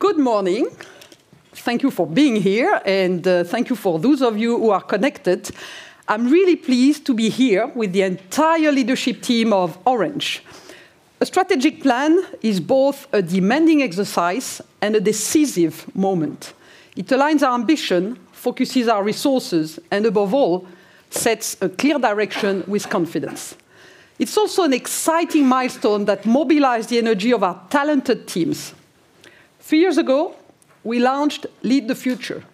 Good morning. Thank you for being here, and thank you for those of you who are connected. I'm really pleased to be here with the entire Leadership Team of Orange. A strategic plan is both a demanding exercise and a decisive moment. It aligns our ambition, focuses our resources, and above all, sets a clear direction with confidence. It's also an exciting milestone that mobilize the energy of our talented teams. Three years ago, we launched Lead the Future.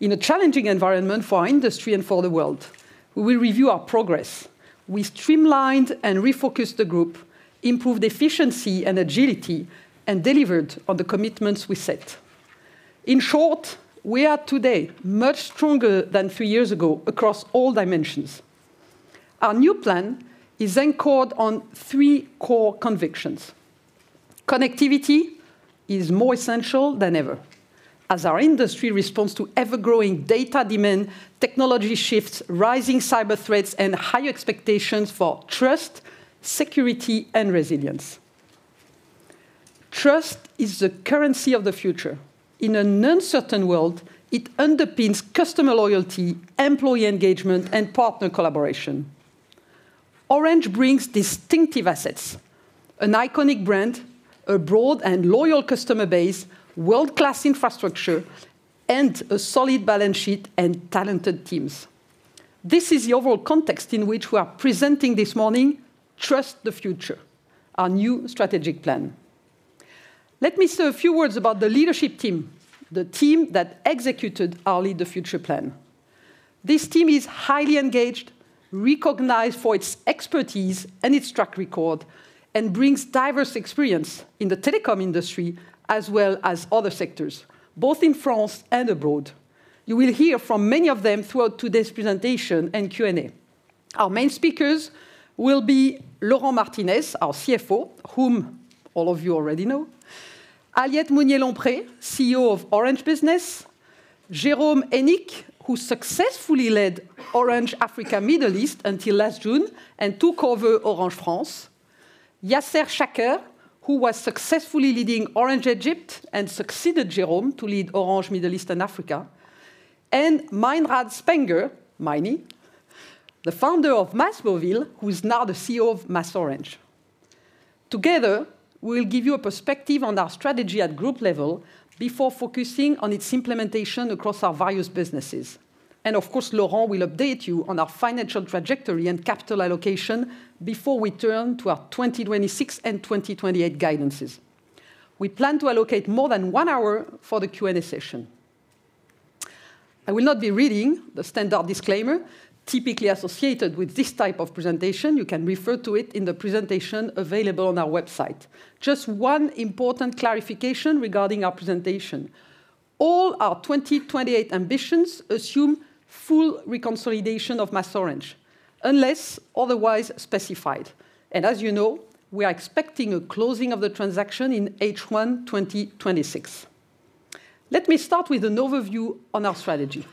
In a challenging environment for our industry and for the world, we will review our progress. We streamlined and refocused the Group, improved efficiency and agility, and delivered on the commitments we set. In short, we are today much stronger than three years ago across all dimensions. Our new plan is anchored on three core convictions. Connectivity is more essential than ever, as our industry responds to ever-growing data demand, technology shifts, rising cyber threats, and high expectations for trust, security, and resilience. Trust is the currency of the future. In an uncertain world, it underpins customer loyalty, employee engagement, and partner collaboration. Orange brings distinctive assets, an iconic brand, a broad and loyal customer base, world-class infrastructure, and a solid balance sheet and talented teams. This is the overall context in which we are presenting this morning, Trust the Future, our new strategic plan. Let me say a few words about the leadership team, the team that executed our Lead the Future plan. This team is highly engaged, recognized for its expertise and its track record, and brings diverse experience in the telecom industry, as well as other sectors, both in France and abroad. You will hear from many of them throughout today's presentation and Q&A. Our main speakers will be Laurent Martinez, our CFO, whom all of you already know, Aliette Mousnier-Lompré, CEO of Orange Business, Jérôme Hénique, who successfully led Orange Africa/Middle East until last June and took over Orange France, Yasser Shaker, who was successfully leading Orange Egypt and succeeded Jérôme to lead Orange Middle East and Africa, and Meinrad Spenger, Meini, the founder of MásMóvil, who is now the CEO of MasOrange. Together, we'll give you a perspective on our strategy at group level before focusing on its implementation across our various businesses. Of course, Laurent will update you on our financial trajectory and capital allocation before we turn to our 2026 and 2028 guidances. We plan to allocate more than one hour for the Q&A session. I will not be reading the standard disclaimer typically associated with this type of presentation. You can refer to it in the presentation available on our website. Just one important clarification regarding our presentation: all our 2028 ambitions assume full reconsolidation of MasOrange, unless otherwise specified. As you know, we are expecting a closing of the transaction in H1 2026. Let me start with an overview on our strategy.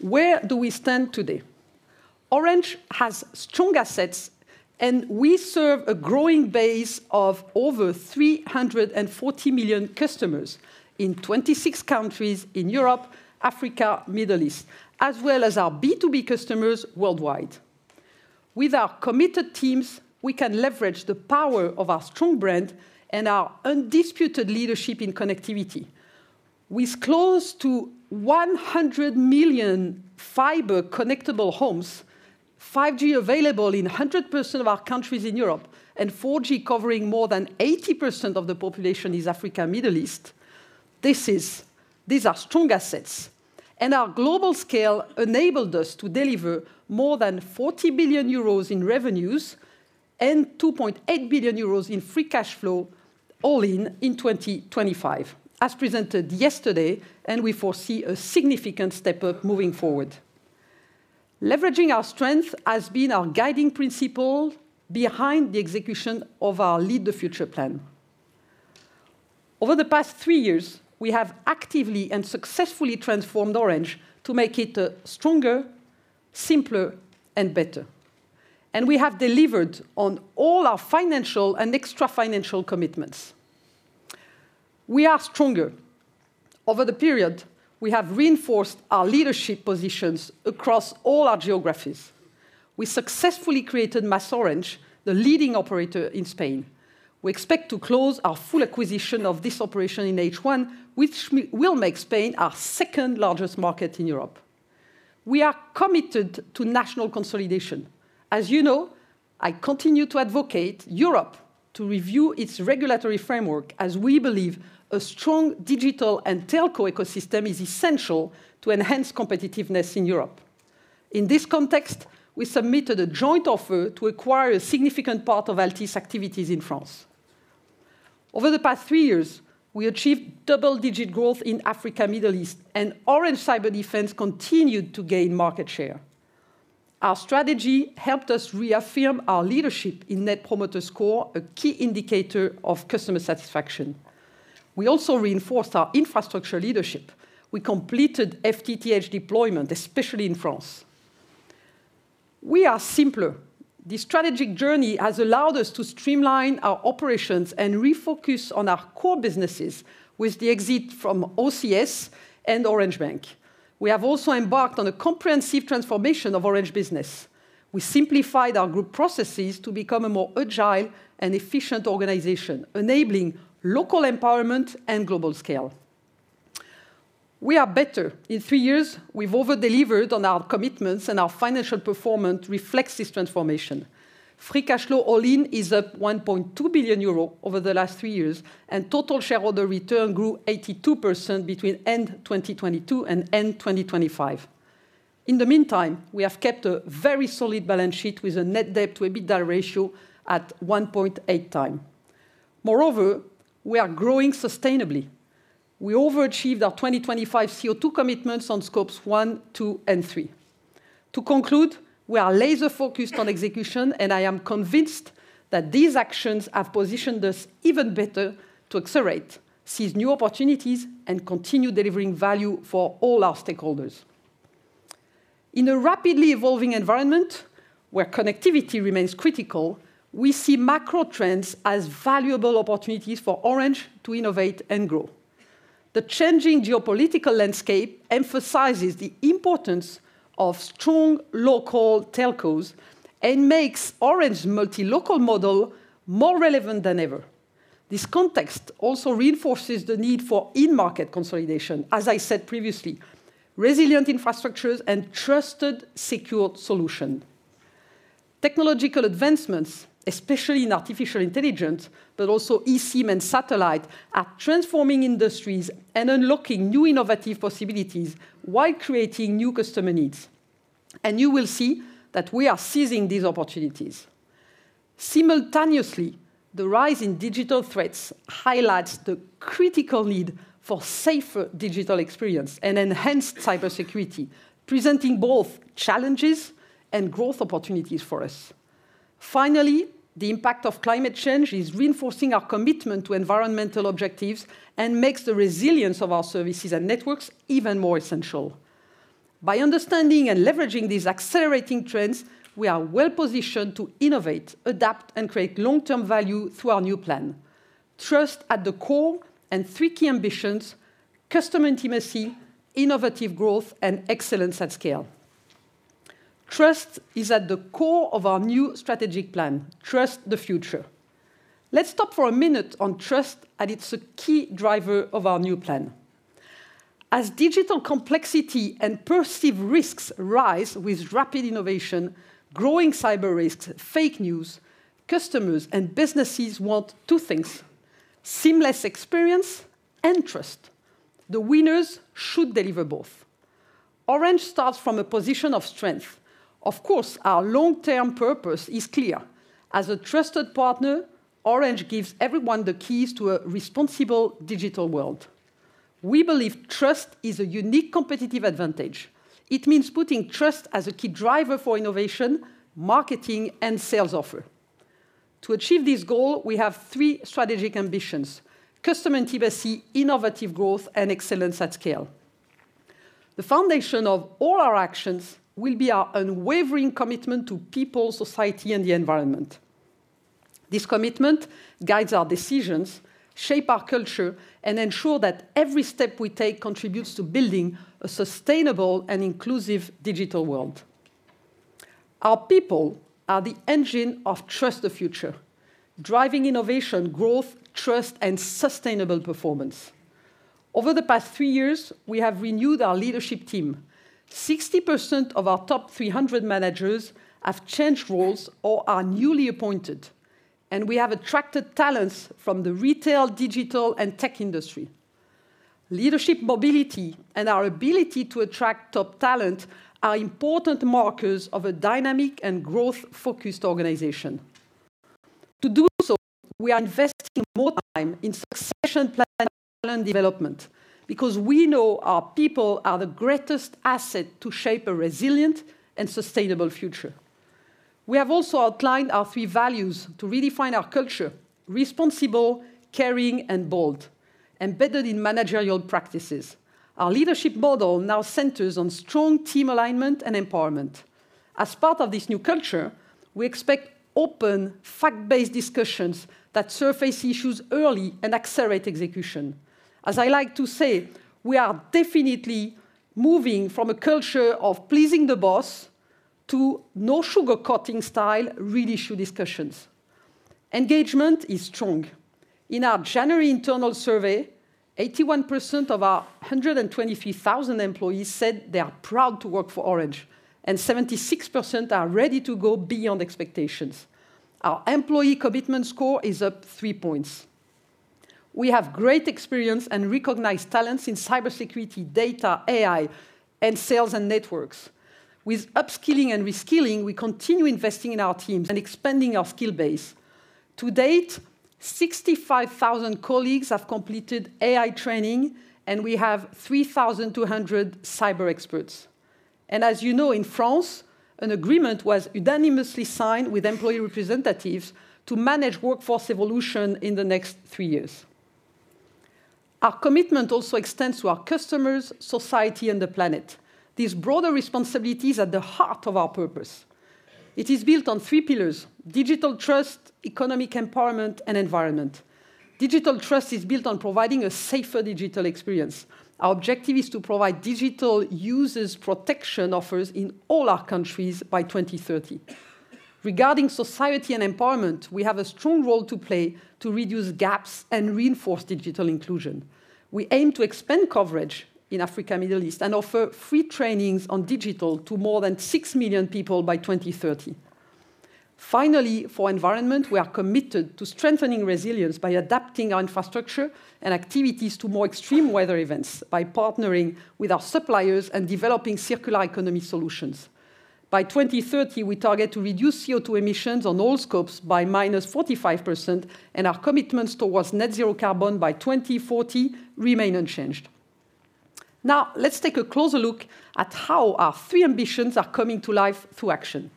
Where do we stand today? Orange has strong assets, and we serve a growing base of over 340 million customers in 26 countries in Europe, Africa, Middle East, as well as our B2B customers worldwide. With our committed teams, we can leverage the power of our strong brand and our undisputed leadership in connectivity. With close to 100 million fiber-connectable homes, 5G available in 100% of our countries in Europe, and 4G covering more than 80% of the population in Africa/Middle East, these are strong assets. Our global scale enabled us to deliver more than 40 billion euros in revenues and 2.8 billion euros in free cash flow, all in in 2025, as presented yesterday, and we foresee a significant step up moving forward. Leveraging our strength has been our guiding principle behind the execution of our Lead the Future plan. Over the past three years, we have actively and successfully transformed Orange to make it stronger, simpler, and better, and we have delivered on all our financial and extra-financial commitments. We are stronger. Over the period, we have reinforced our leadership positions across all our geographies. We successfully created MasOrange, the leading operator in Spain. We expect to close our full acquisition of this operation in H1, which will make Spain our second largest market in Europe. We are committed to national consolidation. As you know, I continue to advocate Europe to review its regulatory framework, as we believe a strong digital and telco ecosystem is essential to enhance competitiveness in Europe. In this context, we submitted a joint offer to acquire a significant part of Altice activities in France. Over the past three years, we achieved double-digit growth in Africa/Middle East, and Orange Cyberdefense continued to gain market share. Our strategy helped us reaffirm our leadership in Net Promoter Score, a key indicator of customer satisfaction. We also reinforced our infrastructure leadership. We completed FTTH deployment, especially in France. We are simpler. The strategic journey has allowed us to streamline our operations and refocus on our core businesses with the exit from OCS and Orange Bank. We have also embarked on a comprehensive transformation of Orange Business. We simplified our group processes to become a more agile and efficient organization, enabling local empowerment and global scale. We are better. In three years, we've over-delivered on our commitments, and our financial performance reflects this transformation. Free cash flow all-in is up 1.2 billion euro over the last three years, and total shareholder return grew 82% between end 2022 and end 2025. In the meantime, we have kept a very solid balance sheet with a net debt to EBITDA ratio at 1.8x. Moreover, we are growing sustainably. We overachieved our 2025 CO2 commitments on Scopes 1, 2, and 3. To conclude, we are laser-focused on execution, and I am convinced that these actions have positioned us even better to accelerate, seize new opportunities, and continue delivering value for all our stakeholders. In a rapidly evolving environment, where connectivity remains critical, we see macro trends as valuable opportunities for Orange to innovate and grow. The changing geopolitical landscape emphasizes the importance of strong local telcos and makes Orange multi-local model more relevant than ever. This context also reinforces the need for in-market consolidation, as I said previously, resilient infrastructures and trusted, secured solution. Technological advancements, especially in artificial intelligence, but also eSIM and satellite, are transforming industries and unlocking new innovative possibilities while creating new customer needs, and you will see that we are seizing these opportunities. Simultaneously, the rise in digital threats highlights the critical need for safer digital experience and enhanced cybersecurity, presenting both challenges and growth opportunities for us. Finally, the impact of climate change is reinforcing our commitment to environmental objectives and makes the resilience of our services and networks even more essential. By understanding and leveraging these accelerating trends, we are well-positioned to innovate, adapt, and create long-term value through our new plan. Trust at the core and three key ambitions: Customer Intimacy, Innovative Growth, and Excellence at Scale. Trust is at the core of our new strategic plan, Trust the Future. Let's stop for a minute on trust, and it's a key driver of our new plan. As digital complexity and perceived risks rise with rapid innovation, growing cyber risks, fake news, customers and businesses want two things: seamless experience and trust. The winners should deliver both. Orange starts from a position of strength. Of course, our long-term purpose is clear. As a trusted partner, Orange gives everyone the keys to a responsible digital world. We believe trust is a unique competitive advantage. It means putting trust as a key driver for innovation, marketing, and sales offer. To achieve this goal, we have three strategic ambitions: Customer Intimacy, Innovative Growth, and Excellence at Scale. The foundation of all our actions will be our unwavering commitment to people, society, and the environment. This commitment guides our decisions, shape our culture, and ensure that every step we take contributes to building a sustainable and inclusive digital world. Our people are the engine of Trust the Future, driving innovation, growth, trust, and sustainable performance. Over the past three years, we have renewed our leadership team. 60% of our top 300 managers have changed roles or are newly appointed, and we have attracted talents from the retail, digital, and tech industry. Leadership mobility and our ability to attract top talent are important markers of a dynamic and growth-focused organization. To do so, we are investing more time in succession planning and talent development because we know our people are the greatest asset to shape a resilient and sustainable future. We have also outlined our three values to redefine our culture: responsible, caring, and bold, embedded in managerial practices. Our leadership model now centers on strong team alignment and empowerment. As part of this new culture, we expect open, fact-based discussions that surface issues early and accelerate execution. As I like to say, we are definitely moving from a culture of pleasing the boss to no-sugarcoating style, real issue discussions. Engagement is strong. In our January internal survey, 81% of our 123,000 employees said they are proud to work for Orange, and 76% are ready to go beyond expectations. Our employee commitment score is up three points. We have great experience and recognized talents in cybersecurity, data, AI, and sales and networks. With upskilling and reskilling, we continue investing in our teams and expanding our skill base. To date, 65,000 colleagues have completed AI training, and we have 3,200 cyber experts. As you know, in France, an agreement was unanimously signed with employee representatives to manage workforce evolution in the next three years. Our commitment also extends to our customers, society, and the planet. These broader responsibilities are at the heart of our purpose. It is built on three pillars: digital trust, economic empowerment, and environment. Digital trust is built on providing a safer digital experience. Our objective is to provide digital users protection offers in all our countries by 2030. Regarding society and empowerment, we have a strong role to play to reduce gaps and reinforce digital inclusion. We aim to expand coverage in Africa, Middle East, and offer free trainings on digital to more than 6 million people by 2030. Finally, for environment, we are committed to strengthening resilience by adapting our infrastructure and activities to more extreme weather events by partnering with our suppliers and developing circular economy solutions. By 2030, we target to reduce CO2 emissions on all scopes by -45%, and our commitments towards net zero carbon by 2040 remain unchanged. Now, let's take a closer look at how our three ambitions are coming to life through action.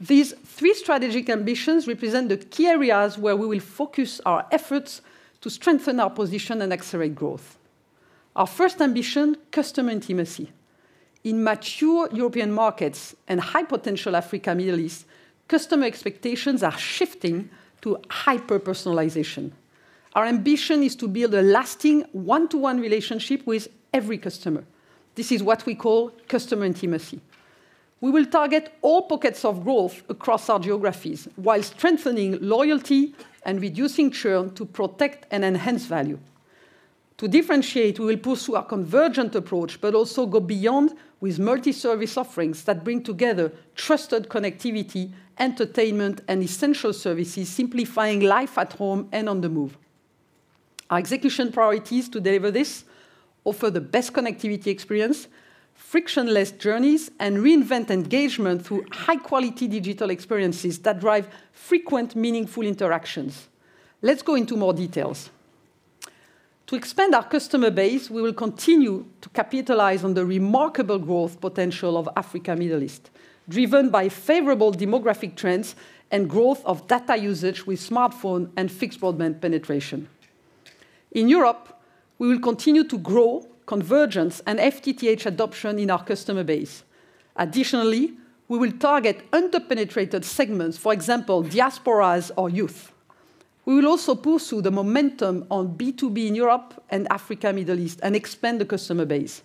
These three strategic ambitions represent the key areas where we will focus our efforts to strengthen our position and accelerate growth. Our first ambition, Customer Intimacy. In mature European markets and high-potential Africa, Middle East, customer expectations are shifting to hyper-personalization. Our ambition is to build a lasting 1-to-1 relationship with every customer. This is what we call Customer Intimacy. We will target all pockets of growth across our geographies while strengthening loyalty and reducing churn to protect and enhance value. To differentiate, we will push through our convergent approach but also go beyond with multi-service offerings that bring together trusted connectivity, entertainment, and essential services, simplifying life at home and on the move. Our execution priorities to deliver this: offer the best connectivity experience, frictionless journeys, and reinvent engagement through high-quality digital experiences that drive frequent, meaningful interactions. Let's go into more details. To expand our customer base, we will continue to capitalize on the remarkable growth potential of Africa, Middle East, driven by favorable demographic trends and growth of data usage with smartphone and fixed broadband penetration. In Europe, we will continue to grow convergence and FTTH adoption in our customer base. Additionally, we will target under-penetrated segments, for example, diasporas or youth. We will also push through the momentum on B2B in Europe and Africa, Middle East, and expand the customer base.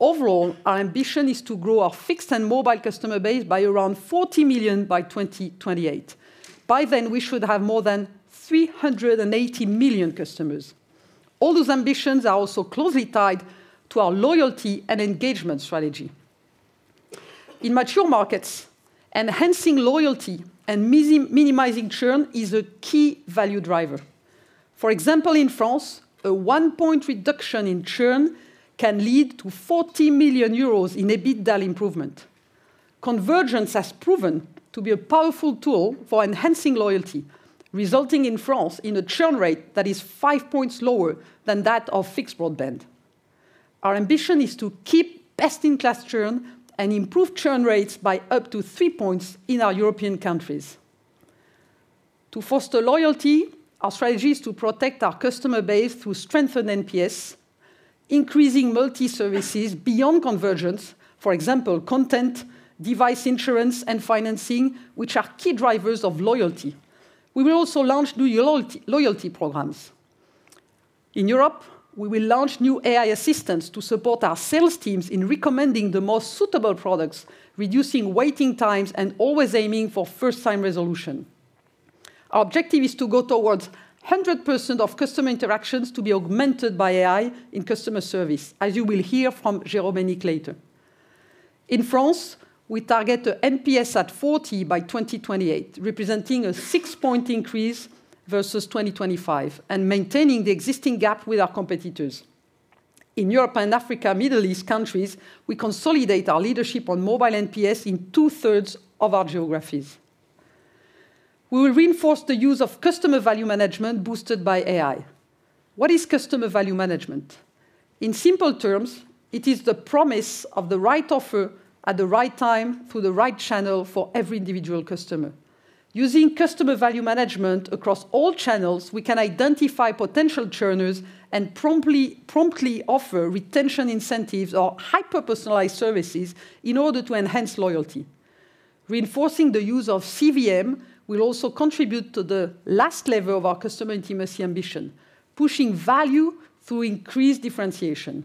Overall, our ambition is to grow our fixed and mobile customer base by around 40 million by 2028. By then, we should have more than 380 million customers. All those ambitions are also closely tied to our loyalty and engagement strategy. In mature markets, enhancing loyalty and minimizing churn is a key value driver. For example, in France, a one-point reduction in churn can lead to 40 million euros in EBITDA improvement. Convergence has proven to be a powerful tool for enhancing loyalty, resulting in France in a churn rate that is five points lower than that of fixed broadband. Our ambition is to keep best-in-class churn and improve churn rates by up to three points in our European countries. To foster loyalty, our strategy is to protect our customer base through strengthened NPS, increasing multi-services beyond convergence, for example, content, device insurance, and financing, which are key drivers of loyalty. We will also launch new loyalty programs. In Europe, we will launch new AI assistants to support our sales teams in recommending the most suitable products, reducing waiting times, and always aiming for first-time resolution. Our objective is to go towards 100% of customer interactions to be augmented by AI in customer service, as you will hear from Jérôme Hénique later. In France, we target the NPS at 40 by 2028, representing a six-point increase versus 2025, and maintaining the existing gap with our competitors. In Europe and Africa, Middle East countries, we consolidate our leadership on mobile NPS in two-thirds of our geographies. We will reinforce the use of Customer Value Management boosted by AI. What is Customer Value Management? In simple terms, it is the promise of the right offer at the right time through the right channel for every individual customer. Using Customer Value Management across all channels, we can identify potential churners and promptly, promptly offer retention incentives or hyper-personalized services in order to enhance loyalty. Reinforcing the use of CVM will also contribute to the last level of our Customer Intimacy ambition, pushing value through increased differentiation.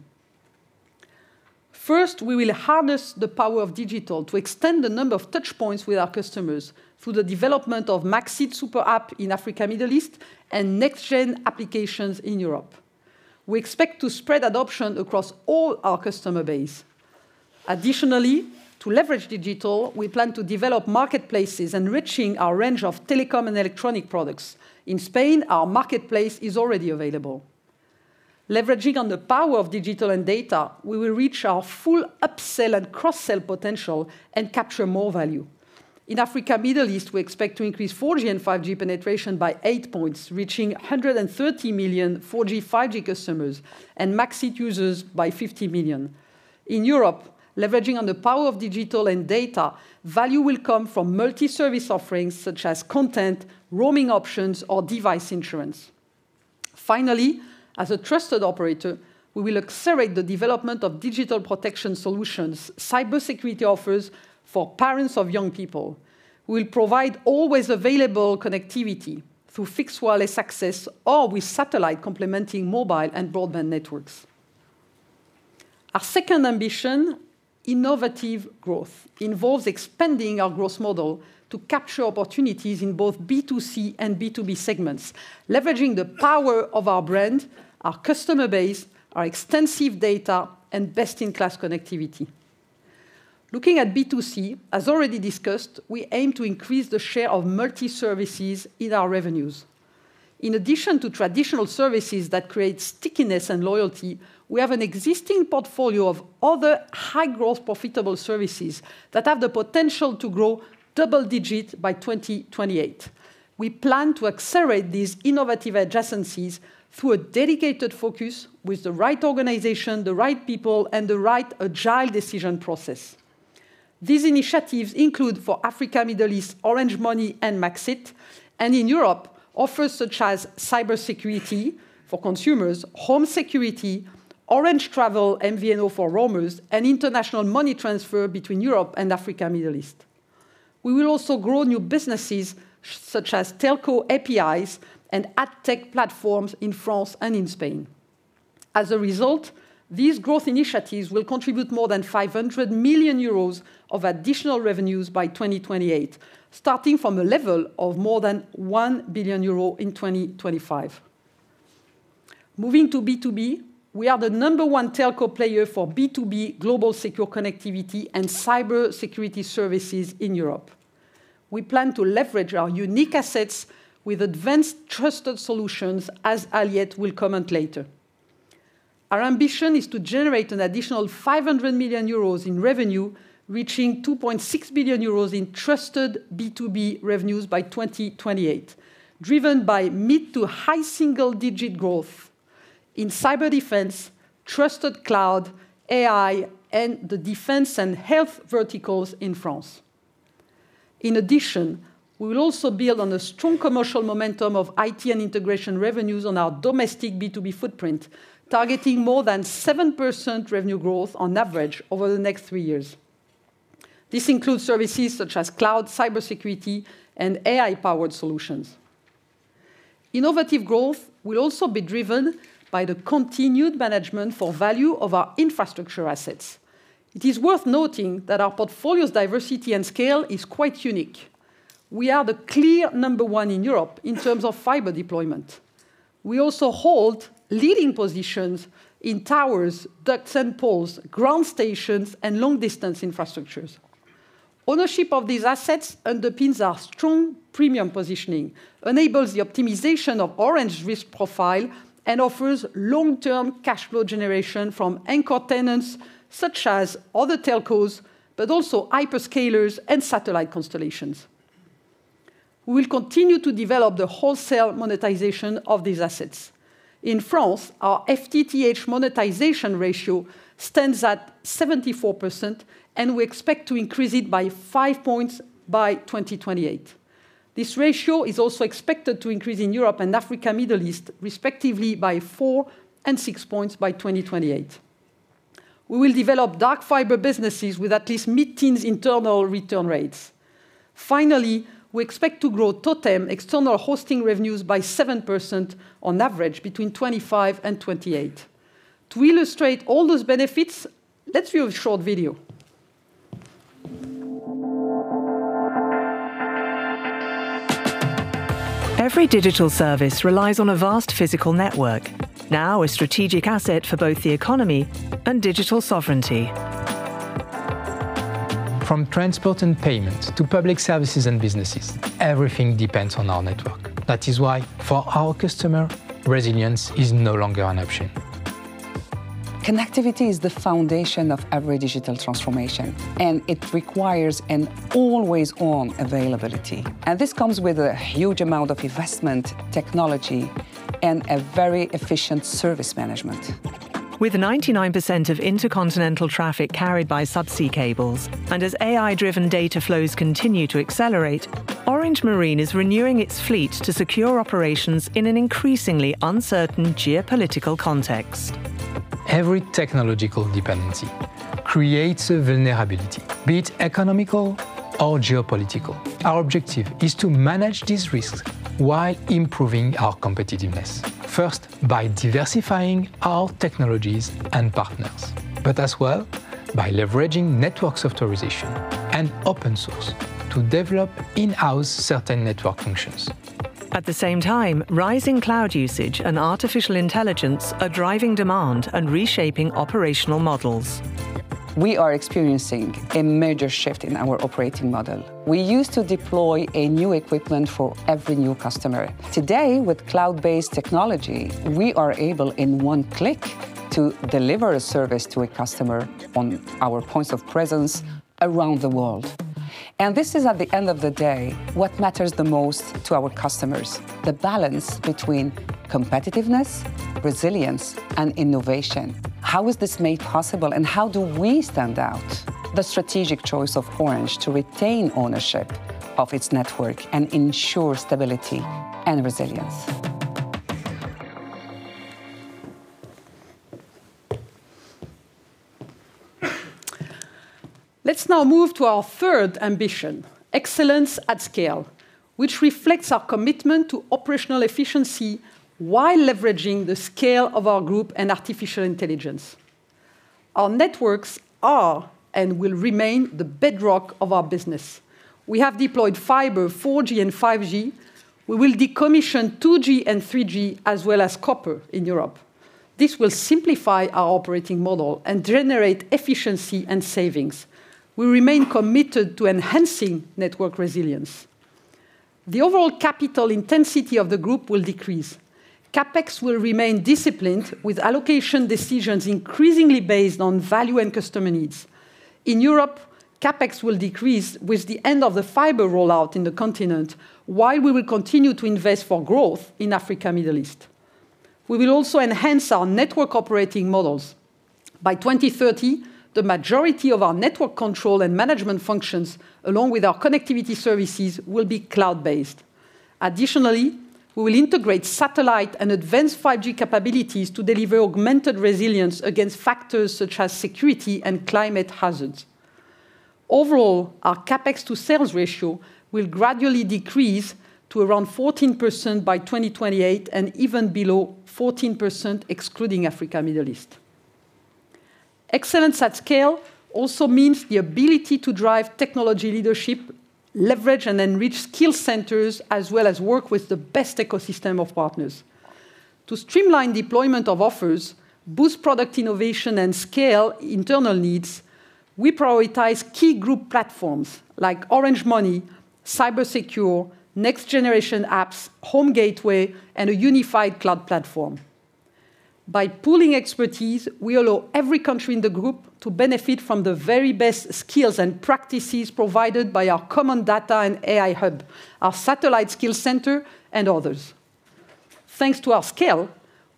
First, we will harness the power of digital to extend the number of touchpoints with our customers through the development of Max it super app in Africa, Middle East, and next-gen applications in Europe. We expect to spread adoption across all our customer base. Additionally, to leverage digital, we plan to develop marketplaces, enriching our range of telecom and electronic products. In Spain, our marketplace is already available. Leveraging on the power of digital and data, we will reach our full upsell and cross-sell potential and capture more value. In Africa, Middle East, we expect to increase 4G and 5G penetration by eight points, reaching 130 million 4G, 5G customers and Max it users by 50 million. In Europe, leveraging on the power of digital and data, value will come from multi-service offerings such as content, roaming options, or device insurance. Finally, as a trusted operator, we will accelerate the development of digital protection solutions, cybersecurity offers for parents of young people. We'll provide always available connectivity through fixed wireless access or with satellite complementing mobile and broadband networks. Our second ambition, Innovative Growth, involves expanding our growth model to capture opportunities in both B2C and B2B segments, leveraging the power of our brand, our customer base, our extensive data, and best-in-class connectivity. Looking at B2C, as already discussed, we aim to increase the share of multi-services in our revenues. In addition to traditional services that create stickiness and loyalty, we have an existing portfolio of other high-growth, profitable services that have the potential to grow double-digit by 2028. We plan to accelerate these innovative adjacencies through a dedicated focus with the right organization, the right people, and the right agile decision process. These initiatives include, for Africa, Middle East, Orange Money and Max it, and in Europe, offers such as cybersecurity for consumers, home security, Orange Travel, MVNO for roamers, and international money transfer between Europe and Africa, Middle East. We will also grow new businesses such as telco APIs and ad tech platforms in France and in Spain. As a result, these growth initiatives will contribute more than 500 million euros of additional revenues by 2028, starting from a level of more than 1 billion euro in 2025. Moving to B2B, we are the number one telco player for B2B global secure connectivity and cybersecurity services in Europe. We plan to leverage our unique assets with advanced trusted solutions, as Aliette will comment later. Our ambition is to generate an additional 500 million euros in revenue, reaching 2.6 billion euros in trusted B2B revenues by 2028, driven by mid- to high-single-digit growth in cyberdefense, trusted cloud, AI, and the defense and health verticals in France. In addition, we will also build on a strong commercial momentum of IT and integration revenues on our domestic B2B footprint, targeting more than 7% revenue growth on average over the next three years. This includes services such as cloud, cybersecurity, and AI-powered solutions. Innovative Growth will also be driven by the continued management for value of our infrastructure assets. It is worth noting that our portfolio's diversity and scale is quite unique. We are the clear number one in Europe in terms of fiber deployment. We also hold leading positions in towers, ducts and poles, ground stations, and long-distance infrastructures. Ownership of these assets underpins our strong premium positioning, enables the optimization of Orange risk profile, and offers long-term cash flow generation from anchor tenants such as other telcos, but also hyperscalers and satellite constellations. We will continue to develop the wholesale monetization of these assets. In France, our FTTH monetization ratio stands at 74%, and we expect to increase it by five points by 2028. This ratio is also expected to increase in Europe and Africa, Middle East, respectively, by four and six points by 2028. We will develop dark fiber businesses with at least mid-teens internal return rates. Finally, we expect to grow TOTEM external hosting revenues by 7% on average between 2025 and 2028. To illustrate all those benefits, let's view a short video. Every digital service relies on a vast physical network, now a strategic asset for both the economy and digital sovereignty. From transport and payments to public services and businesses, everything depends on our network. That is why, for our customer, resilience is no longer an option. Connectivity is the foundation of every digital transformation, and it requires an always-on availability. This comes with a huge amount of investment, technology, and a very efficient service management. With 99% of intercontinental traffic carried by subsea cables, and as AI-driven data flows continue to accelerate, Orange Marine is renewing its fleet to secure operations in an increasingly uncertain geopolitical context. Every technological dependency creates a vulnerability, be it economical or geopolitical. Our objective is to manage these risks while improving our competitiveness, first, by diversifying our technologies and partners, but as well, by leveraging network softwarization and open source to develop in-house certain network functions. At the same time, rising cloud usage and artificial intelligence are driving demand and reshaping operational models. We are experiencing a major shift in our operating model. We used to deploy a new equipment for every new customer. Today, with cloud-based technology, we are able, in one click, to deliver a service to a customer on our points of presence around the world. This is, at the end of the day, what matters the most to our customers: the balance between competitiveness, resilience, and innovation. How is this made possible, and how do we stand out? The strategic choice of Orange to retain ownership of its network and ensure stability and resilience. Let's now move to our third ambition, Excellence at Scale, which reflects our commitment to operational efficiency while leveraging the scale of our group and artificial intelligence. Our networks are, and will remain, the bedrock of our business. We have deployed fiber, 4G, and 5G. We will decommission 2G and 3G, as well as copper in Europe. This will simplify our operating model and generate efficiency and savings. We remain committed to enhancing network resilience. The overall capital intensity of the group will decrease. CapEx will remain disciplined, with allocation decisions increasingly based on value and customer needs. In Europe, CapEx will decrease with the end of the fiber rollout in the continent, while we will continue to invest for growth in Africa, Middle East. We will also enhance our network operating models. By 2030, the majority of our network control and management functions, along with our connectivity services, will be cloud-based. Additionally, we will integrate satellite and advanced 5G capabilities to deliver augmented resilience against factors such as security and climate hazards. Overall, our CapEx-to-sales ratio will gradually decrease to around 14% by 2028, and even below 14%, excluding Africa, Middle East. Excellence at scale also means the ability to drive technology leadership, leverage and enrich skill centers, as well as work with the best ecosystem of partners. To streamline deployment of offers, boost product innovation, and scale internal needs, we prioritize key group platforms like Orange Money, Cybersecure, Next Generation Apps, Home Gateway, and a unified cloud platform. By pooling expertise, we allow every country in the group to benefit from the very best skills and practices provided by our common data and AI hub, our satellite skills center, and others. Thanks to our scale,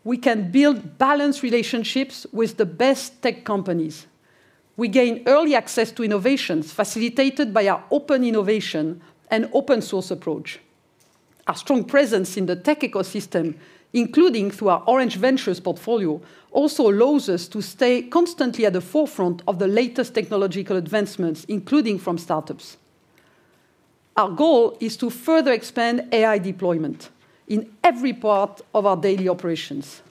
we can build balanced relationships with the best tech companies. We gain early access to innovations facilitated by our open innovation and open source approach. Our strong presence in the tech ecosystem, including through our Orange Ventures portfolio, also allows us to stay constantly at the forefront of the latest technological advancements, including from startups. Our goal is to further expand AI deployment in every part of our daily operations.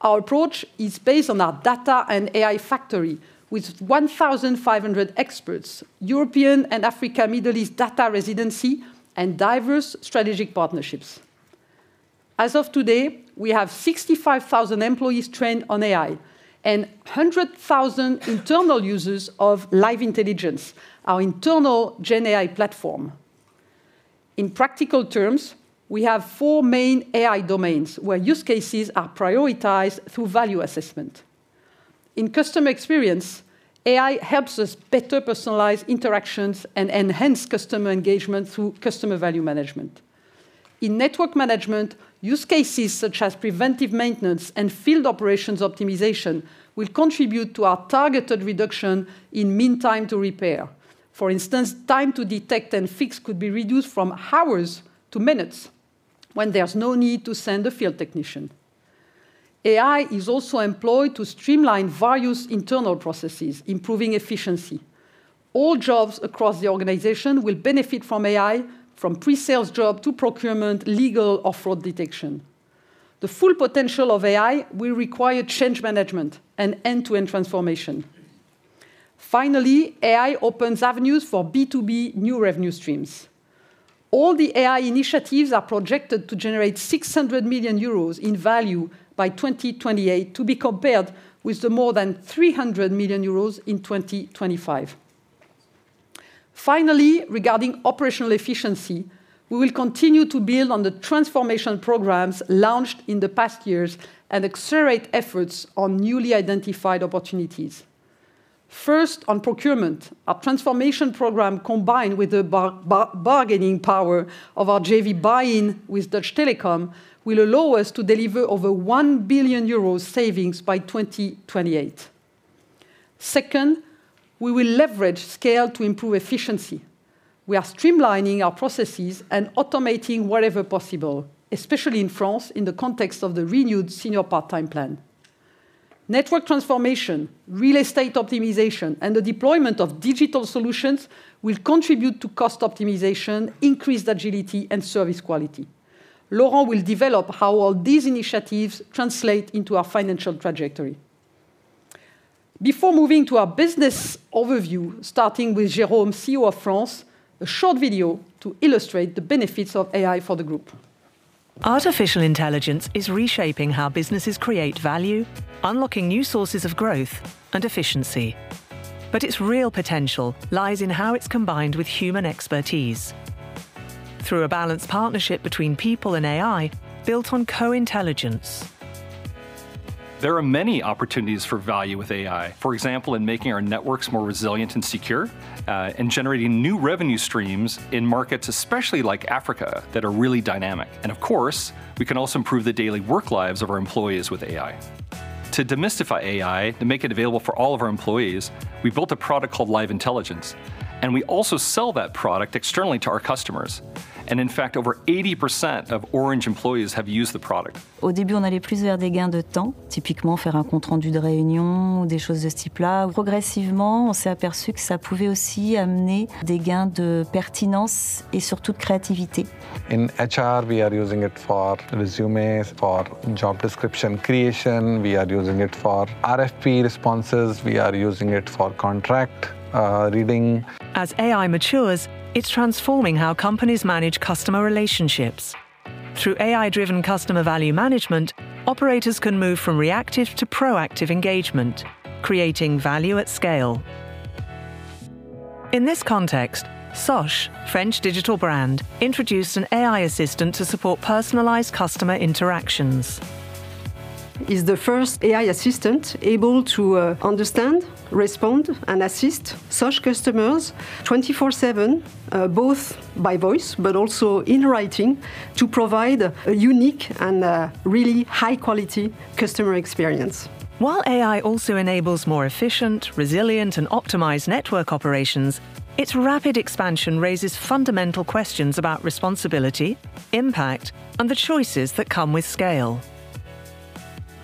Our approach is based on our Data and AI Factory, with 1,500 experts, European and Africa, Middle East data residency, and diverse strategic partnerships. As of today, we have 65,000 employees trained on AI and 100,000 internal users of Live Intelligence, our internal GenAI platform. In practical terms, we have four main AI domains, where use cases are prioritized through value assessment. In customer experience, AI helps us better personalize interactions and enhance customer engagement through Customer Value Management. In network management, use cases such as preventive maintenance and field operations optimization will contribute to our targeted reduction in mean time to repair. For instance, time to detect and fix could be reduced from hours to minutes when there's no need to send a field technician. AI is also employed to streamline various internal processes, improving efficiency. All jobs across the organization will benefit from AI, from pre-sales job to procurement, legal, or fraud detection. The full potential of AI will require change management and end-to-end transformation. Finally, AI opens avenues for B2B new revenue streams. All the AI initiatives are projected to generate 600 million euros in value by 2028, to be compared with the more than 300 million euros in 2025. Finally, regarding operational efficiency, we will continue to build on the transformation programs launched in the past years and accelerate efforts on newly identified opportunities. First, on procurement, our transformation program, combined with the bargaining power of our JV BuyIn with Deutsche Telekom, will allow us to deliver over 1 billion euros savings by 2028. Second, we will leverage scale to improve efficiency. We are streamlining our processes and automating wherever possible, especially in France, in the context of the renewed senior part-time plan. Network transformation, real estate optimization, and the deployment of digital solutions will contribute to cost optimization, increased agility, and service quality. Laurent will develop how all these initiatives translate into our financial trajectory. Before moving to our business overview, starting with Jérôme, CEO of France, a short video to illustrate the benefits of AI for the group. Artificial intelligence is reshaping how businesses create value, unlocking new sources of growth and efficiency. Its real potential lies in how it's combined with human expertise. Through a balanced partnership between people and AI, built on co-intelligence. There are many opportunities for value with AI. For example, in making our networks more resilient and secure, in generating new revenue streams in markets, especially like Africa, that are really dynamic. Of course, we can also improve the daily work lives of our employees with AI. To demystify AI and make it available for all of our employees, we built a product called Live Intelligence, and we also sell that product externally to our customers. In fact, over 80% of Orange employees have used the product. In H.R., we are using it for resumes, for job description creation. We are using it for RFP responses. We are using it for contract reading. As AI matures, it's transforming how companies manage customer relationships. Through AI-driven Customer Value Management, operators can move from reactive to proactive engagement, creating value at scale. In this context, Sosh, French digital brand, introduced an AI assistant to support personalized customer interactions. It's the first AI assistant able to understand, respond, and assist Sosh customers 24/7 both by voice but also in writing, to provide a unique and really high-quality customer experience. While AI also enables more efficient, resilient, and optimized network operations, its rapid expansion raises fundamental questions about responsibility, impact, and the choices that come with scale.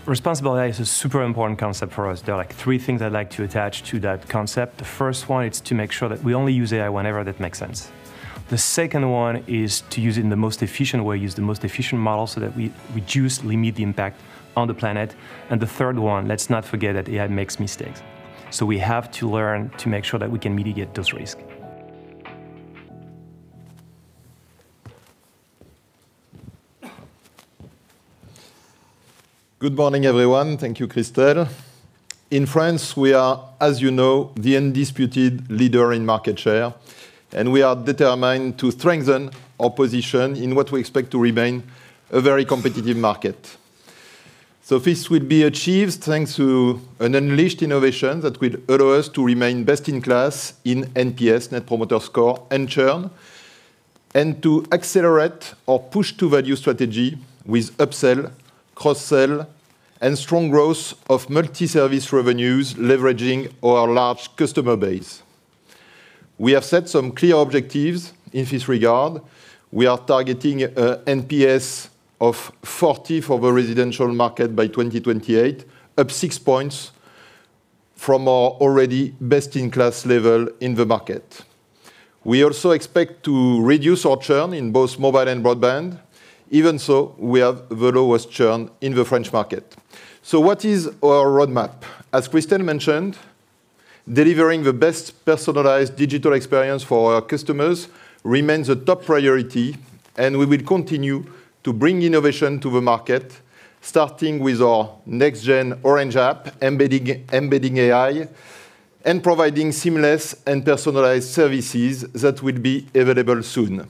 Responsible AI is a super important concept for us. There are like three things I'd like to attach to that concept. The first one is to make sure that we only use AI whenever that makes sense. The second one is to use it in the most efficient way, use the most efficient model so that we reduce the immediate impact on the planet. And the third one, let's not forget that AI makes mistakes. So we have to learn to make sure that we can mitigate those risks. Good morning, everyone. Thank you, Christel. In France, we are, as you know, the undisputed leader in market share, and we are determined to strengthen our position in what we expect to remain a very competitive market. This will be achieved thanks to an unleashed innovation that will allow us to remain best-in-class in NPS, Net Promoter Score and churn, and to accelerate our push-to-value strategy with upsell, cross-sell, and strong growth of multi-service revenues, leveraging our large customer base. We have set some clear objectives in this regard. We are targeting NPS of 40 for the residential market by 2028, up six points from our already best-in-class level in the market. We also expect to reduce our churn in both mobile and broadband. Even so, we have the lowest churn in the French market. What is our roadmap? As Christel mentioned, delivering the best personalized digital experience for our customers remains a top priority, and we will continue to bring innovation to the market, starting with our next-gen Orange app, embedding AI, and providing seamless and personalized services that will be available soon.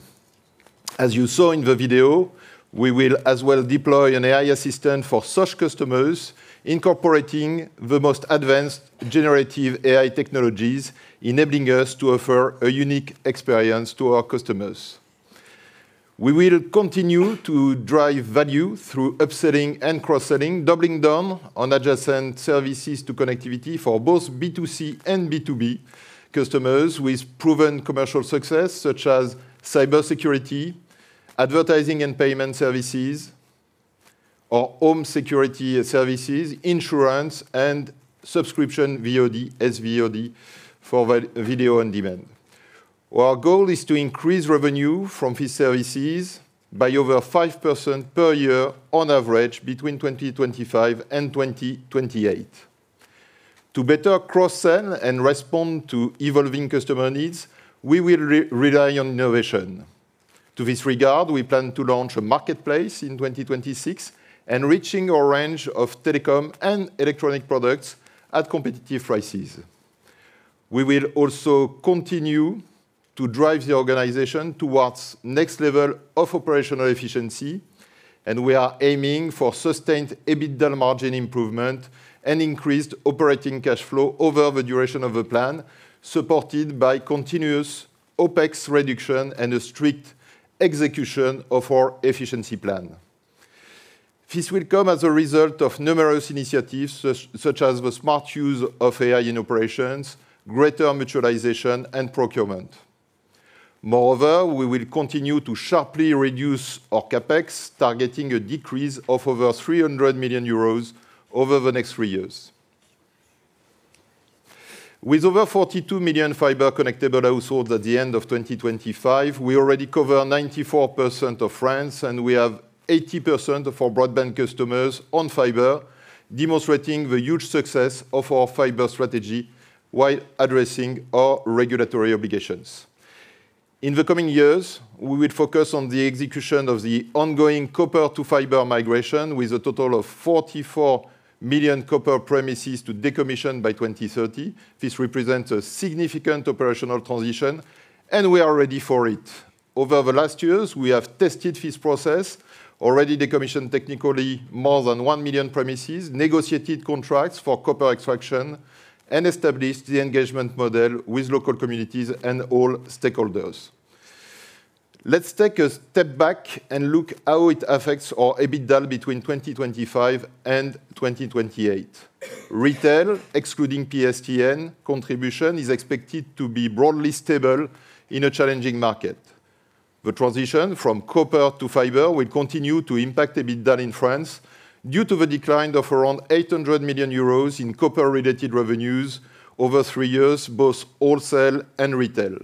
As you saw in the video, we will as well deploy an AI assistant for Sosh customers, incorporating the most advanced generative AI technologies, enabling us to offer a unique experience to our customers. We will continue to drive value through upselling and cross-selling, doubling down on adjacent services to connectivity for both B2C and B2B customers, with proven commercial success, such as cybersecurity, advertising and payment services, or home security services, insurance, and subscription VOD, SVOD for video on demand. Our goal is to increase revenue from these services by over 5% per year on average, between 2025 and 2028. To better cross-sell and respond to evolving customer needs, we will rely on innovation. To this regard, we plan to launch a marketplace in 2026, enriching our range of telecom and electronic products at competitive prices. We will also continue to drive the organization towards next level of operational efficiency, and we are aiming for sustained EBITDA margin improvement and increased operating cash flow over the duration of the plan, supported by continuous OpEx reduction and a strict execution of our efficiency plan. This will come as a result of numerous initiatives, such as the smart use of AI in operations, greater mutualization, and procurement. Moreover, we will continue to sharply reduce our CapEx, targeting a decrease of over 300 million euros over the next three years. With over 42 million fiber-connectable households at the end of 2025, we already cover 94% of France, and we have 80% of our broadband customers on fiber, demonstrating the huge success of our fiber strategy while addressing our regulatory obligations. In the coming years, we will focus on the execution of the ongoing copper to fiber migration, with a total of 44 million copper premises to decommission by 2030. This represents a significant operational transition, and we are ready for it. Over the last years, we have tested this process, already decommissioned technically more than 1 million premises, negotiated contracts for copper extraction, and established the engagement model with local communities and all stakeholders. Let's take a step back and look how it affects our EBITDA between 2025 and 2028. Retail, excluding PSTN contribution, is expected to be broadly stable in a challenging market. The transition from copper to fiber will continue to impact EBITDA in France due to the decline of around 800 million euros in copper-related revenues over three years, both wholesale and retail.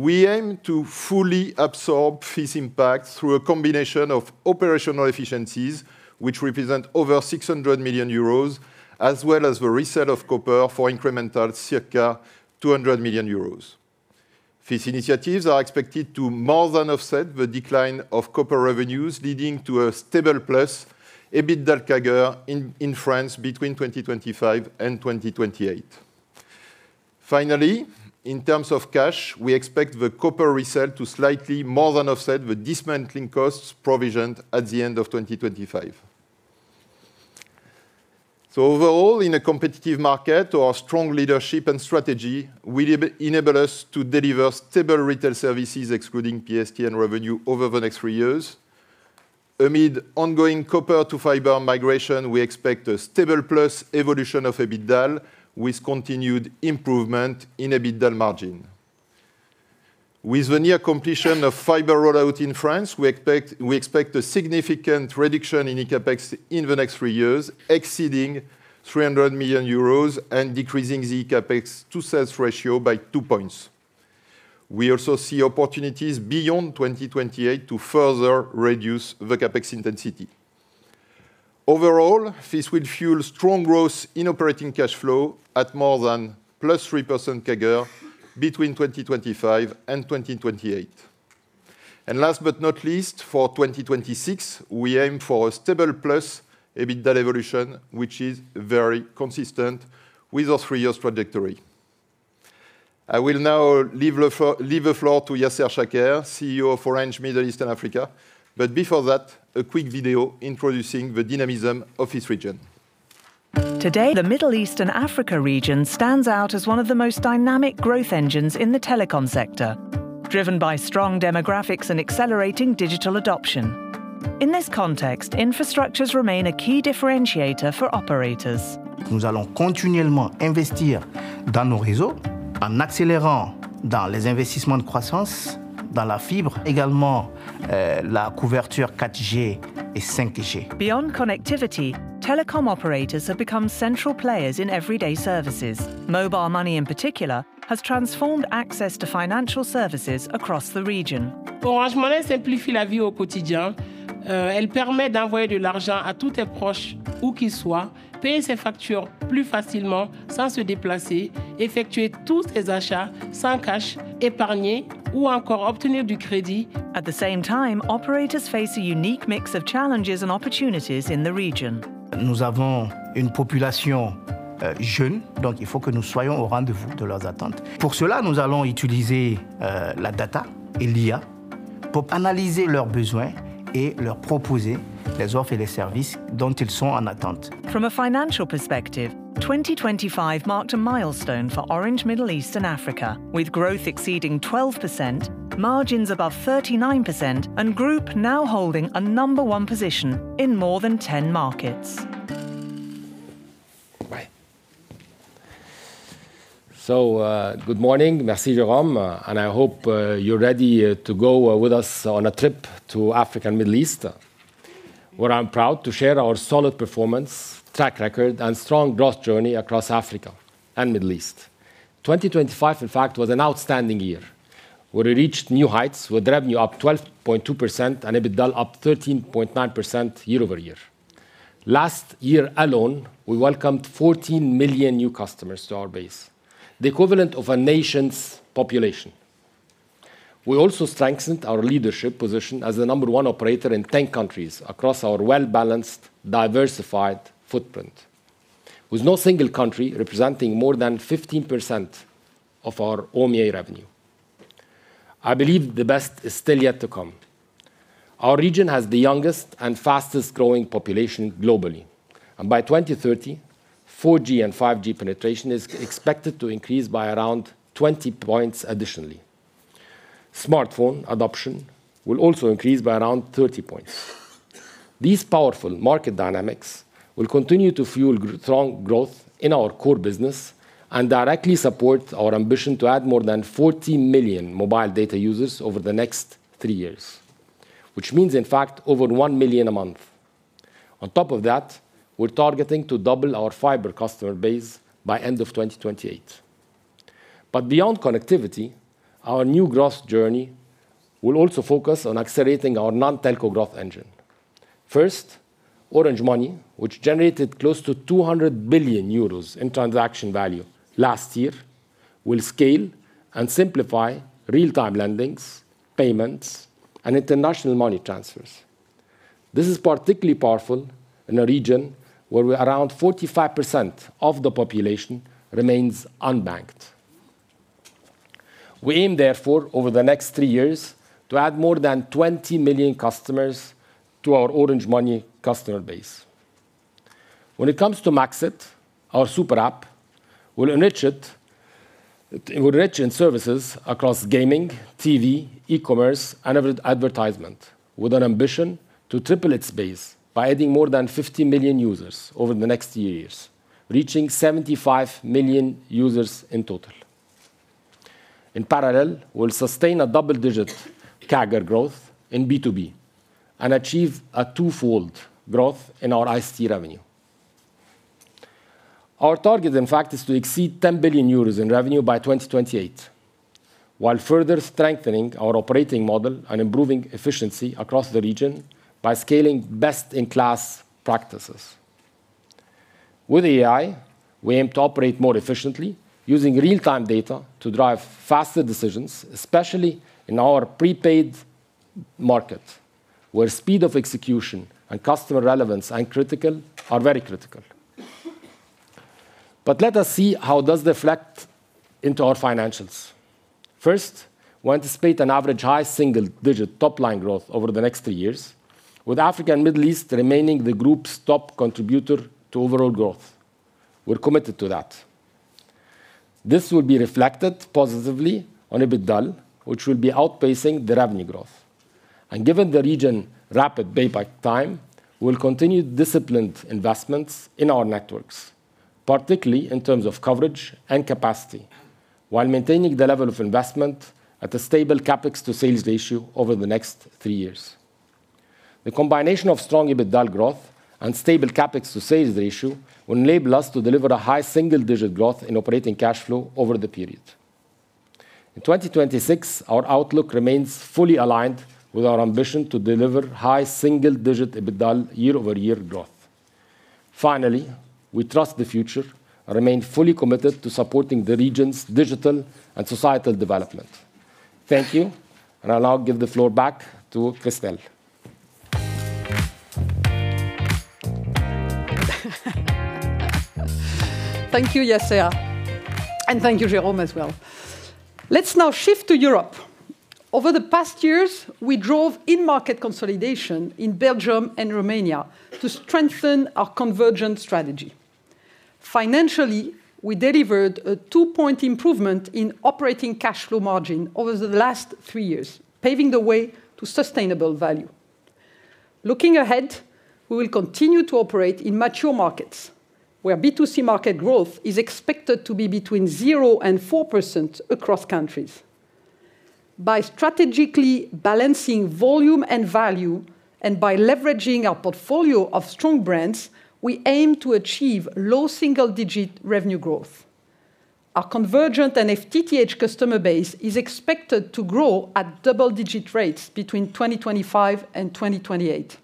We aim to fully absorb this impact through a combination of operational efficiencies, which represent over 600 million euros, as well as the resale of copper for incremental circa 200 million euros. These initiatives are expected to more than offset the decline of copper revenues, leading to a stable plus EBITDA CAGR in France between 2025 and 2028. Finally, in terms of cash, we expect the copper resale to slightly more than offset the dismantling costs provisioned at the end of 2025. Overall, in a competitive market, our strong leadership and strategy will enable us to deliver stable retail services, excluding PSTN revenue, over the next three years. Amid ongoing copper to fiber migration, we expect a stable plus evolution of EBITDA, with continued improvement in EBITDA margin. With the near completion of fiber rollout in France, we expect a significant reduction in CapEx in the next three years, exceeding 300 million euros and decreasing the CapEx to sales ratio by two points. We also see opportunities beyond 2028 to further reduce the CapEx intensity. Overall, this will fuel strong growth in operating cash flow at more than +3% CAGR between 2025 and 2028. Last but not least, for 2026, we aim for a stable plus EBITDA evolution, which is very consistent with our three-year trajectory. I will now leave the floor to Yasser Shaker, CEO of Orange Middle East and Africa. But before that, a quick video introducing the dynamism of this region. Today, the Middle East and Africa region stands out as one of the most dynamic growth engines in the telecom sector, driven by strong demographics and accelerating digital adoption. In this context, infrastructures remain a key differentiator for operators. Nous allons continuellement investir dans nos réseaux en accélérant dans les investissements de croissance, dans la fibre, également, la couverture 4G et 5G. Beyond connectivity, telecom operators have become central players in everyday services. Mobile money, in particular, has transformed access to financial services across the region. Orange Money simplifie la vie au quotidien. Elle permet d'envoyer de l'argent à tous tes proches, où qu'ils soient, payer ses factures plus facilement sans se déplacer, effectuer tous tes achats sans cash, épargner ou encore obtenir du crédit. At the same time, operators face a unique mix of challenges and opportunities in the region. Nous avons une population jeune, donc il faut que nous soyons au rendez-vous de leurs attentes. Pour cela, nous allons utiliser la data et l'IA pour analyser leurs besoins et leur proposer les offres et les services dont ils sont en attente. From a financial perspective, 2025 marked a milestone for Orange Middle East and Africa, with growth exceeding 12%, margins above 39%, and group now holding a number one position in more than 10 markets. Right. Good morning. Merci, Jérôme, and I hope you're ready to go with us on a trip to Africa and Middle East, where I'm proud to share our solid performance, track record, and strong growth journey across Africa and Middle East. 2025, in fact, was an outstanding year, where we reached new heights, with revenue up 12.2% and EBITDA up 13.9% year-over-year. Last year alone, we welcomed 14 million new customers to our base, the equivalent of a nation's population. We also strengthened our leadership position as the number one operator in 10 countries across our well-balanced, diversified footprint, with no single country representing more than 15% of our OMEA revenue. I believe the best is still yet to come. Our region has the youngest and fastest-growing population globally. By 2030, 4G and 5G penetration is expected to increase by around 20 points additionally. Smartphone adoption will also increase by around 30 points. These powerful market dynamics will continue to fuel strong growth in our core business and directly support our ambition to add more than 14 million mobile data users over the next three years, which means, in fact, over one million a month. On top of that, we're targeting to double our fiber customer base by end of 2028. Beyond connectivity, our new growth journey will also focus on accelerating our non-telco growth engine. First, Orange Money, which generated close to 200 billion euros in transaction value last year, will scale and simplify real-time lendings, payments, and international money transfers. This is particularly powerful in a region where around 45% of the population remains unbanked. We aim, therefore, over the next three years, to add more than 20 million customers to our Orange Money customer base. When it comes to Max it, our super app, we'll enrich it, enrich in services across gaming, T.V., e-commerce, and advertisement, with an ambition to triple its base by adding more than 50 million users over the next few years, reaching 75 million users in total. In parallel, we'll sustain a double-digit CAGR growth in B2B and achieve a twofold growth in our ICT revenue. Our target, in fact, is to exceed 10 billion euros in revenue by 2028, while further strengthening our operating model and improving efficiency across the region by scaling best-in-class practices. With AI, we aim to operate more efficiently, using real-time data to drive faster decisions, especially in our prepaid market, where speed of execution and customer relevance are critical, are very critical. Let us see how it does reflect into our financials. First, we anticipate an average high single-digit top-line growth over the next three years, with Africa and Middle East remaining the group's top contributor to overall growth. We're committed to that. This will be reflected positively on EBITDA, which will be outpacing the revenue growth. Given the region rapid payback time, we'll continue disciplined investments in our networks, particularly in terms of coverage and capacity, while maintaining the level of investment at a stable CapEx to sales ratio over the next three years. The combination of strong EBITDA growth and stable CapEx to sales ratio will enable us to deliver a high single-digit growth in operating cash flow over the period. In 2026, our outlook remains fully aligned with our ambition to deliver high single-digit EBITDA year-over-year growth. Finally, we trust the future and remain fully committed to supporting the region's digital and societal development. Thank you, and I'll now give the floor back to Christel. Thank you, Yasser, and thank you, Jérôme, as well. Let's now shift to Europe. Over the past years, we drove in-market consolidation in Belgium and Romania to strengthen our convergent strategy. Financially, we delivered a 2-point improvement in operating cash flow margin over the last three years, paving the way to sustainable value. Looking ahead, we will continue to operate in mature markets, where B2C market growth is expected to be between 0% and 4% across countries. By strategically balancing volume and value, and by leveraging our portfolio of strong brands, we aim to achieve low single-digit revenue growth. Our convergent and FTTH customer base is expected to grow at double-digit rates between 2025 and 2028.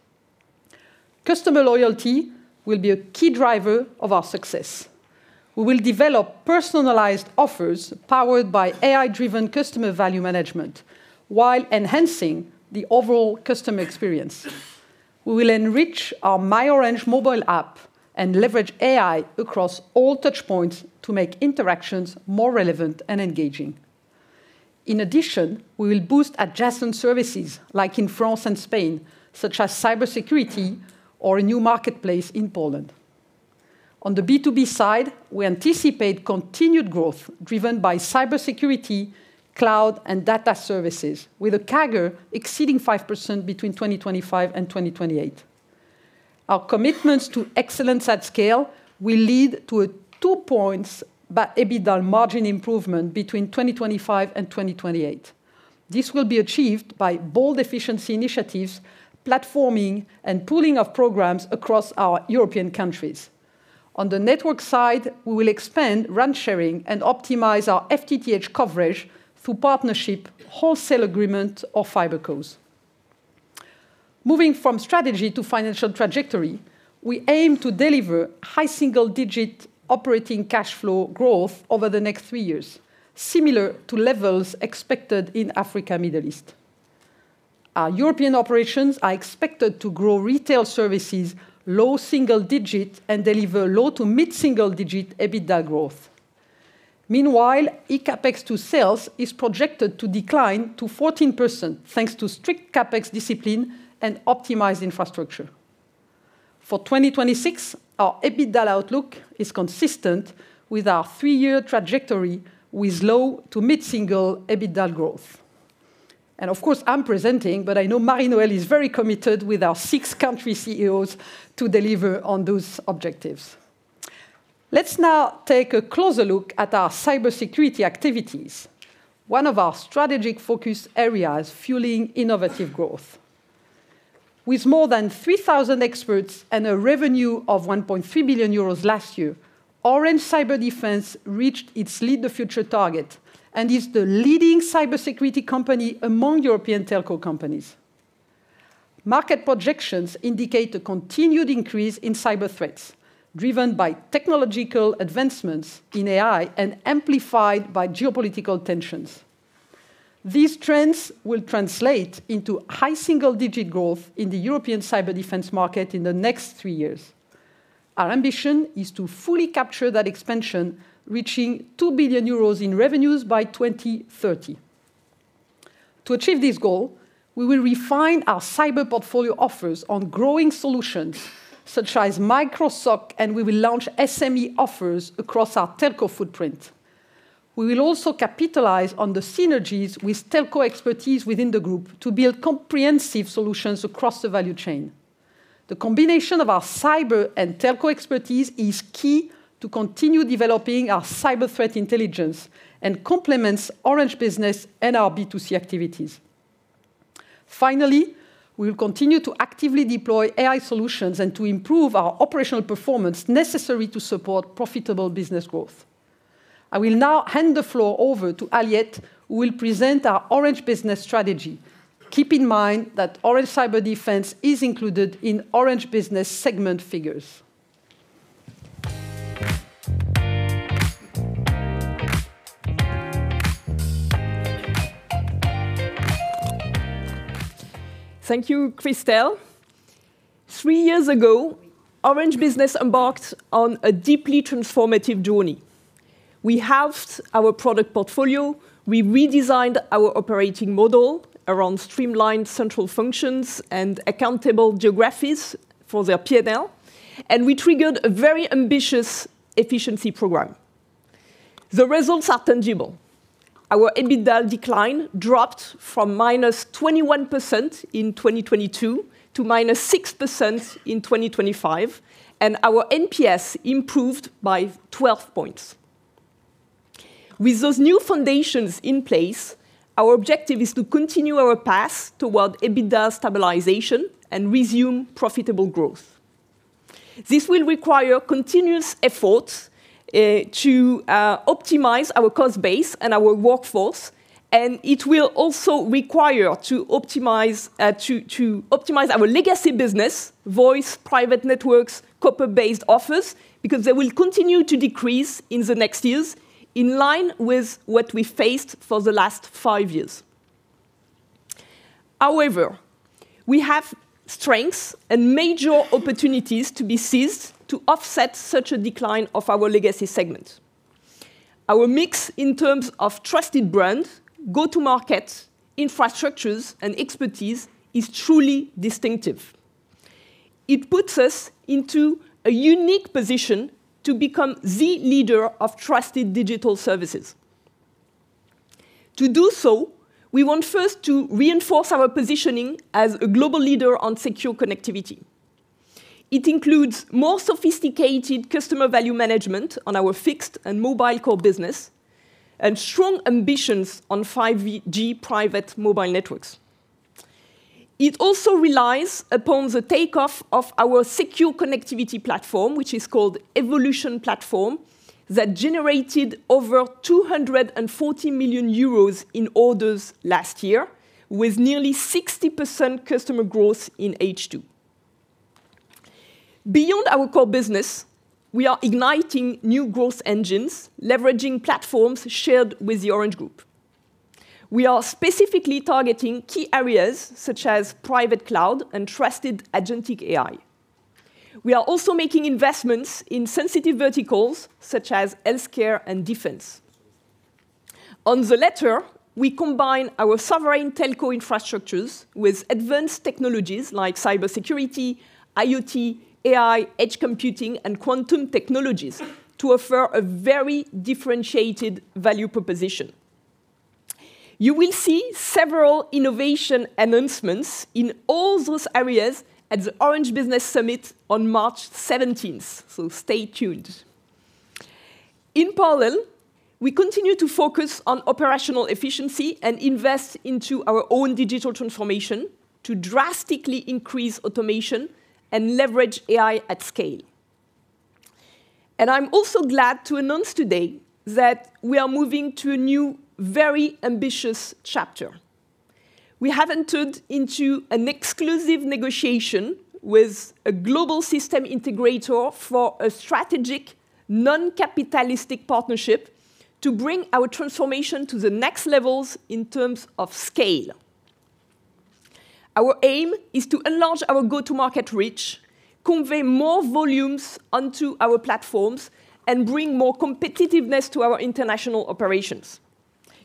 Customer loyalty will be a key driver of our success. We will develop personalized offers powered by AI-driven Customer Value Management, while enhancing the overall customer experience. We will enrich our My Orange mobile app and leverage AI across all touch points to make interactions more relevant and engaging. In addition, we will boost adjacent services, like in France and Spain, such as cybersecurity or a new marketplace in Poland. On the B2B side, we anticipate continued growth, driven by cybersecurity, cloud, and data services, with a CAGR exceeding 5% between 2025 and 2028. Our commitments to excellence at scale will lead to a two points by EBITDA margin improvement between 2025 and 2028. This will be achieved by bold efficiency initiatives, platforming, and pooling of programs across our European countries. On the network side, we will expand RAN sharing and optimize our FTTH coverage through partnership, wholesale agreement, or FiberCo. Moving from strategy to financial trajectory, we aim to deliver high-single-digit operating cash flow growth over the next three years, similar to levels expected in Africa, Middle East. Our European operations are expected to grow retail services low-single-digit and deliver low- to mid-single-digit EBITDA growth. Meanwhile, eCapEx to sales is projected to decline to 14%, thanks to strict CapEx discipline and optimized infrastructure. For 2026, our EBITDA outlook is consistent with our three-year trajectory, with low- to mid-single EBITDA growth. Of course, I'm presenting, but I know Marie-Noëlle is very committed with our six country CEOs to deliver on those objectives. Let's now take a closer look at our cybersecurity activities, one of our strategic focus areas fueling Innovative Growth. With more than 3,000 experts and a revenue of 1.3 billion euros last year. Orange Cyberdefense reached its Lead the Future target and is the leading cybersecurity company among European telco companies. Market projections indicate a continued increase in cyber threats, driven by technological advancements in AI and amplified by geopolitical tensions. These trends will translate into high single-digit growth in the European cyber defense market in the next three years. Our ambition is to fully capture that expansion, reaching 2 billion euros in revenues by 2030. To achieve this goal, we will refine our cyber portfolio offers on growing solutions, such as Micro-SOC, and we will launch SME offers across our telco footprint. We will also capitalize on the synergies with telco expertise within the group to build comprehensive solutions across the value chain. The combination of our cyber and telco expertise is key to continue developing our cyber threat intelligence and complements Orange Business and our B2C activities. Finally, we will continue to actively deploy AI solutions and to improve our operational performance necessary to support profitable business growth. I will now hand the floor over to Aliette, who will present our Orange Business strategy. Keep in mind that Orange Cyberdefense is included in Orange Business segment figures. Thank you, Christel. Three years ago, Orange Business embarked on a deeply transformative journey. We halved our product portfolio, we redesigned our operating model around streamlined central functions and accountable geographies for their P&L, and we triggered a very ambitious efficiency program. The results are tangible. Our EBITDA decline dropped from -21% in 2022 to -6% in 2025, and our NPS improved by 12 points. With those new foundations in place, our objective is to continue our path toward EBITDA stabilization and resume profitable growth. This will require continuous efforts to optimize our cost base and our workforce, and it will also require to optimize our legacy business: voice, private networks, copper-based offers, because they will continue to decrease in the next years, in line with what we faced for the last five years. However, we have strengths and major opportunities to be seized to offset such a decline of our legacy segment. Our mix in terms of trusted brand, go-to-market infrastructures, and expertise is truly distinctive. It puts us into a unique position to become the leader of trusted digital services. To do so, we want first to reinforce our positioning as a global leader on secure connectivity. It includes more sophisticated Customer Value Management on our fixed and mobile core business, and strong ambitions on 5G private mobile networks. It also relies upon the takeoff of our secure connectivity platform, which is called Evolution Platform, that generated over 240 million euros in orders last year, with nearly 60% customer growth in H2. Beyond our core business, we are igniting new growth engines, leveraging platforms shared with the Orange Group. We are specifically targeting key areas such as private cloud and trusted agentic AI. We are also making investments in sensitive verticals, such as healthcare and defense. On the latter, we combine our sovereign telco infrastructures with advanced technologies like cybersecurity, IoT, AI, edge computing, and quantum technologies to offer a very differentiated value proposition. You will see several innovation announcements in all those areas at the Orange Business Summit on March 17th, so stay tuned. In parallel, we continue to focus on operational efficiency and invest into our own digital transformation to drastically increase automation and leverage AI at scale. I'm also glad to announce today that we are moving to a new, very ambitious chapter. We have entered into an exclusive negotiation with a global system integrator for a strategic, non-capitalistic partnership to bring our transformation to the next levels in terms of scale. Our aim is to enlarge our go-to-market reach, convey more volumes onto our platforms, and bring more competitiveness to our international operations.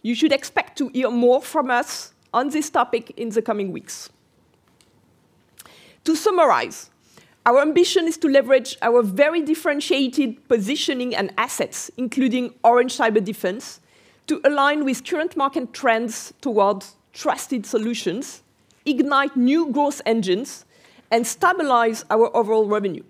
You should expect to hear more from us on this topic in the coming weeks. To summarize, our ambition is to leverage our very differentiated positioning and assets, including Orange Cyberdefense, to align with current market trends towards trusted solutions, ignite new growth engines, and stabilize our overall revenue.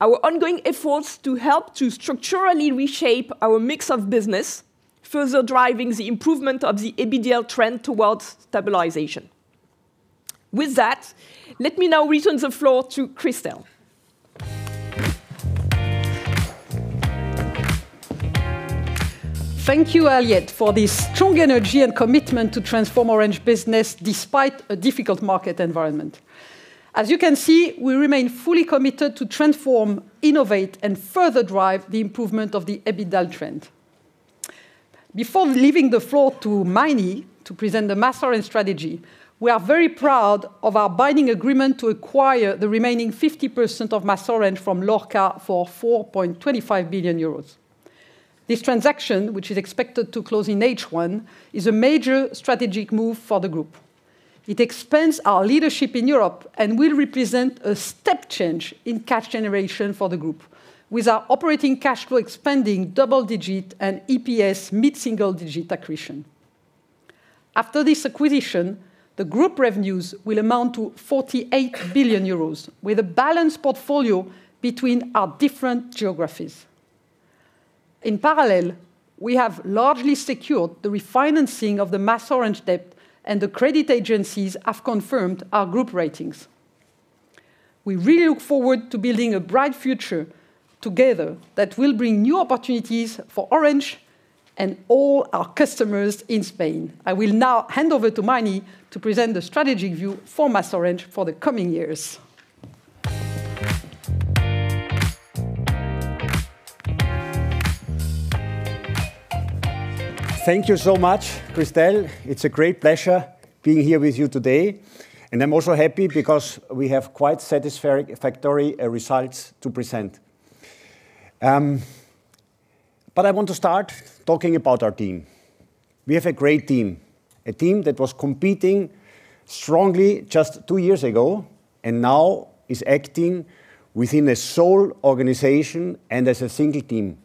Our ongoing efforts to help to structurally reshape our mix of business, further driving the improvement of the EBITDA trend towards stabilization. With that, let me now return the floor to Christel. Thank you, Aliette, for this strong energy and commitment to transform Orange Business despite a difficult market environment. As you can see, we remain fully committed to transform, innovate, and further drive the improvement of the EBITDA trend. Before leaving the floor to Meini to present the MasOrange strategy, we are very proud of our binding agreement to acquire the remaining 50% of MasOrange from Lorca for 4.25 billion euros. This transaction, which is expected to close in H1, is a major strategic move for the group. It expands our leadership in Europe and will represent a step change in cash generation for the group, with our operating cash flow expanding double-digit and EPS mid-single-digit accretion. After this acquisition, the group revenues will amount to 48 billion euros, with a balanced portfolio between our different geographies. In parallel, we have largely secured the refinancing of the MasOrange debt, and the credit agencies have confirmed our group ratings. We really look forward to building a bright future together that will bring new opportunities for Orange and all our customers in Spain. I will now hand over to Meini to present the strategic view for MasOrange for the coming years. Thank you so much, Christel. It's a great pleasure being here with you today, and I'm also happy because we have quite satisfactory results to present. I want to start talking about our team. We have a great team, a team that was competing strongly just two years ago and now is acting within a sole organization and as a single team,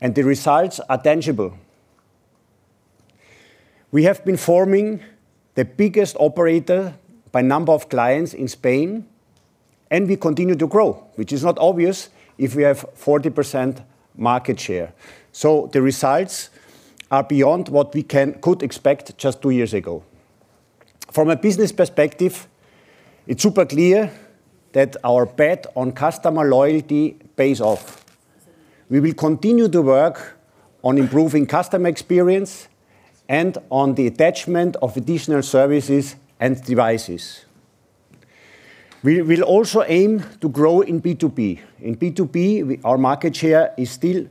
and the results are tangible. We have been forming the biggest operator by number of clients in Spain, and we continue to grow, which is not obvious if we have 40% market share. The results are beyond what we could expect just two years ago. From a business perspective, it's super clear that our bet on customer loyalty pays off. We will continue to work on improving customer experience and on the attachment of additional services and devices. We will also aim to grow in B2B. In B2B, our market share is still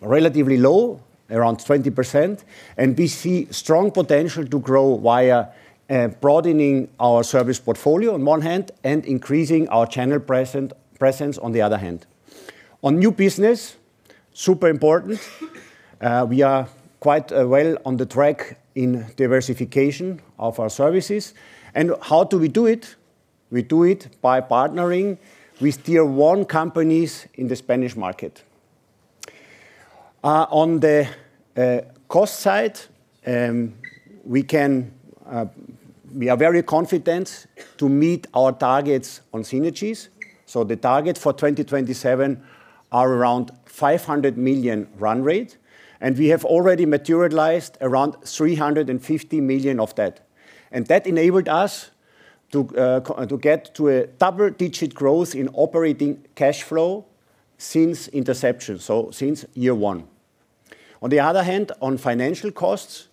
relatively low, around 20%, and we see strong potential to grow via broadening our service portfolio on one hand and increasing our channel presence on the other hand. On new business, super important, we are quite well on the track in diversification of our services. How do we do it? We do it by partnering with Tier 1 companies in the Spanish market. On the cost side, we are very confident to meet our targets on synergies. The target for 2027 are around 500 million run rate, and we have already materialized around 350 million of that. That enabled us to get to a double-digit growth in operating cash flow since inception, so since year 1. On the other hand, on financial costs,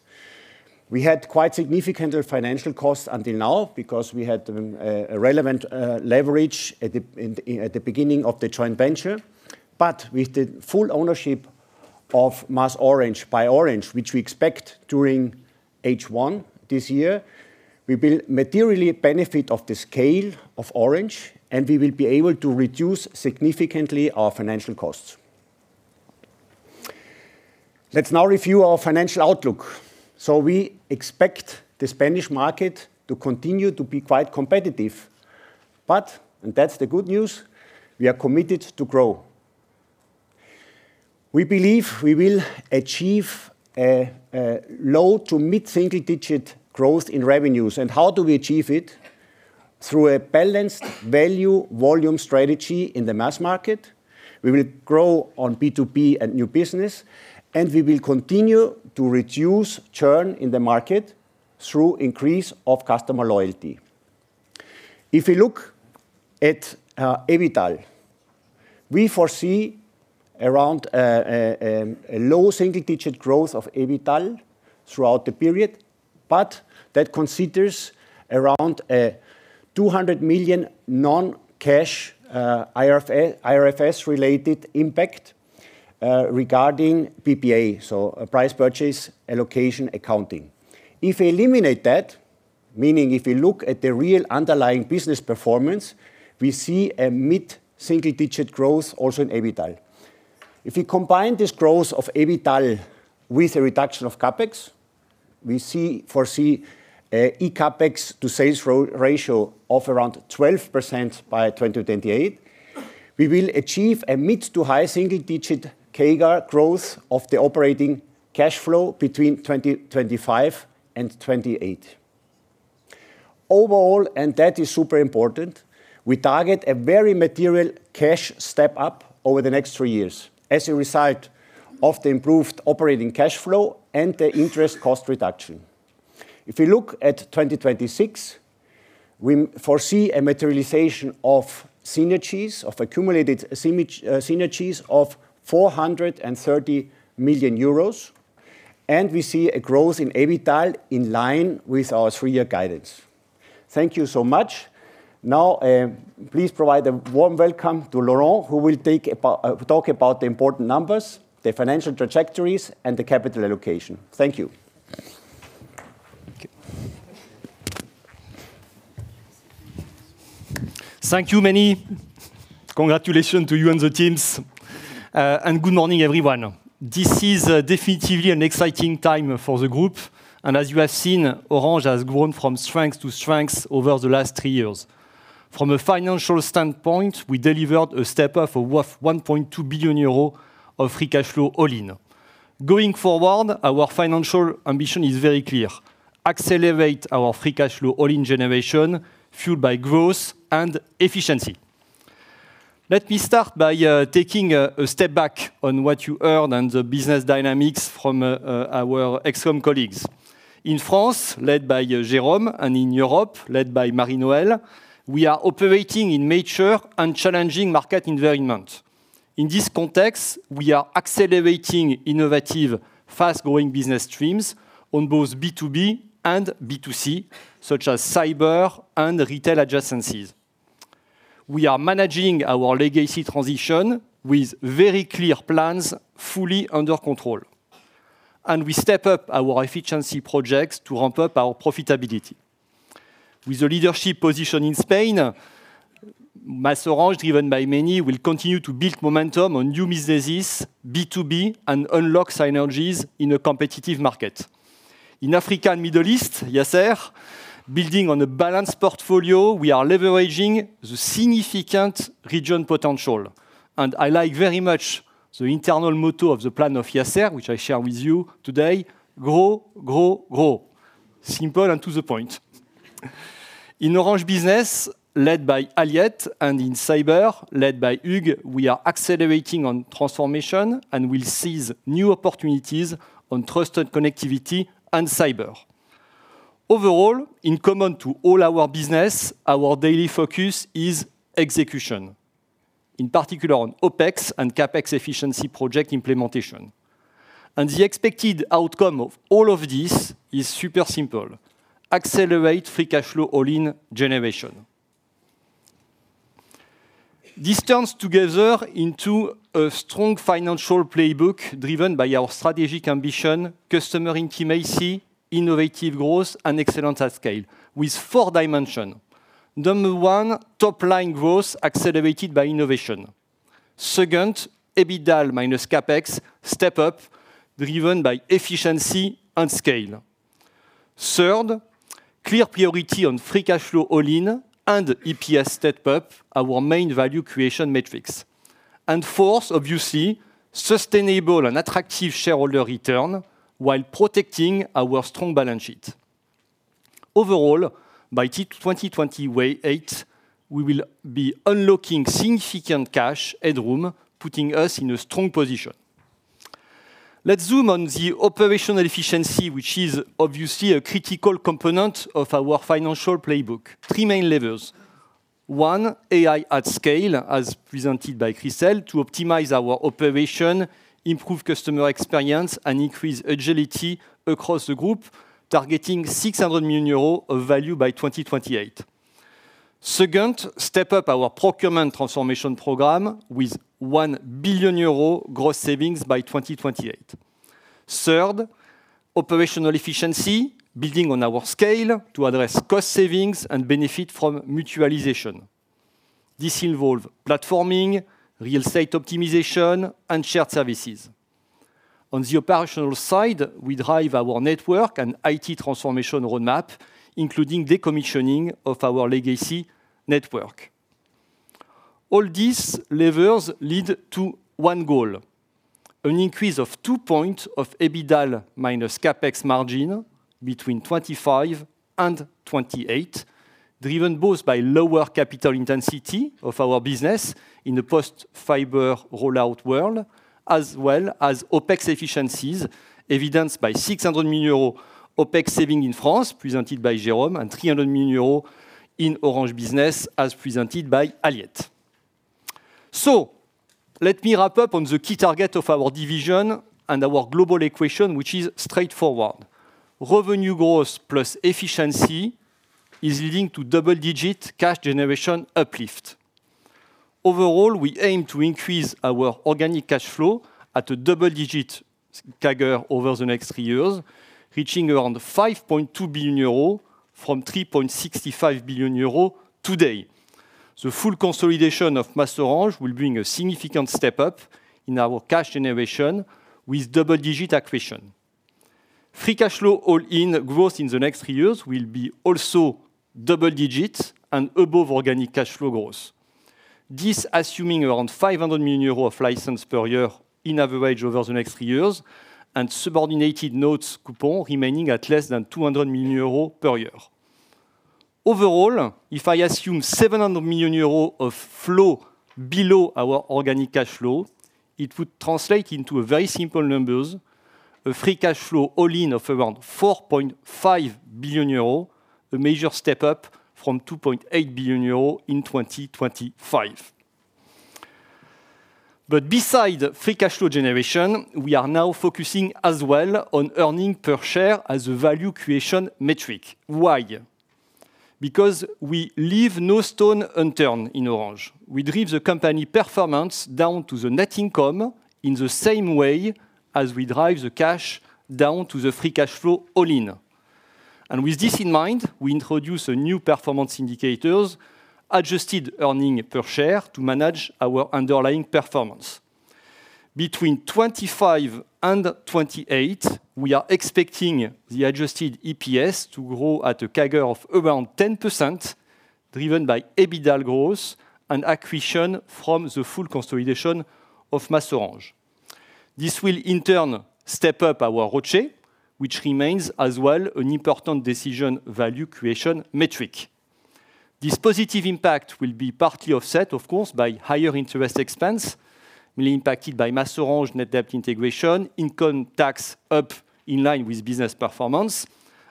we had quite significant financial costs until now because we had a relevant leverage at the beginning of the joint venture. But with the full ownership of MasOrange by Orange, which we expect during H1 this year, we will materially benefit of the scale of Orange, and we will be able to reduce significantly our financial costs. Let's now review our financial outlook. We expect the Spanish market to continue to be quite competitive, but, and that's the good news, we are committed to grow. We believe we will achieve a low- to mid-single-digit growth in revenues, and how do we achieve it? Through a balanced value-volume strategy in the mass market, we will grow on B2B and new business, and we will continue to reduce churn in the market through increase of customer loyalty. If you look at EBITDA, we foresee around a low-single-digit growth of EBITDA throughout the period, but that considers around 200 million non-cash IFRS-related impact regarding PPA, so a purchase price allocation accounting. If we eliminate that, meaning if you look at the real underlying business performance, we see a mid-single-digit growth also in EBITDA. If you combine this growth of EBITDA with a reduction of CapEx, we foresee a CapEx-to-sales ratio of around 12% by 2028. We will achieve a mid-to-high-single-digit CAGR growth of the operating cash flow between 2025 and 2028. Overall, and that is super important, we target a very material cash step up over the next three years as a result of the improved operating cash flow and the interest cost reduction. If we look at 2026, we foresee a materialization of synergies, of accumulated synergies of 430 million euros, and we see a growth in EBITDA in line with our three-year guidance. Thank you so much. Now, please provide a warm welcome to Laurent, who will talk about the important numbers, the financial trajectories, and the capital allocation. Thank you. Thank you. Thank you, Meini. Congratulations to you and the teams and good morning, everyone. This is definitely an exciting time for the group, and as you have seen, Orange has grown from strength to strength over the last three years. From a financial standpoint, we delivered a step-up of worth 1.2 billion euro of free cash flow all-in. Going forward, our financial ambition is very clear: accelerate our free cash flow all-in generation, fueled by growth and efficiency. Let me start by taking a step back on what you heard and the business dynamics from our ExCom colleagues. In France, led by Jérôme, and in Europe, led by Marie-Noëlle, we are operating in mature and challenging market environment. In this context, we are accelerating innovative, fast-growing business streams on both B2B and B2C, such as cyber and retail adjacencies. We are managing our legacy transition with very clear plans, fully under control, and we step up our efficiency projects to ramp up our profitability. With a leadership position in Spain, MasOrange, driven by Meinrad, will continue to build momentum on new businesses, B2B, and unlock synergies in a competitive market. In Africa and Middle East, Yasser, building on a balanced portfolio, we are leveraging the significant region potential. I like very much the internal motto of the plan of Yasser, which I share with you today: "Grow, grow, grow." Simple and to the point. In Orange Business, led by Aliette, and in cyber, led by Hugues, we are accelerating on transformation and will seize new opportunities on trusted connectivity and cyber. Overall, in common to all our business, our daily focus is execution, in particular on OpEx and CapEx efficiency project implementation. The expected outcome of all of this is super simple: accelerate free cash flow all-in generation. This turns together into a strong financial playbook driven by our strategic ambition, Customer Intimacy, Innovative Growth, and Excellence at Scale, with four dimension. Number one, top-line growth accelerated by innovation. Second, EBITDA minus CapEx step up, driven by efficiency and scale. Third, clear priority on free cash flow all-in and EPS step up, our main value creation metrics. Fourth, obviously, sustainable and attractive shareholder return while protecting our strong balance sheet. Overall, by 2028, we will be unlocking significant cash headroom, putting us in a strong position. Let's zoom on the operational efficiency, which is obviously a critical component of our financial playbook. Three main levels. One, AI at scale, as presented by Christel, to optimize our operation, improve customer experience, and increase agility across the group, targeting 600 million euros of value by 2028. Second, step up our procurement transformation program with 1 billion euro gross savings by 2028. Third, operational efficiency, building on our scale to address cost savings and benefit from mutualization. This involve platforming, real estate optimization, and shared services. On the operational side, we drive our network and IT transformation roadmap, including decommissioning of our legacy network. All these levels lead to one goal: an increase of 2 points of EBITDA minus CapEx margin between 2025 and 2028, driven both by lower capital intensity of our business in a post-fiber rollout world, as well as OpEx efficiencies, evidenced by 600 million euros OpEx saving in France, presented by Jérôme, and 300 million euros in Orange Business, as presented by Aliette. Let me wrap up on the key target of our division and our global equation, which is straightforward. Revenue growth plus efficiency is leading to double-digit cash generation uplift. Overall, we aim to increase our organic cash flow at a double-digit CAGR over the next three years, reaching around 5.2 billion euros from 3.65 billion euros today. The full consolidation of MasOrange will bring a significant step up in our cash generation with double-digit accretion. Free cash flow all-in growth in the next 3 years will be also double digits and above organic cash flow growth. This assuming around 500 million euros of license per year in average over the next 3 years, and subordinated notes coupon remaining at less than 200 million euros per year. Overall, if I assume 700 million euros of flow below our organic cash flow, it would translate into a very simple numbers: a free cash flow all-in of around 4.5 billion euros, a major step up from 2.8 billion euros in 2025. Beside free cash flow generation, we are now focusing as well on earnings per share as a value creation metric. Why? Because we leave no stone unturned in Orange. We drive the company performance down to the net income in the same way as we drive the cash down to the free cash flow all-in. With this in mind, we introduce a new performance indicators, adjusted earnings per share, to manage our underlying performance. Between 2025 and 2028, we are expecting the adjusted EPS to grow at a CAGR of around 10%, driven by EBITDA growth and acquisition from the full consolidation of MasOrange. This will in turn step up our ROCE, which remains as well an important decision value creation metric. This positive impact will be partly offset, of course, by higher interest expense, will impacted by MasOrange net debt integration, income tax up in line with business performance,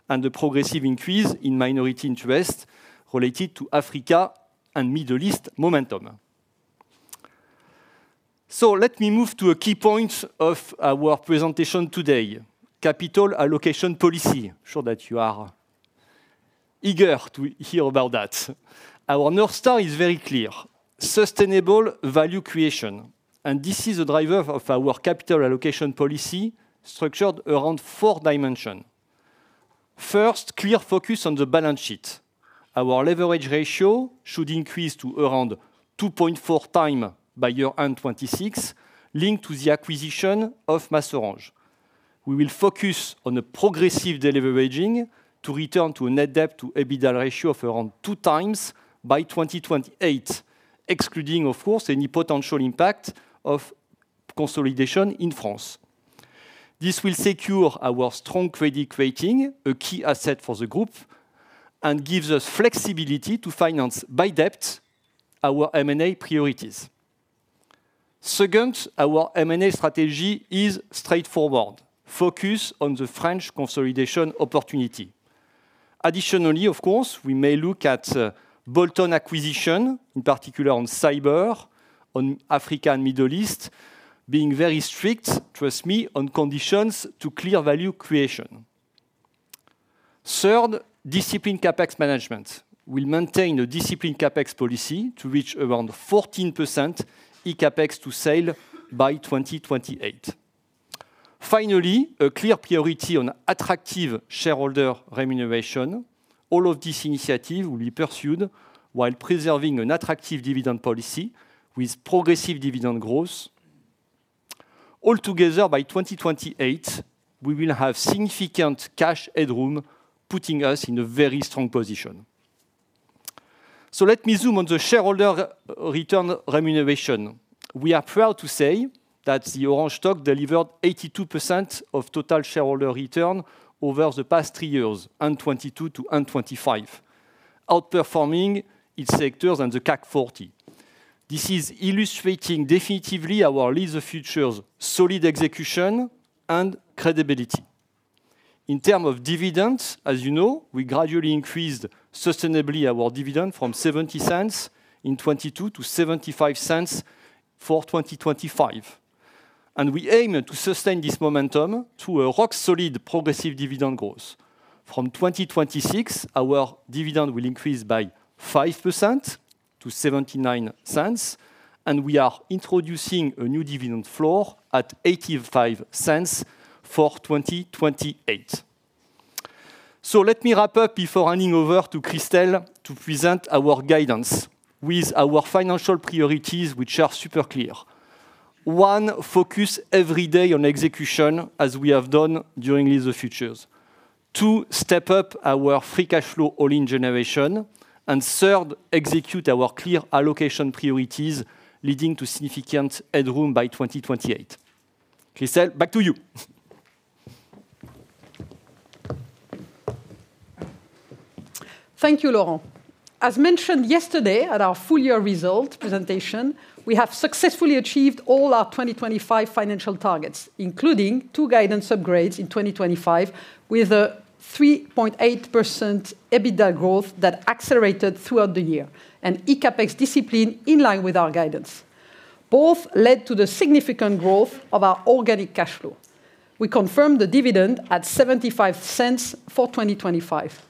and a progressive increase in minority interest related to Africa and Middle East momentum. Let me move to a key point of our presentation today: Capital Allocation Policy. I'm sure that you are eager to hear about that. Our North Star is very clear: sustainable value creation, and this is a driver of our Capital Allocation Policy, structured around four dimension. First, clear focus on the balance sheet. Our leverage ratio should increase to around 2.4x by year-end 2026, linked to the acquisition of MasOrange. We will focus on a progressive deleveraging to return to a net debt-to-EBITDA ratio of around 2x by 2028, excluding, of course, any potential impact of consolidation in France. This will secure our strong credit rating, a key asset for the Group, and gives us flexibility to finance by debt our M&A priorities. Second, our M&A strategy is straightforward: focus on the French consolidation opportunity. Additionally, of course, we may look at bolt-on acquisition, in particular on cyber, on Africa and Middle East, being very strict, trust me, on conditions to clear value creation. Third, discipline CapEx management. We'll maintain a discipline CapEx policy to reach around 14% eCapEx to sales by 2028. Finally, a clear priority on attractive shareholder remuneration. All of this initiative will be pursued while preserving an attractive dividend policy with progressive dividend growth. Altogether, by 2028, we will have significant cash headroom, putting us in a very strong position. Let me zoom on the shareholder return remuneration. We are proud to say that the Orange stock delivered 82% of total shareholder return over the past three years, End 2022-End 2025, outperforming its sectors and the CAC 40. This illustrates our Lead the Future's solid execution and credibility. In term of dividends, as you know, we gradually increased sustainably our dividend from 0.70 in 2022 to 0.75 for 2025, and we aim to sustain this momentum to a rock-solid progressive dividend growth. From 2026, our dividend will increase by 5% to 0.79, and we are introducing a new dividend floor at 0.85 for 2028. Let me wrap up before handing over to Christel to present our guidance with our financial priorities, which are super clear. One, focus every day on execution, as we have done during Lead the Future. Two, step up our free cash flow all-in generation. Third, execute our clear allocation priorities, leading to significant headroom by 2028. Christel, back to you. Thank you, Laurent. As mentioned yesterday at our full year result presentation, we have successfully achieved all our 2025 financial targets, including two guidance upgrades in 2025, with a 3.8% EBITDA growth that accelerated throughout the year, and eCapEx discipline in line with our guidance. Both led to the significant growth of our organic cash flow. We confirmed the dividend at 0.75 for 2025.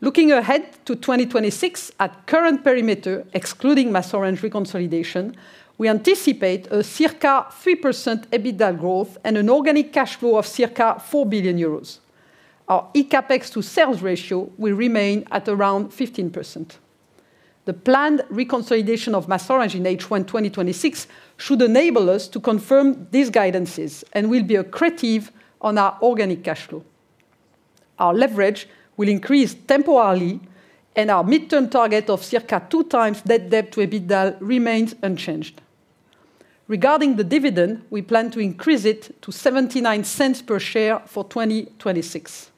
Looking ahead to 2026, at current perimeter, excluding MasOrange reconsolidation, we anticipate a circa 3% EBITDA growth and an organic cash flow of circa 4 billion euros. Our eCapEx to sales ratio will remain at around 15%. The planned reconsolidation of MasOrange in H1 2026 should enable us to confirm these guidances and will be accretive on our organic cash flow. Our leverage will increase temporarily, and our midterm target of circa 2x net debt to EBITDA remains unchanged. Regarding the dividend, we plan to increase it to 79 cents per share for 2026.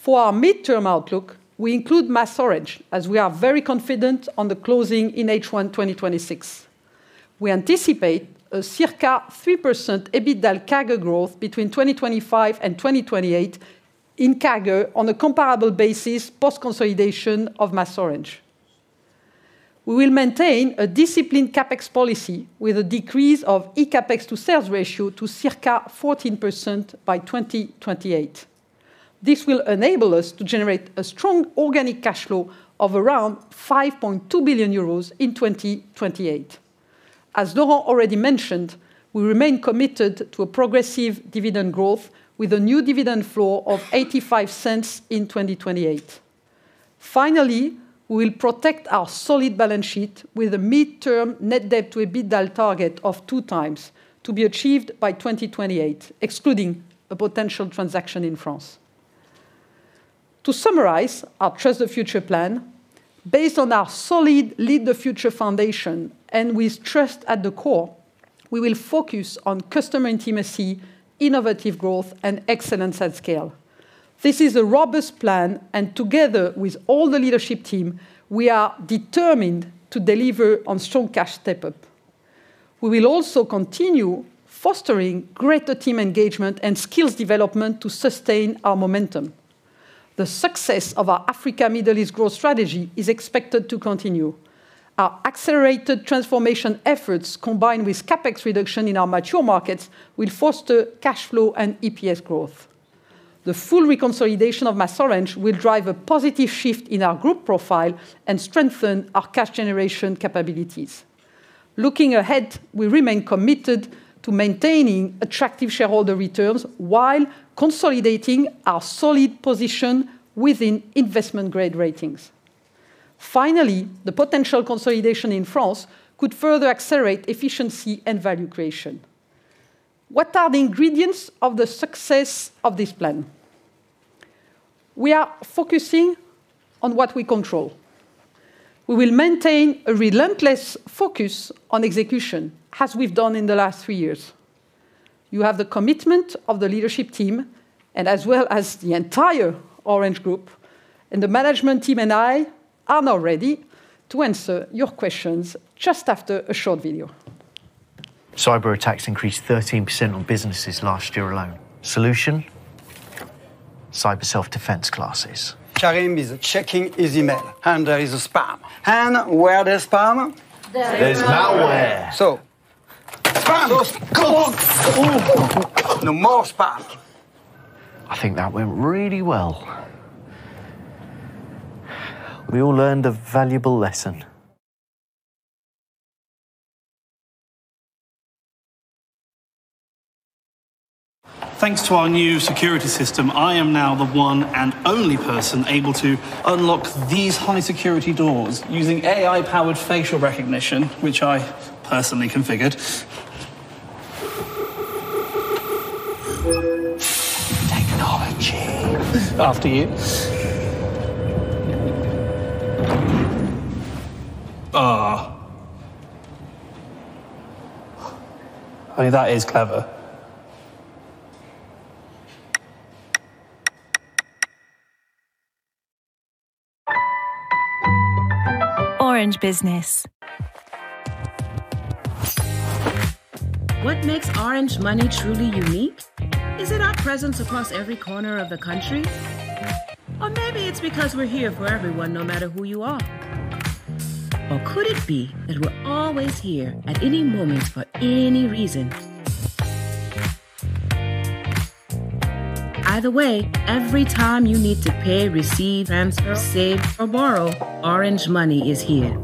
For our midterm outlook, we include MasOrange, as we are very confident on the closing in H1 2026. We anticipate a circa 3% EBITDA CAGR growth between 2025 and 2028 in CAGR on a comparable basis, post-consolidation of MasOrange. We will maintain a disciplined capex policy with a decrease of eCapEx-to-sales ratio to circa 14% by 2028. This will enable us to generate a strong organic cash flow of around 5.2 billion euros in 2028. As Laurent already mentioned, we remain committed to a progressive dividend growth with a new dividend floor of 0.85 in 2028. Finally, we will protect our solid balance sheet with a midterm net debt-to-EBITDA target of 2x, to be achieved by 2028, excluding a potential transaction in France. To summarize our Trust the Future plan, based on our solid Lead the Future foundation, and with trust at the core, we will focus on Customer Intimacy, Innovative Growth, and Excellence at Scale. This is a robust plan, and together with all the leadership team, we are determined to deliver on strong cash step-up. We will also continue fostering greater team engagement and skills development to sustain our momentum. The success of our Africa, Middle East growth strategy is expected to continue. Our accelerated transformation efforts, combined with CapEx reduction in our mature markets, will foster cash flow and EPS growth. The full reconsolidation of MasOrange will drive a positive shift in our group profile and strengthen our cash generation capabilities. Looking ahead, we remain committed to maintaining attractive shareholder returns while consolidating our solid position within investment-grade ratings. Finally, the potential consolidation in France could further accelerate efficiency and value creation. What are the ingredients of the success of this plan? We are focusing on what we control. We will maintain a relentless focus on execution, as we've done in the last three years. You have the commitment of the leadership team, and as well as the entire Orange group, and the management team and I are now ready to answer your questions just after a short video. Cyberattacks increased 13% on businesses last year alone. Solution? Cyber self-defense classes. Karim is checking his email, and there is a spam. Where there's spam. There's malware! Bam! No more spam. I think that went really well. We all learned a valuable lesson. Thanks to our new security system, I am now the one and only person able to unlock these high-security doors using AI-powered facial recognition, which I personally configured. Technology. After you. Oh. I mean, that is clever. Orange Business. What makes Orange Money truly unique? Is it our presence across every corner of the country? Maybe it's because we're here for everyone, no matter who you are. Could it be that we're always here at any moment, for any reason? Either way, every time you need to pay, receive, transfer, save, or borrow, Orange Money is here.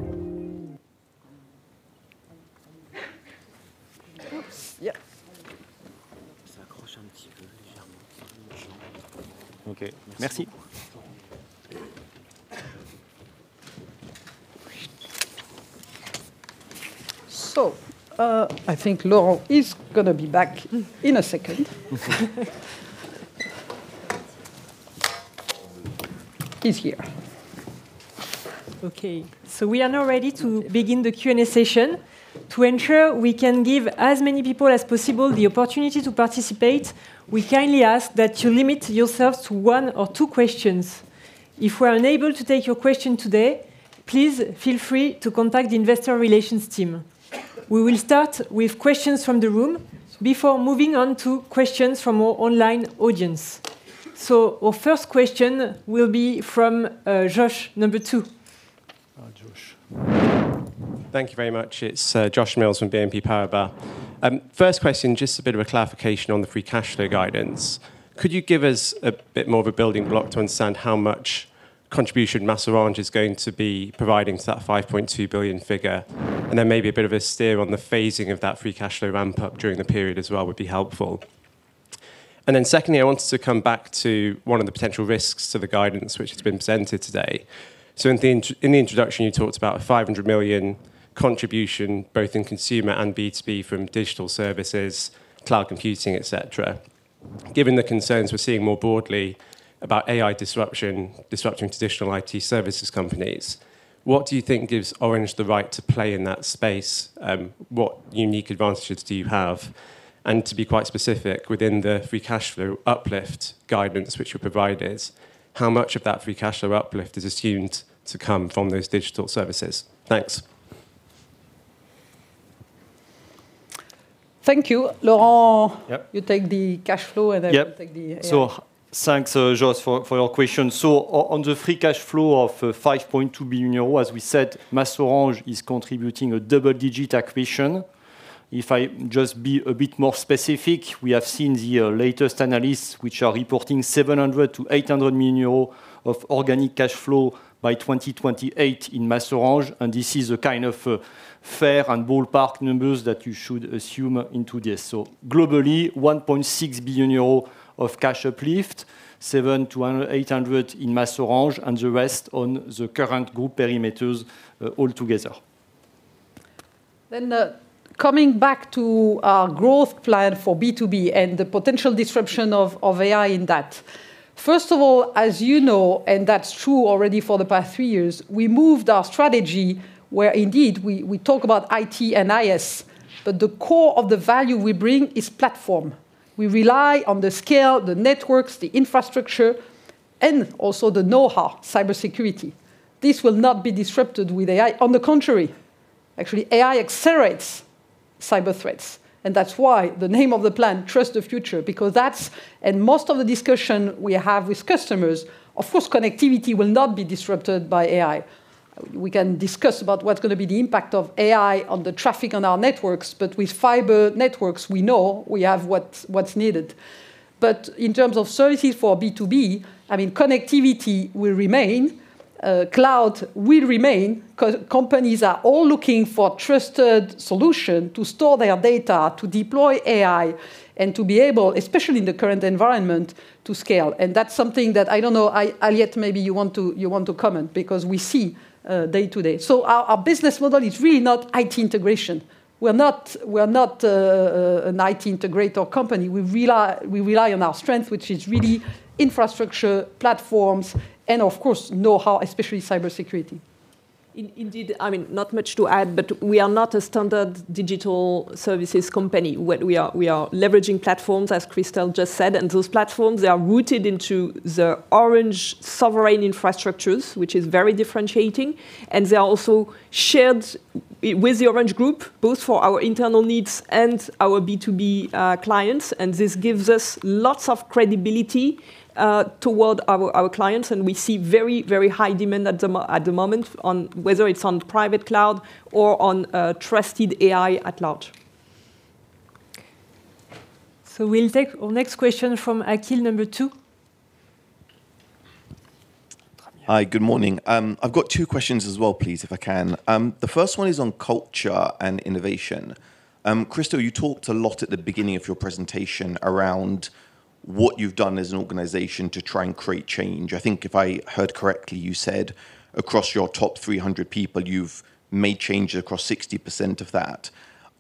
I think Laurent is gonna be back in a second. He's here. Okay, we are now ready to begin the Q&A session. To ensure we can give as many people as possible the opportunity to participate, we kindly ask that you limit yourselves to one or two questions. If we are unable to take your question today, please feel free to contact the Investor Relations team. We will start with questions from the room before moving on to questions from our online audience. Our first question will be from Josh, number two. Thank you very much. It's Josh Mills from BNP Paribas. First question, just a bit of a clarification on the free cash flow guidance. Could you give us a bit more of a building block to understand how much contribution MasOrange is going to be providing to that 5.2 billion figure? Then maybe a bit of a steer on the phasing of that free cash flow ramp-up during the period as well would be helpful. Secondly, I wanted to come back to one of the potential risks to the guidance which has been presented today. In the introduction, you talked about a 500 million contribution, both in consumer and B2B, from digital services, cloud computing, et cetera. Given the concerns we're seeing more broadly about AI disruption, disrupting traditional IT services companies, what do you think gives Orange the right to play in that space? What unique advantages do you have? To be quite specific, within the free cash flow uplift guidance which you provided, how much of that free cash flow uplift is assumed to come from those digital services? Thanks. Thank you, Laurent. You take the cash flow, and then,I will take the AI. Thanks, Josh, for your question. On the free cash flow of 5.2 billion euros, as we said, Orange is contributing a double-digit acquisition. If I just be a bit more specific, we have seen the latest analysts, which are reporting 700 million-800 million euros of organic cash flow by 2028 in Orange. This is a kind of fair and ballpark numbers that you should assume into this. Globally, 1.6 billion euros of cash uplift, 700-800 in Orange, and the rest on the current group perimeters altogether. Coming back to our growth plan for B2B and the potential disruption of AI in that. First of all, as you know, and that's true already for the past three years, we moved our strategy where indeed we talk about IT and IS, but the core of the value we bring is platform. We rely on the scale, the networks, the infrastructure, and also the know-how, cybersecurity. This will not be disrupted with AI. On the contrary, actually, AI accelerates cyber threats, and that's why the name of the plan, Trust the Future, because that's. Most of the discussion we have with customers, of course, connectivity will not be disrupted by AI. We can discuss about what's gonna be the impact of AI on the traffic on our networks, but with fiber networks, we know we have what's needed. But in terms of services for B2B, I mean connectivity will remain, cloud will remain, because companies are all looking for trusted solutions to store their data, to deploy AI, and to be able, especially in the current environment, to scale. And that's something that I don't know, maybe you want to comment, because we see day-to-day. So our business model is really not IT integration. We're not an IT integrator company. We rely on our strength, which is really infrastructurer, platforms, and of course, know-how, especiallyg cybersecurity. Indeed, I mean, not much to add, but we are not a standard digital services company. What we are, we are leveraging platforms, as Christel just said, and those platforms are rooted into the Orange sovereign infrastructures, which is very differentiating. They are also shared with the Orange Group, both for our internal needs and our B2B clients. This gives us lots of credibility toward our clients, and we see very, very high demand at the moment on whether it's on private cloud or on trusted AI at large. So we will take our next question from Akhil number two. Hi, good morning. I've got two questions as well, please, if I can. The first one is on culture and innovation. Christel, you talked a lot at the beginning of your presentation around what you've done as an organization to try and create change. I think if I heard correctly, you said across your top 300 people, you've made changes across 60% of that.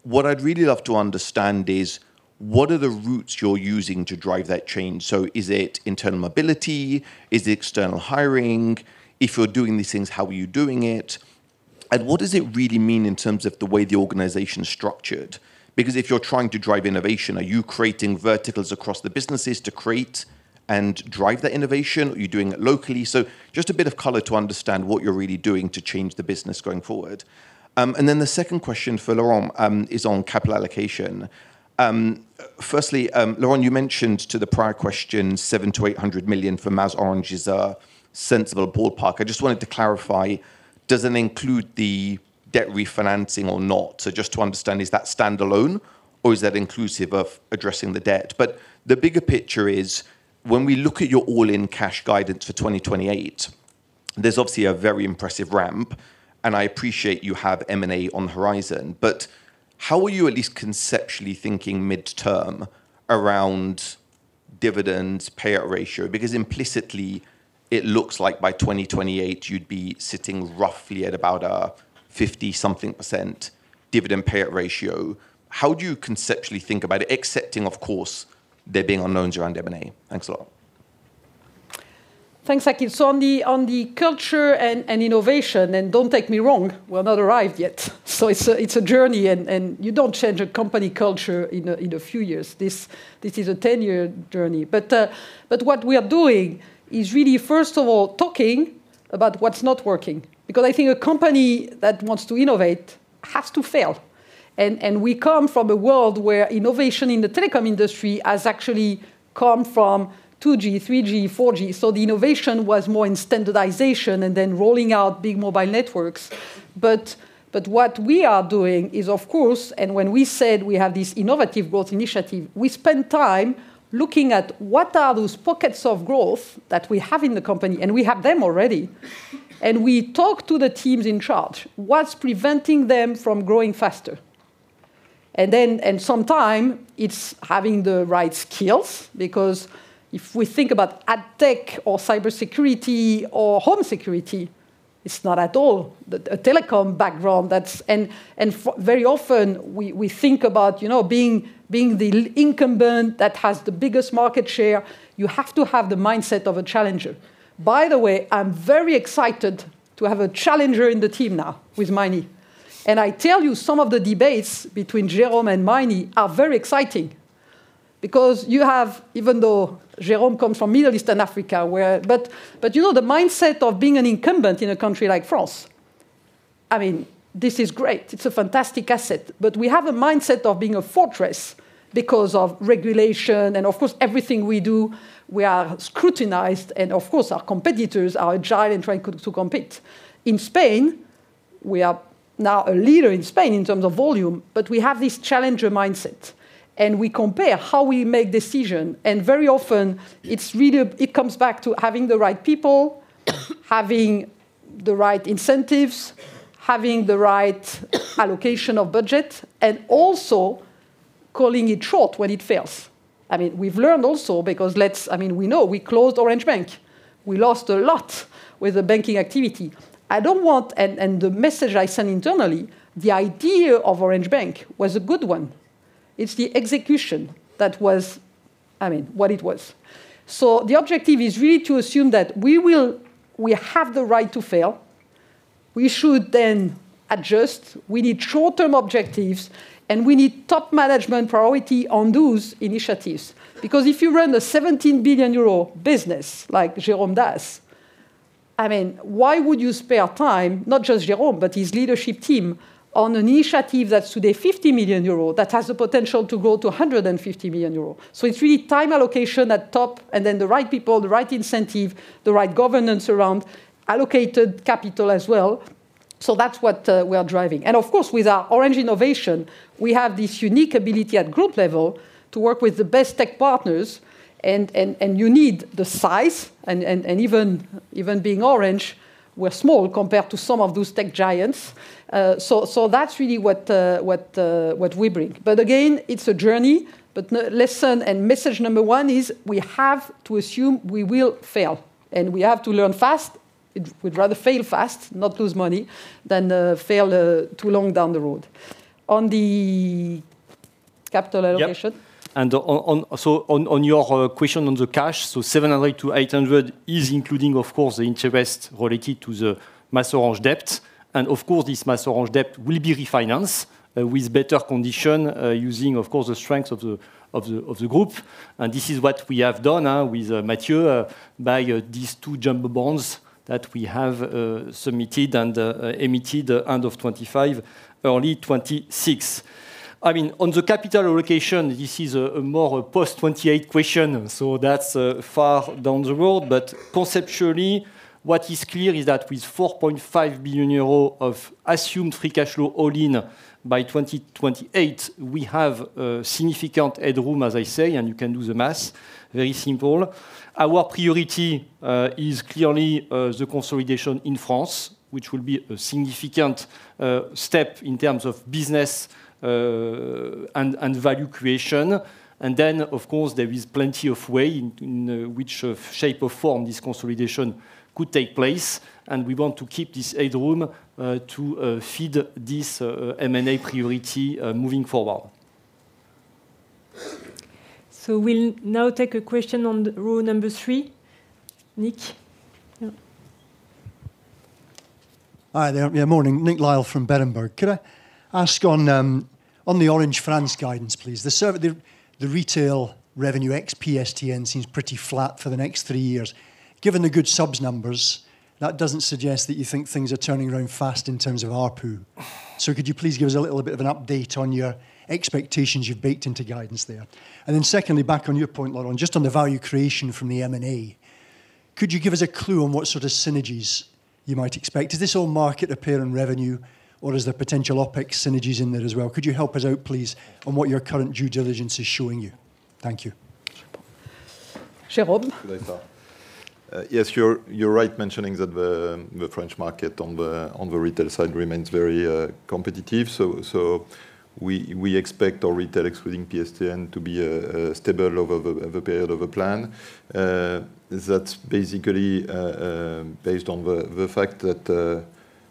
What I'd really love to understand is, what are the routes you're using to drive that change? Is it internal mobility? Is it external hiring? If you're doing these things, how are you doing it? What does it really mean in terms of the way the organization is structured? Because if you're trying to drive innovation, are you creating verticals across the businesses to create and drive that innovation, or are you doing it locally? Just a bit of color to understand what you're really doing to change the business going forward. The second question for Laurent is on capital allocation. Firstly, Laurent, you mentioned to the prior question, 700 million-800 million for MasOrange is a sensible ballpark. I just wanted to clarify, does it include the debt refinancing or not? Just to understand, is that standalone or is that inclusive of addressing the debt? The bigger picture is, when we look at your all-in cash guidance for 2028, there's obviously a very impressive ramp, and I appreciate you have M&A on the horizon, but how are you at least conceptually thinking midterm around dividend payout ratio? Because implicitly, it looks like by 2028, you'd be sitting roughly at about a 50-something % dividend payout ratio. Thanks, Akhil. On the culture and innovation, and don't take me wrong, we're not arrived yet. It's a journey, and you don't change a company culture in a few years. This is a 10-year journey. What we are doing is really, first of all, talking about what's not working because I think a company that wants to innovate has to fail. We come from a world where innovation in the telecom industry has actually come from 2G, 3G, 4G. The innovation was more in standardization and then rolling out big mobile networks. What we are doing is, of course, and when we said we have this Innovative Growth initiative, we spend time looking at what are those pockets of growth that we have in the company, and we have them already, and we talk to the teams in charge. What's preventing them from growing faster? Sometime it's having the right skills because if we think about ad tech or cybersecurity or home security, it's not at all a telecom background. Very often we think about being the incumbent that has the biggest market share. You have to have the mindset of a challenger. By the way, I'm very excited to have a challenger in the team now with Meini. I tell you some of the debates between Jérôme and Meini are very exciting because you have, even though Jérôme comes from Middle East and Africa the mindset of being an incumbent in a country like France, I mean, this is great. It's a fantastic asset. We have a mindset of being a fortress because of regulation and, of course, everything we do, we are scrutinized, and, of course, our competitors are agile in trying to compete. In Spain, we are now a leader in Spain in terms of volume, but we have this challenger mindset, and we compare how we make decision. Very often, it's really, it comes back to having the right people, having the right incentives, having the right allocation of budget, and also calling it short when it fails. I mean, we've learned also because we know we closed Orange Bank. We lost a lot with the banking activity. The message I send internally, the idea of Orange Bank was a good one. It's the execution that was, I mean, what it was. The objective is really to assume that we have the right to fail. We should then adjust. We need short-term objectives, and we need top management priority on those initiatives. Because if you run a 17 billion euro business, like Jérôme does, I mean, why would you spare time, not just Jérôme, but his leadership team, on an initiative that's today 50 million euro, that has the potential to grow to 150 million euro? It's really time allocation at top, and then the right people, the right incentive, the right governance around allocated capital as well. That's what we are driving. Of course, with our Orange Innovation, we have this unique ability at group level to work with the best tech partners, and you need the size, and even being Orange, we're small compared to some of those tech giants. That's really what we bring. Again, it's a journey. Lesson and message number one is we have to assume we will fail, and we have to learn fast. We'd rather fail fast, not lose money, than fail too long down the road. On the capital allocation? Yep. On your question on the cash, 700-800 is including, of course, the interest related to the MasOrange debt. Of course, this MasOrange debt will be refinanced with better condition using, of course, the strength of the group. This is what we have done with Matthieu by these two jumbo bonds that we have submitted and emitted end of 2025, early 2026. I mean, on the capital allocation, this is a more post-2028 question, so that's far down the road. Conceptually, what is clear is that with 4.5 billion euros of assumed free cash flow all-in by 2028, we have a significant headroom, as I say, and you can do the math. Very simple. Our priority is clearly the consolidation in France, which will be a significant step in terms of business and value creation. Of course, there is plenty of way in which of shape or form this consolidation could take place, and we want to keep this headroom to feed this M&A priority moving forward. We'll now take a question on the row number three. Nick? Hi there. Morning. Nick Lyall from Berenberg. Could I ask on the Orange France guidance, please? The retail revenue ex-PSTN seems pretty flat for the next three years. Given the good subs numbers, that doesn't suggest that you think things are turning around fast in terms of ARPU. Could you please give us a little bit of an update on your expectations you've baked into guidance there? Secondly, back on your point, Laurent, just on the value creation from the M&A, could you give us a clue on what sort of synergies you might expect? Is this all market repair in revenue, or is there potential OpEx synergies in there as well? Could you help us out, please, on what your current due diligence is showing you? Thank you. Jerome? Yes, you're right mentioning that the French market on the retail side remains very competitive. We expect our retail excluding PSTN to be stable over the period of a plan. That's basically based on the fact that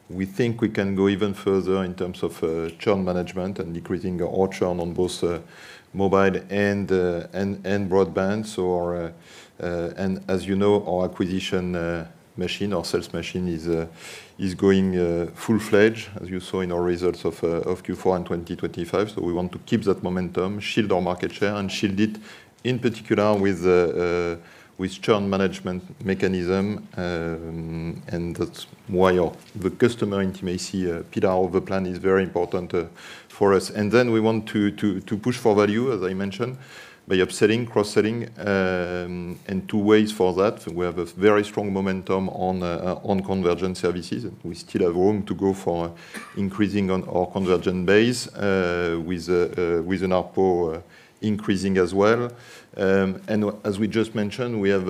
we think we can go even further in terms of churn management and decreasing our churn on both mobile and broadband. As you know, our acquisition machine, our sales machine is going full-fledged, as you saw in our results of Q4 in 2025. We want to keep that momentum, shield our market share, and shield it, in particular with churn management mechanism. That's why the Customer Intimacy pillar of the plan is very important for us. We want to push for value, as I mentioned, by upselling, cross-selling in two ways for that. We have a very strong momentum on convergence services. We still have room to go for increasing on our convergent base with an ARPU increasing as well. As we just mentioned, we have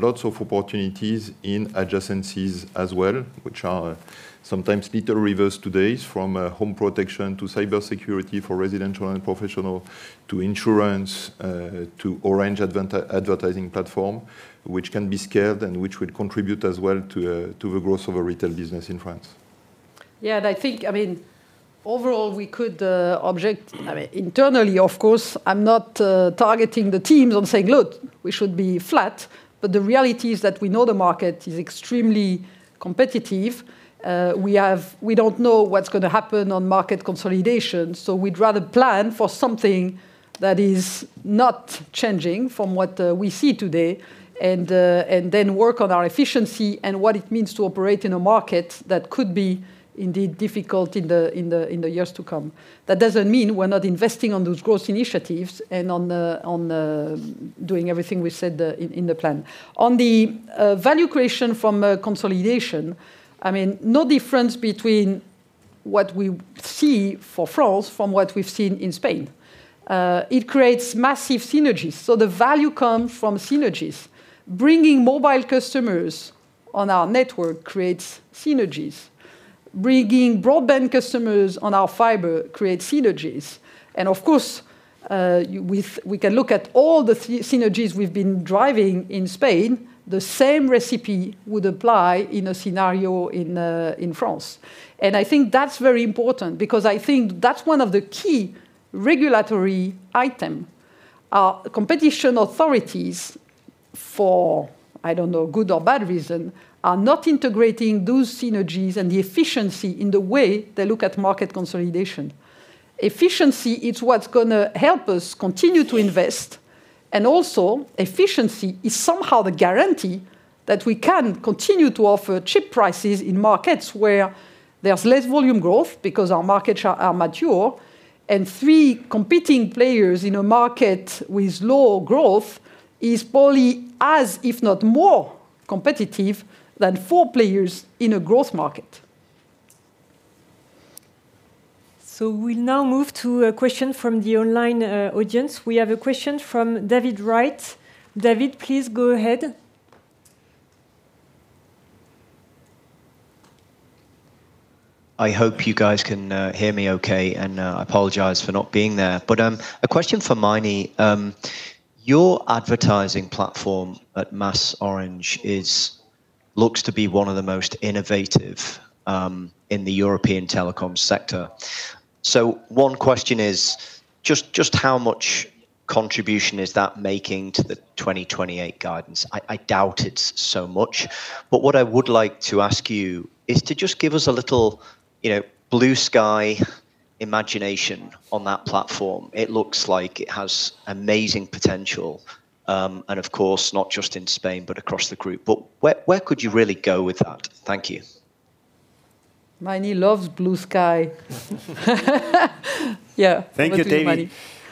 lots of opportunities in adjacencies as well, which are sometimes little reverse today, from home protection to cybersecurity for residential and professional, to insurance, to Orange Advertising platform, which can be scaled and which will contribute as well to the growth of a retail business in France. Overall, we could object. I mean, internally, of course, I'm not targeting the teams on saying, "Look, we should be flat." The reality is that we know the market is extremely competitive. We don't know what's gonna happen on market consolidation, so we'd rather plan for something that is not changing from what we see today and then work on our efficiency and what it means to operate in a market that could be indeed difficult in the years to come. That doesn't mean we're not investing on those growth initiatives and on doing everything we said in the plan. On the value creation from consolidation, I mean, no difference between what we see for France from what we've seen in Spain. It creates massive synergies. The value comes from synergies. Bringing mobile customers on our network creates synergies. Bringing broadband customers on our fiber creates synergies. Of course, we can look at all the synergies we've been driving in Spain. The same recipe would apply in a scenario in France. I think that's very important because I think that's one of the key regulatory item. Our competition authorities, for, I don't know, good or bad reason, are not integrating those synergies and the efficiency in the way they look at market consolidation. Efficiency is what's gonna help us continue to invest, and also efficiency is somehow the guarantee that we can continue to offer cheap prices in markets where there's less volume growth because our markets are mature. Three competing players in a market with low growth is probably as, if not more, competitive than four players in a growth market. We'll now move to a question from the online audience. We have a question from David Wright. David, please go ahead. I hope you guys can hear me okay, and I apologize for not being there. A question for Meini. Your advertising platform at MasOrange looks to be one of the most innovative in the European telecom sector. One question is just how much contribution is that making to the 2028 guidance? I doubt it's so much, but what I would like to ask you is to just give us a little blue sky imagination on that platform. It looks like it has amazing potential, and of course, not just in Spain, but across the group. Where could you really go with that? Thank you. Meini loves blue sky. Thank you, David. Over to you, Meini.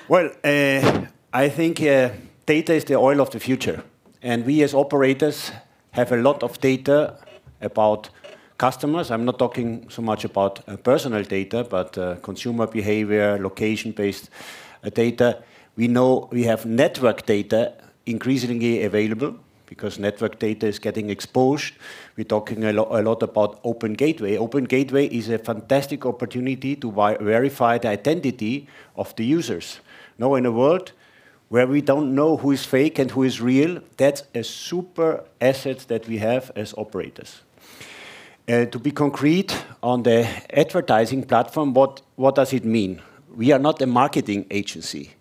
Well, I think data is the oil of the future, and we as operators have a lot of data about customers. I'm not talking so much about personal data, but consumer behavior, location-based data. We know we have network data increasingly available because network data is getting exposed. We're talking a lot, a lot about Open Gateway. Open Gateway is a fantastic opportunity to verify the identity of the users. Now, in a world where we don't know who is fake and who is real, that's a super asset that we have as operators. To be concrete on the advertising platform, what does it mean? We are not a marketing agency.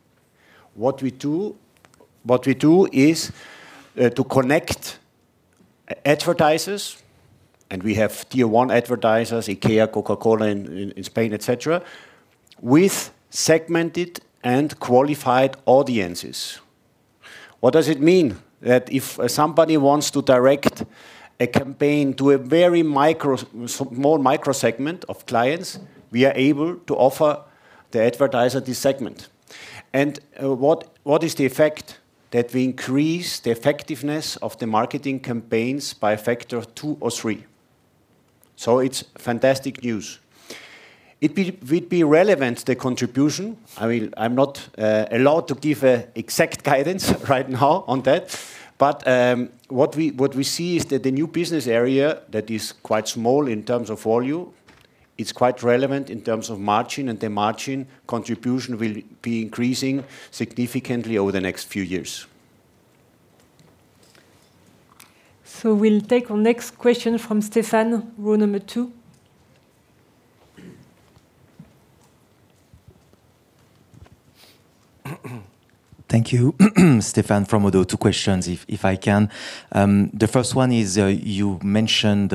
What we do is to connect advertisers, and we have Tier 1 advertisers, IKEA, Coca-Cola in Spain, et cetera, with segmented and qualified audiences. What does it mean? That if somebody wants to direct a campaign to a very micro, small micro segment of clients, we are able to offer the advertiser this segment. What is the effect? That we increase the effectiveness of the marketing campaigns by a factor of two or three. It's fantastic news. It would be relevant, the contribution. I mean, I'm not allowed to give a exact guidance right now on that, but what we see is that the new business area, that is quite small in terms of volume, is quite relevant in terms of margin, and the margin contribution will be increasing significantly over the next few years. We'll take our next question from Stéphane, row number two. Thank you. Stéphane from Oddo. Two questions if I can. The first one is you mentioned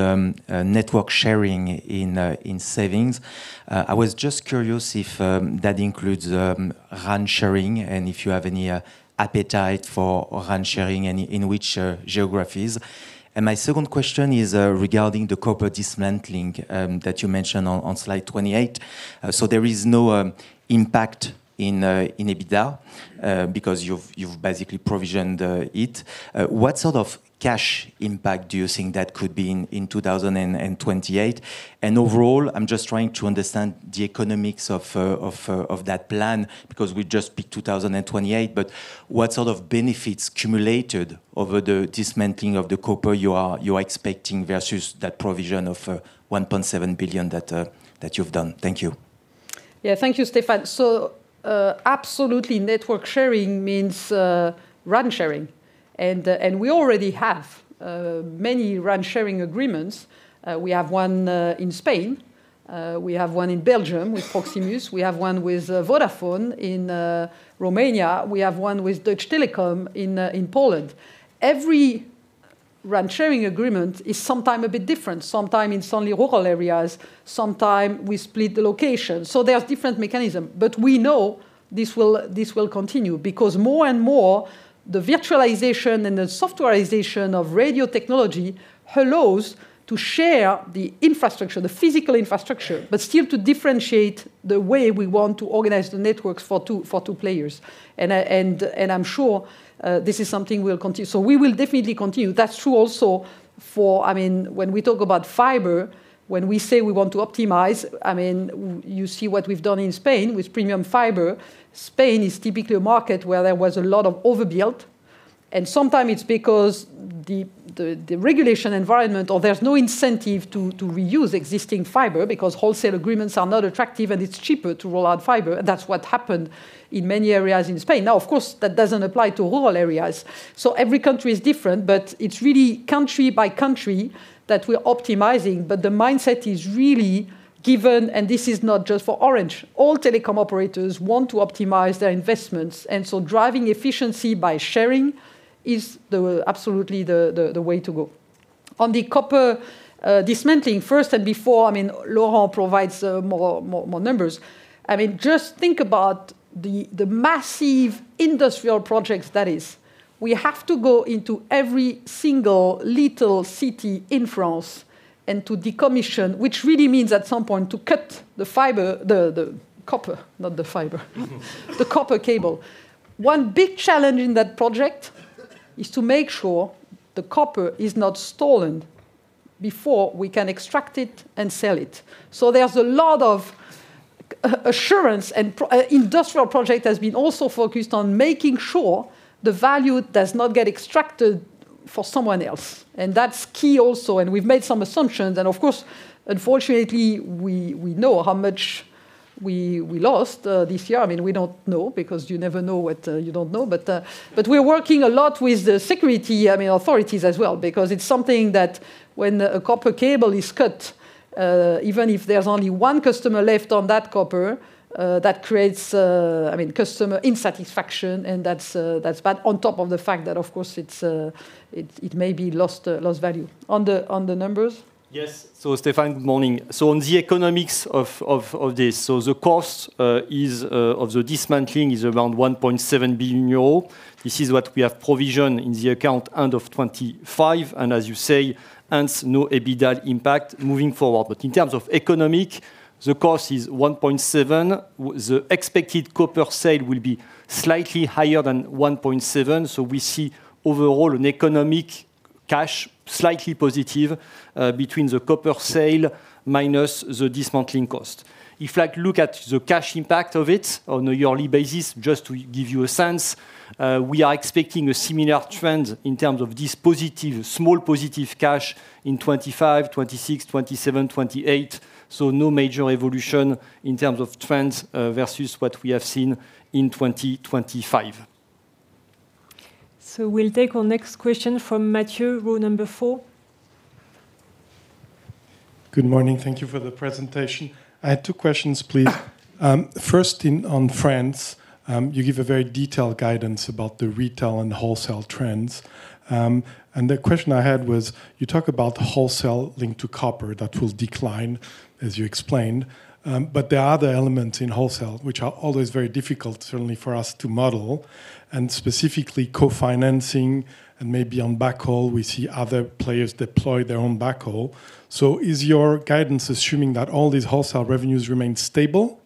network sharing in savings. I was just curious if that includes RAN sharing and if you have any appetite for RAN sharing and in which geographies. My second question is regarding the copper dismantling that you mentioned on slide 28. There is no impact in EBITDA because you've basically provisioned it. What sort of cash impact do you think that could be in 2028? Overall, I'm just trying to understand the economics of that plan because we just picked 2028. What sort of benefits cumulated over the dismantling of the copper you are expecting versus that provision of 1.7 billion that you've done? Thank you. Thank you, Stéphane. Absolutely network sharing means RAN sharing. We already have many RAN sharing agreements. We have one in Spain. We have one in Belgium with Proximus. We have one with Vodafone in Romania. We have one with Deutsche Telekom in Poland. Every RAN sharing agreement is sometime a bit different. Sometime it's only rural areas, sometime we split the location. There's different mechanism, but we know this will continue because more and more, the virtualization and the softwarization of radio technology allows to share the infrastructure, the physical infrastructure, but still to differentiate the way we want to organize the networks for two players. I'm sure this is something we'll continue. We will definitely continue. That's true also for, I mean, when we talk about fiber, when we say we want to optimize, I mean, you see what we've done in Spain with premium fiber. Spain is typically a market where there was a lot of overbuilt. Sometime it's because the regulation environment or there's no incentive to reuse existing fiber because wholesale agreements are not attractive. It's cheaper to roll out fiber, and that's what happened in many areas in Spain. Now, of course, that doesn't apply to rural areas. Every country is different, but it's really country by country that we're optimizing. The mindset is really given, and this is not just for Orange. All telecom operators want to optimize their investments, and so driving efficiency by sharing is absolutely the way to go. On the copper dismantling, first and before, I mean, Laurent provides more numbers. I mean, just think about the massive industrial projects that is. We have to go into every single little city in France and to decommission, which really means at some point to cut the copper, not the fiber, the copper cable. One big challenge in that project is to make sure the copper is not stolen before we can extract it and sell it. There's a lot of assurance and industrial project has been also focused on making sure the value does not get extracted for someone else, and that's key also. We've made some assumptions, and of course, unfortunately, we know how much we lost this year. I mean, we don't know, because you never know what you don't know. We're working a lot with the security, I mean, authorities as well, because it's something that, when a copper cable is cut, even if there's only one customer left on that copper, that creates, I mean, customer insatisfaction, and that's bad. On top of the fact that, of course, it may be lost value. On the numbers? Yes, so Stéphane good morning. So on the economics of this, so the cost of the dismantling is around 1.7 billion euro. This is what we have provisioned in the account end of 2025. And as you say, hence no EBITDA impact moving forward. But in terms of economics, the cost is 1.7 billion. The expected copper sale will be slightly higher than 1.7 billion, so we see overall an economic cash slightly positive between the copper sale minus the dismantling cost. If I look at the cash impact of it on a yearly basis, just to give you a sense, we are expecting a similar trend in terms of this positive, small positive cash in '25, '26, '27, '28. So no major evolution in terms of trends versus what we have seen in 2025. We'll take our next question from Matthieu, row number four. Good morning. Thank you for the presentation. I had two questions, please. First, on France, you give a very detailed guidance about the retail and wholesale trends. The question I had was, you talk about the wholesale linked to copper that will decline, as you explained. There are other elements in wholesale which are always very difficult, certainly for us, to model, and specifically co-financing and maybe on backhaul, we see other players deploy their own backhaul. Is your guidance assuming that all these wholesale revenues remain stable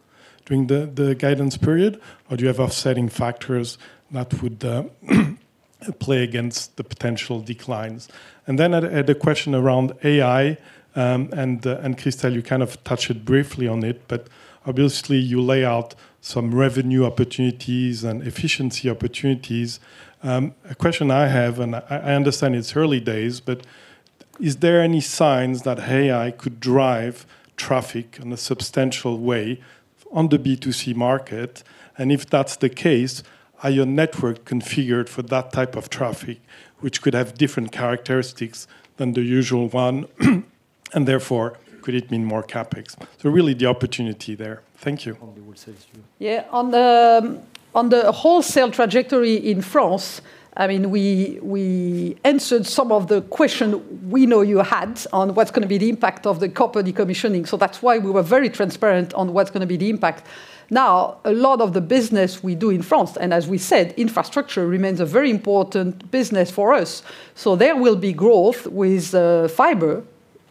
during the guidance period, or do you have offsetting factors that would play against the potential declines? Then I had a question around AI, and Christel, you kind of touched briefly on it, but obviously, you lay out some revenue opportunities and efficiency opportunities. A question I have, and I understand it's early days, but is there any signs that AI could drive traffic in a substantial way on the B2C market? If that's the case, are your network configured for that type of traffic, which could have different characteristics than the usual one? Therefore, could it mean more CapEx? Really, the opportunity there. Thank you. On the wholesale trajectory in France, I mean, we answered some of the question we know you had on what's going to be the impact of the copper decommissioning. That's why we were very transparent on what's going to be the impact. Now, a lot of the business we do in France, and as we said, infrastructure remains a very important business for us. There will be growth with fiber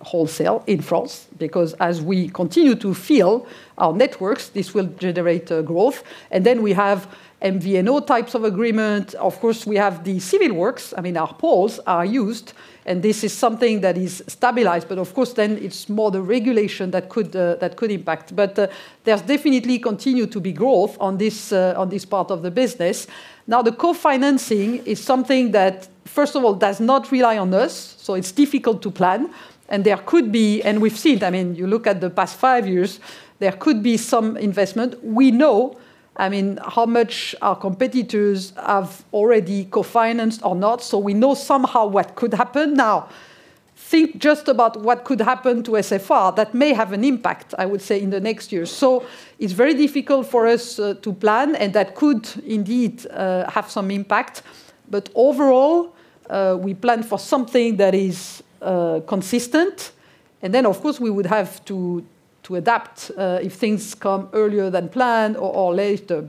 wholesale in France, because as we continue to fill our networks, this will generate growth. We have MVNO types of agreement. Of course, we have the civil works. I mean, our poles are used, and this is something that is stabilized, but of course, then it's more the regulation that could impact. There's definitely continue to be growth on this part of the business. The co-financing is something that, first of all, does not rely on us, so it's difficult to plan. We've seen, I mean, you look at the past five years, there could be some investment. We know, I mean, how much our competitors have already co-financed or not, so we know somehow what could happen. Think just about what could happen to SFR. That may have an impact, I would say, in the next year. It's very difficult for us to plan, and that could indeed have some impact. Overall, we plan for something that is consistent, and then, of course, we would have to adapt if things come earlier than planned or later.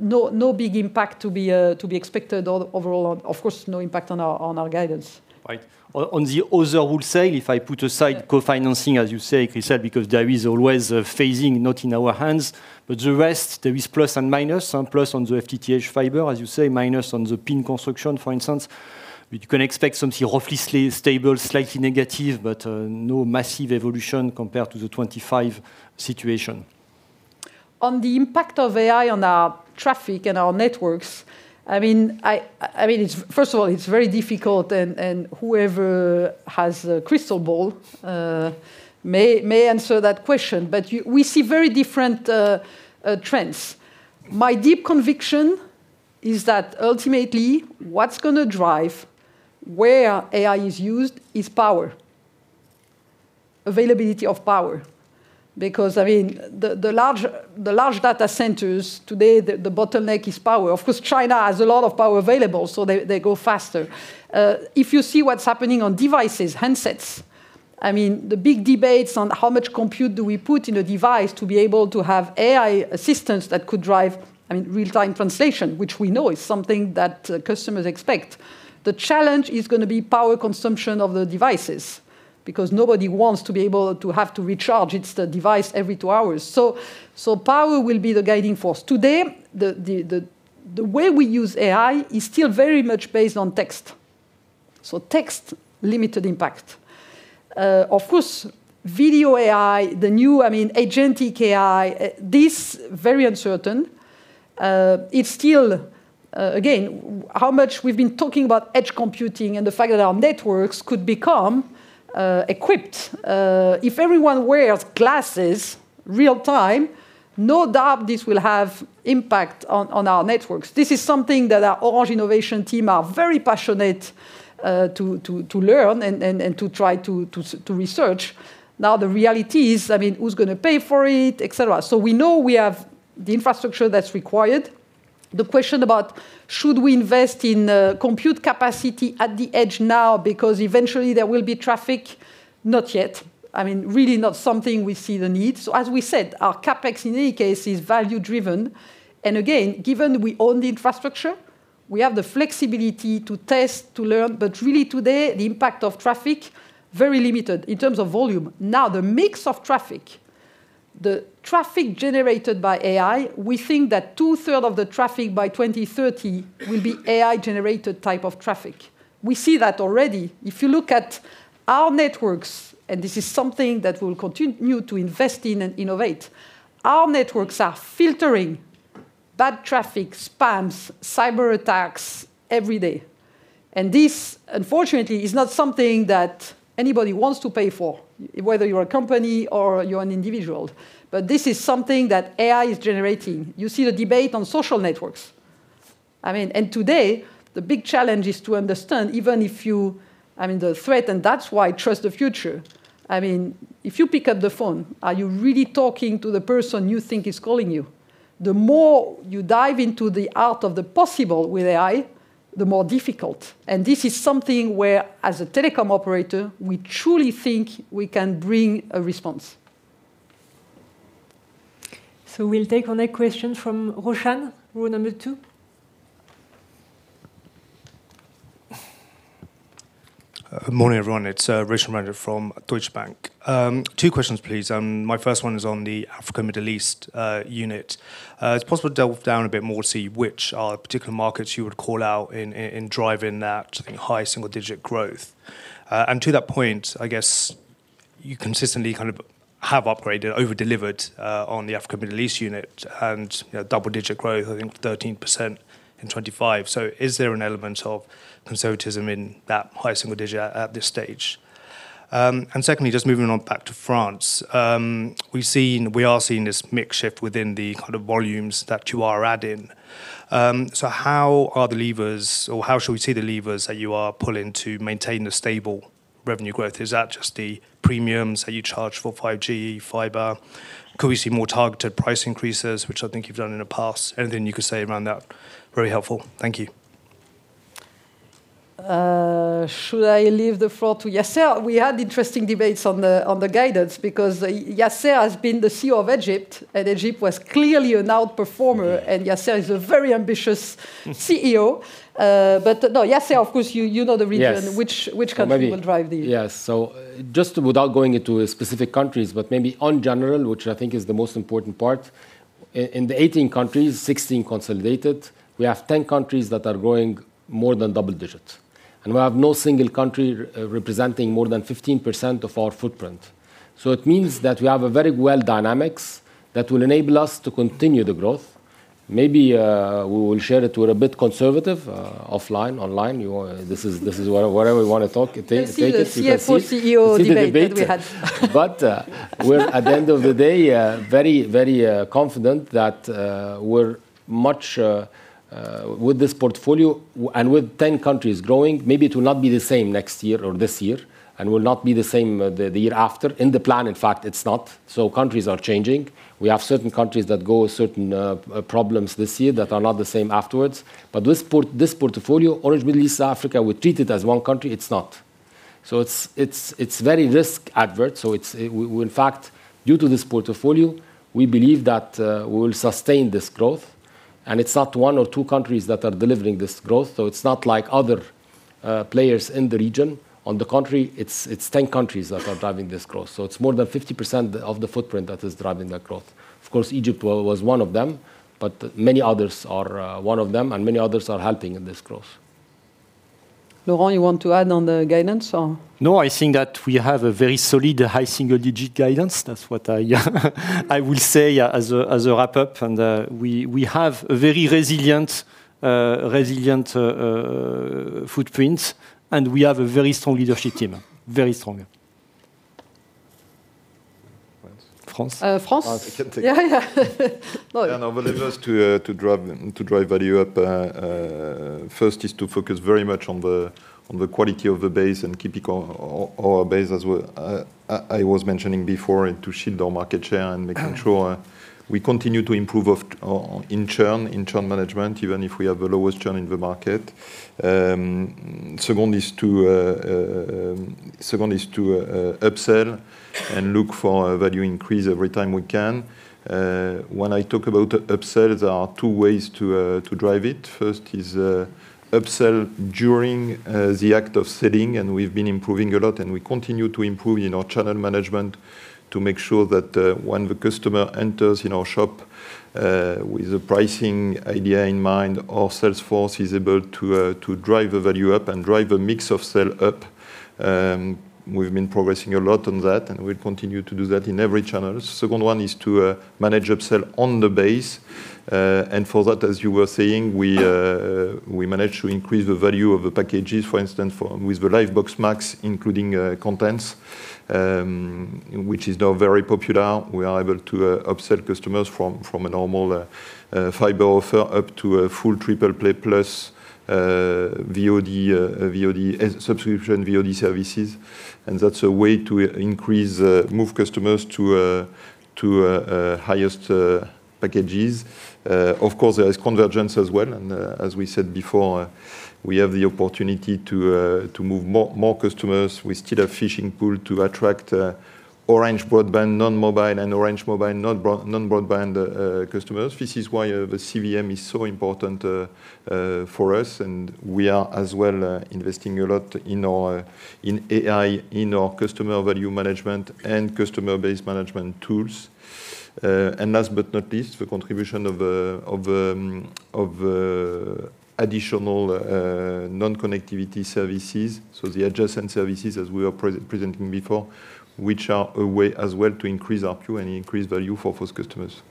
No big impact to be expected overall. Of course, no impact on our guidance. Right. On the other wholesale, if I put aside co-financing, as you say, Christel, because there is always a phasing not in our hands, but the rest, there is plus and minus. Plus on the FTTH fiber, as you say, minus on the PIN construction, for instance. You can expect something roughly stable, slightly negative, but no massive evolution compared to the 2025 situation. On the impact of AI on our traffic and our networks, I mean, first of all, it's very difficult, and whoever has a crystal ball may answer that question, but we see very different trends. My deep conviction is that ultimately, what's gonna drive where AI is used is power. Availability of power. Because, I mean, the large data centers today, the bottleneck is power. Of course, China has a lot of power available, so they go faster. If you see what's happening on devices, handsets, I mean, the big debates on how much compute do we put in a device to be able to have AI assistance that could drive, I mean, real-time translation, which we know is something that customers expect. The challenge is going to be power consumption of the devices, because nobody wants to be able to have to recharge the device every two hours. So power will be the guiding force. Today, the way we use AI is still very much based on text. So text, limited impact. Of course, video AI, the new, I mean, agent AI, this very uncertain. It's still, again, how much we've been talking about edge computing and the fact that our networks could become equipped. If everyone wears glasses, real-time, no doubt this will have impact on our networks. This is something that our Orange Innovation team are very passionate to learn and to try to research. Now, the reality is that who's going to pay for it, et cetera. We know we have the infrastructure that's required. The question about should we invest in compute capacity at the edge now, because eventually there will be traffic? Not yet. I mean, really not something we see the need. As we said, our CapEx, in any case, is value-driven. Again, given we own the infrastructure, we have the flexibility to test, to learn. Really today, the impact of traffic, very limited in terms of volume. Now, the mix of traffic, the traffic generated by AI, we think that two-third of the traffic by 2030 will be AI-generated type of traffic. We see that already. If you look at our networks, and this is something that we'll continue to invest in and innovate, our networks are filtering bad traffic, spams, cyberattacks every day. This, unfortunately, is not something that anybody wants to pay for, whether you're a company or you're an individual. This is something that AI is generating. You see the debate on social networks. I mean, and today, the big challenge is to understand, I mean, the threat, and that's why trust the future. I mean, if you pick up the phone, are you really talking to the person you think is calling you? The more you dive into the art of the possible with AI, the more difficult. This is something where, as a telecom operator, we truly think we can bring a response. We'll take the next question from Roshan, row number 2. Morning, everyone. It's Roshan Ranjit from Deutsche Bank. Two questions, please. My first one is on the Africa, Middle East unit. It's possible to delve down a bit more to see which are particular markets you would call out in driving that high single-digit growth. To that point, I guess you consistently kind of have upgraded, over-delivered on the Africa, Middle East unit, and double-digit growth, I think 13% in 2025. Is there an element of conservatism in that high single digit at this stage? Secondly, just moving on back to France, we are seeing this mix shift within the kind of volumes that you are adding. How are the levers, or how should we see the levers that you are pulling to maintain the stable revenue growth? Is that just the premiums that you charge for 5G, fiber? Could we see more targeted price increases, which I think you've done in the past? Anything you could say around that? Very helpful. Thank you. Should I leave the floor to Yasser? We had interesting debates on the guidance because Yasser has been the CEO of Egypt, and Egypt was clearly an outperformer. Yasser is a very ambitious CEO. No, Yasser, you know the region. Which country will drive. Maybe. Yes, so just without going into specific countries, but maybe on general, which is the most important part, in the 18 countries, 16 consolidated, we have 10 countries that are growing more than double digits. We have no single country representing more than 15% of our footprint. It means that we have a very well dynamics that will enable us to continue the growth. Maybe we will share it. We're a bit conservative offline, online. This is wherever we wanna talk, take it. We see the CFO, CEO debate that we had. See the debate. We're, at the end of the day, very, very confident that we're much with this portfolio and with 10 countries growing, maybe it will not be the same next year or this year, and will not be the same the year after. In the plan, in fact, it's not, so countries are changing. We have certain countries that go certain problems this year that are not the same afterwards. This portfolio, Orange Middle East Africa, we treat it as one country, it's not. It's very risk-averse, we, in fact, due to this portfolio, we believe that we will sustain this growth, and it's not one or two countries that are delivering this growth, so it's not like other players in the region. On the contrary, it's 10 countries that are driving this growth. It's more than 50% of the footprint that is driving that growth. Of course, Egypt was one of them, but many others are one of them, and many others are helping in this growth. Laurent, you want to add on the guidance or? No, I think that we have a very solid high single-digit guidance. That's what I will say as a wrap-up. We have a very resilient footprint, and we have a very strong leadership team. Very strong. France? I can take it. No, but just to, to drive value up, first is to focus very much on the quality of the base and keeping our base, as I was mentioning before, and to shield our market share and making sure we continue to improve in churn management, even if we have the lowest churn in the market. Second is to upsell and look for a value increase every time we can. When I talk about upsell, there are two ways to, to drive it. First is upsell during the act of selling, and we've been improving a lot, and we continue to improve in our channel management to make sure that when the customer enters in our shop with a pricing idea in mind, our sales force is able to drive the value up and drive a mix of sell up. We've been progressing a lot on that, and we'll continue to do that in every channel. Second one is to manage upsell on the base. For that, as you were saying, we manage to increase the value of the packages, for instance, with the Livebox Max, including contents, which is now very popular. We are able to upsell customers from a normal fiber offer up to a full triple play plus subscription VOD services, and that's a way to increase move customers to the highest packages. Of course, there is convergence as well, and as we said before, we have the opportunity to move more customers. We still have afishing pool to attract Orange broadband, non-mobile, and Orange mobile, non-broadband customers. This is why the CVM is so important for us, and we are as well investing a lot in our AI, in our Customer Value Management and customer base management tools. Last but not least, the contribution of additional non-connectivity services, so the adjacent services as we presented before, which are a way as well to increase ARPU and increase value for those customers.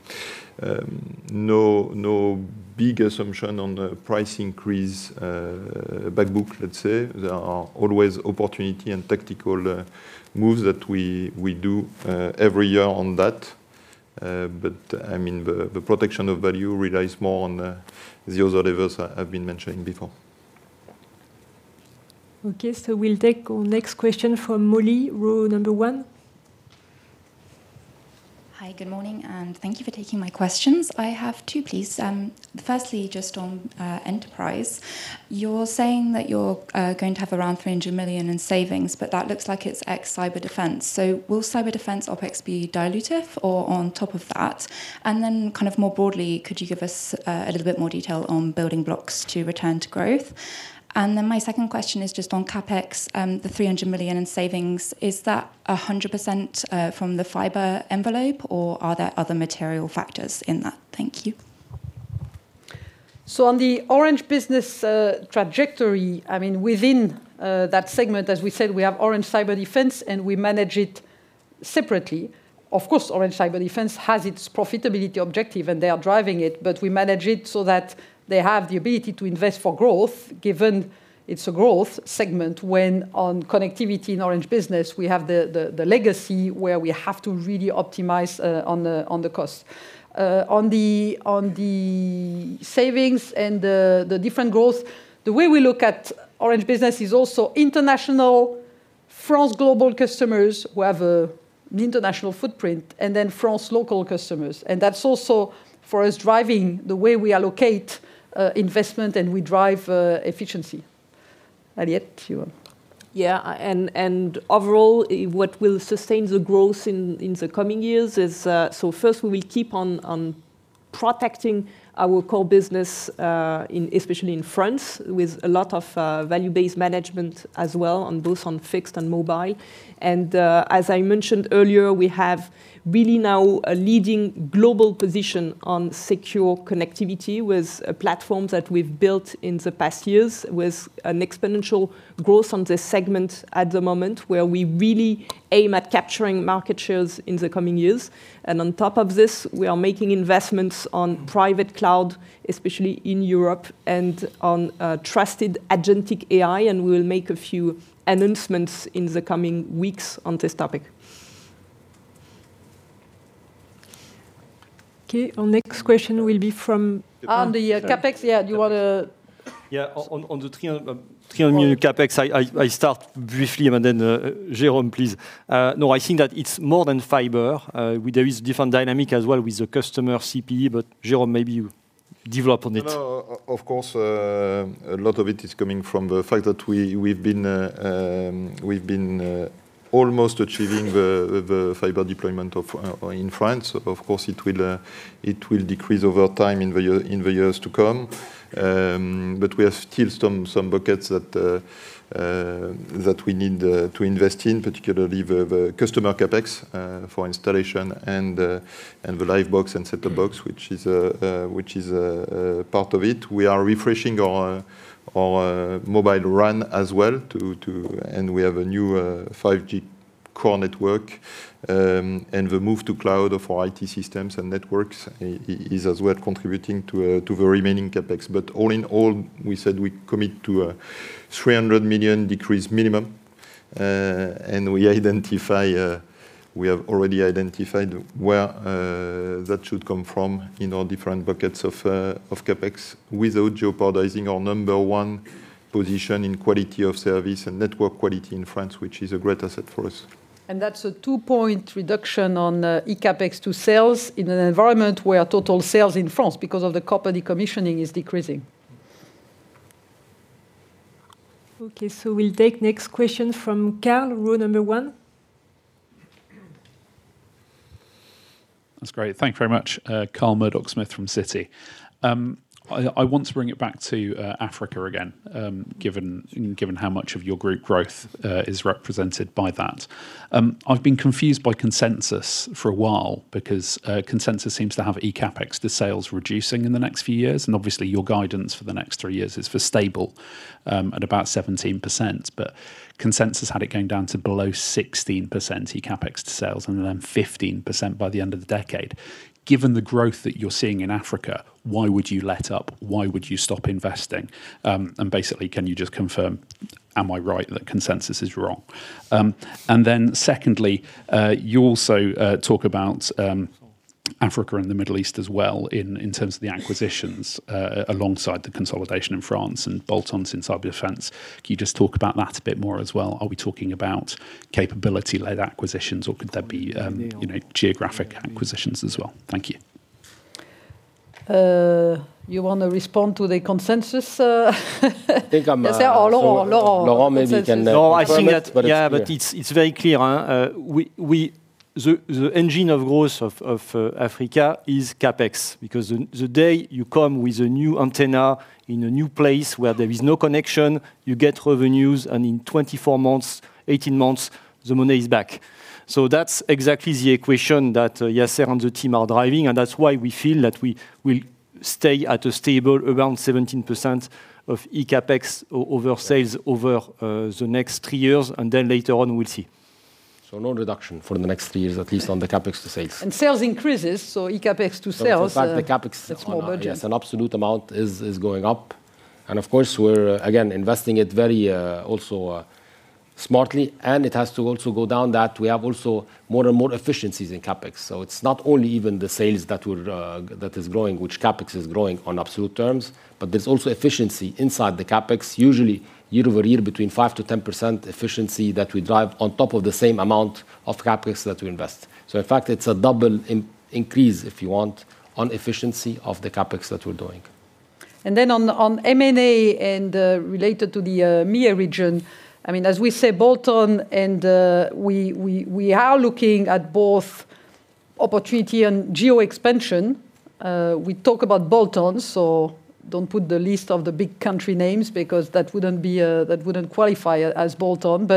No big assumption on the price increase, back book, let's say. There are always opportunity and tactical moves that we do every year on that. I mean, the protection of value relies more on the other levels I've been mentioning before. Okay, we'll take our next question from Molly, row number one. Hi, good morning, and thank you for taking my questions. I have two, please. Firstly, just on Enterprise, you're saying that you're going to have around 300 million in savings, but that looks like it's ex-Cyberdefense. Will Cyberdefense OpEx be dilutive or on top of that? Kind of more broadly, could you give us a little bit more detail on building blocks to return to growth? My second question is just on CapEx. Is the 300 million in savings 100% from the fiber envelope, or are there other material factors in that? Thank you. On the Orange Business trajectory, I mean, within that segment, as we said, we have Orange Cyberdefense, and we manage it separately. Of course, Orange Cyberdefense has its profitability objective, and they are driving it, but we manage it so that they have the ability to invest for growth, given it's a growth segment, when on connectivity in Orange Business, we have the legacy, where we have to really optimize on the cost. On the savings and the different growth, the way we look at Orange Business is also international, France Global customers who have an international footprint, and then France local customers. That's also, for us, driving the way we allocate investment and we drive efficiency. Aliette, you want? Overall, what will sustain the growth in the coming years is first, we will keep on protecting our core business, especially in France, with a lot of value-based management as well, on both fixed and mobile. As I mentioned earlier, we have really now a leading global position on secure connectivity with platforms that we've built in the past years, with an exponential growth on this segment at the moment, where we really aim at capturing market shares in the coming years. On top of this, we are making investments on private cloud, especially in Europe, and on trusted agentic AI, and we will make a few announcements in the coming weeks on this topic. On the CapEx. Do you wanna? On the 300 million CapEx, I start briefly and then Jérôme, please. No, I think that it's more than fiber. There is different dynamic as well with the customer CPE, but Jérôme, maybe you develop on it. No, of course, a lot of it is coming from the fact that we've been almost achieving the fiber deployment in France. Of course, it will decrease over time in the years to come. But we have still some buckets that we need to invest in, particularly the customer CapEx for installation and the Livebox and set-top box, which is part of it. We are refreshing our mobile RAN as well. We have a new 5G core network. The move to cloud of our IT systems and networks is as well contributing to the remaining CapEx. All in all, we said we commit to a 300 million decrease minimum. We identify, we have already identified where that should come from in our different buckets of CapEx, without jeopardizing our number one position in quality of service and network quality in France, which is a great asset for us. That's a two-point reduction on eCapEx to sales in an environment where total sales in France, because of the copper decommissioning, is decreasing. Okay, so we'll take next question from Carl, row number one. That's great. Thank you very much. Carl Murdock-Smith from Citi. I want to bring it back to Africa again, given how much of your group growth is represented by that. I've been confused by consensus for a while because consensus seems to have eCapEx to sales reducing in the next few years, and obviously, your guidance for the next three years is for stable at about 17%. Consensus had it going down to below 16% eCapEx to sales, and then 15% by the end of the decade. Given the growth that you're seeing in Africa, why would you let up? Why would you stop investing? Basically, can you just confirm, am I right that consensus is wrong? Secondly, you also talk about Africa and the Middle East as well in terms of the acquisitions alongside the consolidation in France and bolt-ons inside the fence. Can you just talk about that a bit more as well? Are we talking about capability-led acquisitions, or could there be geographic acquisitions as well? Thank you. You want to respond to the consensus? Laurent, I think that it's very clear. The engine of growth of Africa is CapEx because the day you come with a new antenna in a new place where there is no connection, you get revenues, and in 24 months, 18 months, the money is back. That's exactly the equation that Yasser and the team are driving, and that's why we feel that we will stay at a stable, around 17% of eCapEx over sales over the next three years, and then later on, we'll see. No reduction for the next three years, at least on the CapEx to sales. Sales increases, so eCapEx to sales it's more budget. It's an absolute amount, is going up. Of course, we're, again, investing it very also smartly, and it has to also go down that we have also more and more efficiencies in CapEx. It's not only even the sales that will that is growing, which CapEx is growing on absolute terms, but there's also efficiency inside the CapEx. Usually, year-over-year, between 5%-10% efficiency that we drive on top of the same amount of CapEx that we invest. In fact, it's a double increase, if you want, on efficiency of the CapEx that we're doing. On M&A and related to the MEA region, I mean, as we say, bolt-on and we are looking at both opportunity and geo-expansion. We talk about bolt-ons, so don't put the list of the big country names because that wouldn't be, that wouldn't qualify as bolt-on.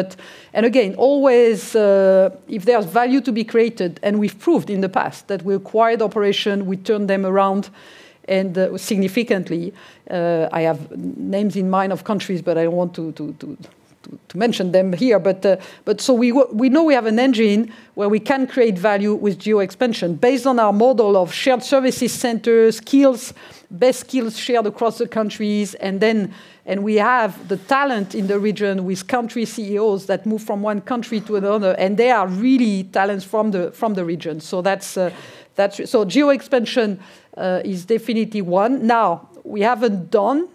Again, always, if there's value to be created, and we've proved in the past that we acquired operation, we turn them around and significantly. I have names in mind of countries, but I don't want to mention them here. We know we have an engine where we can create value with geo expansion based on our model of shared services centers, skills, best skills shared across the countries, and then we have the talent in the region with country CEOs that move from one country to another, and they are really talents from the region. Geo expansion is definitely one. Now, we haven't done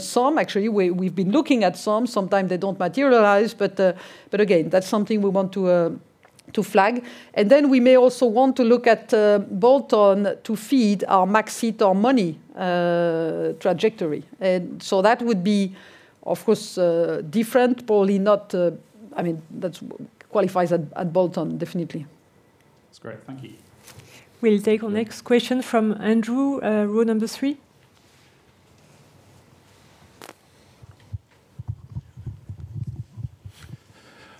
some. Actually, we've been looking at some. Sometimes they don't materialize, but again, that's something we want to flag. We may also want to look at bolt-on to feed our Max it or money trajectory. That would be, of course, different, probably not. I mean, that qualifies at bolt-on, definitely. That's great. Thank you. We'll take our next question from Andrew, row number three.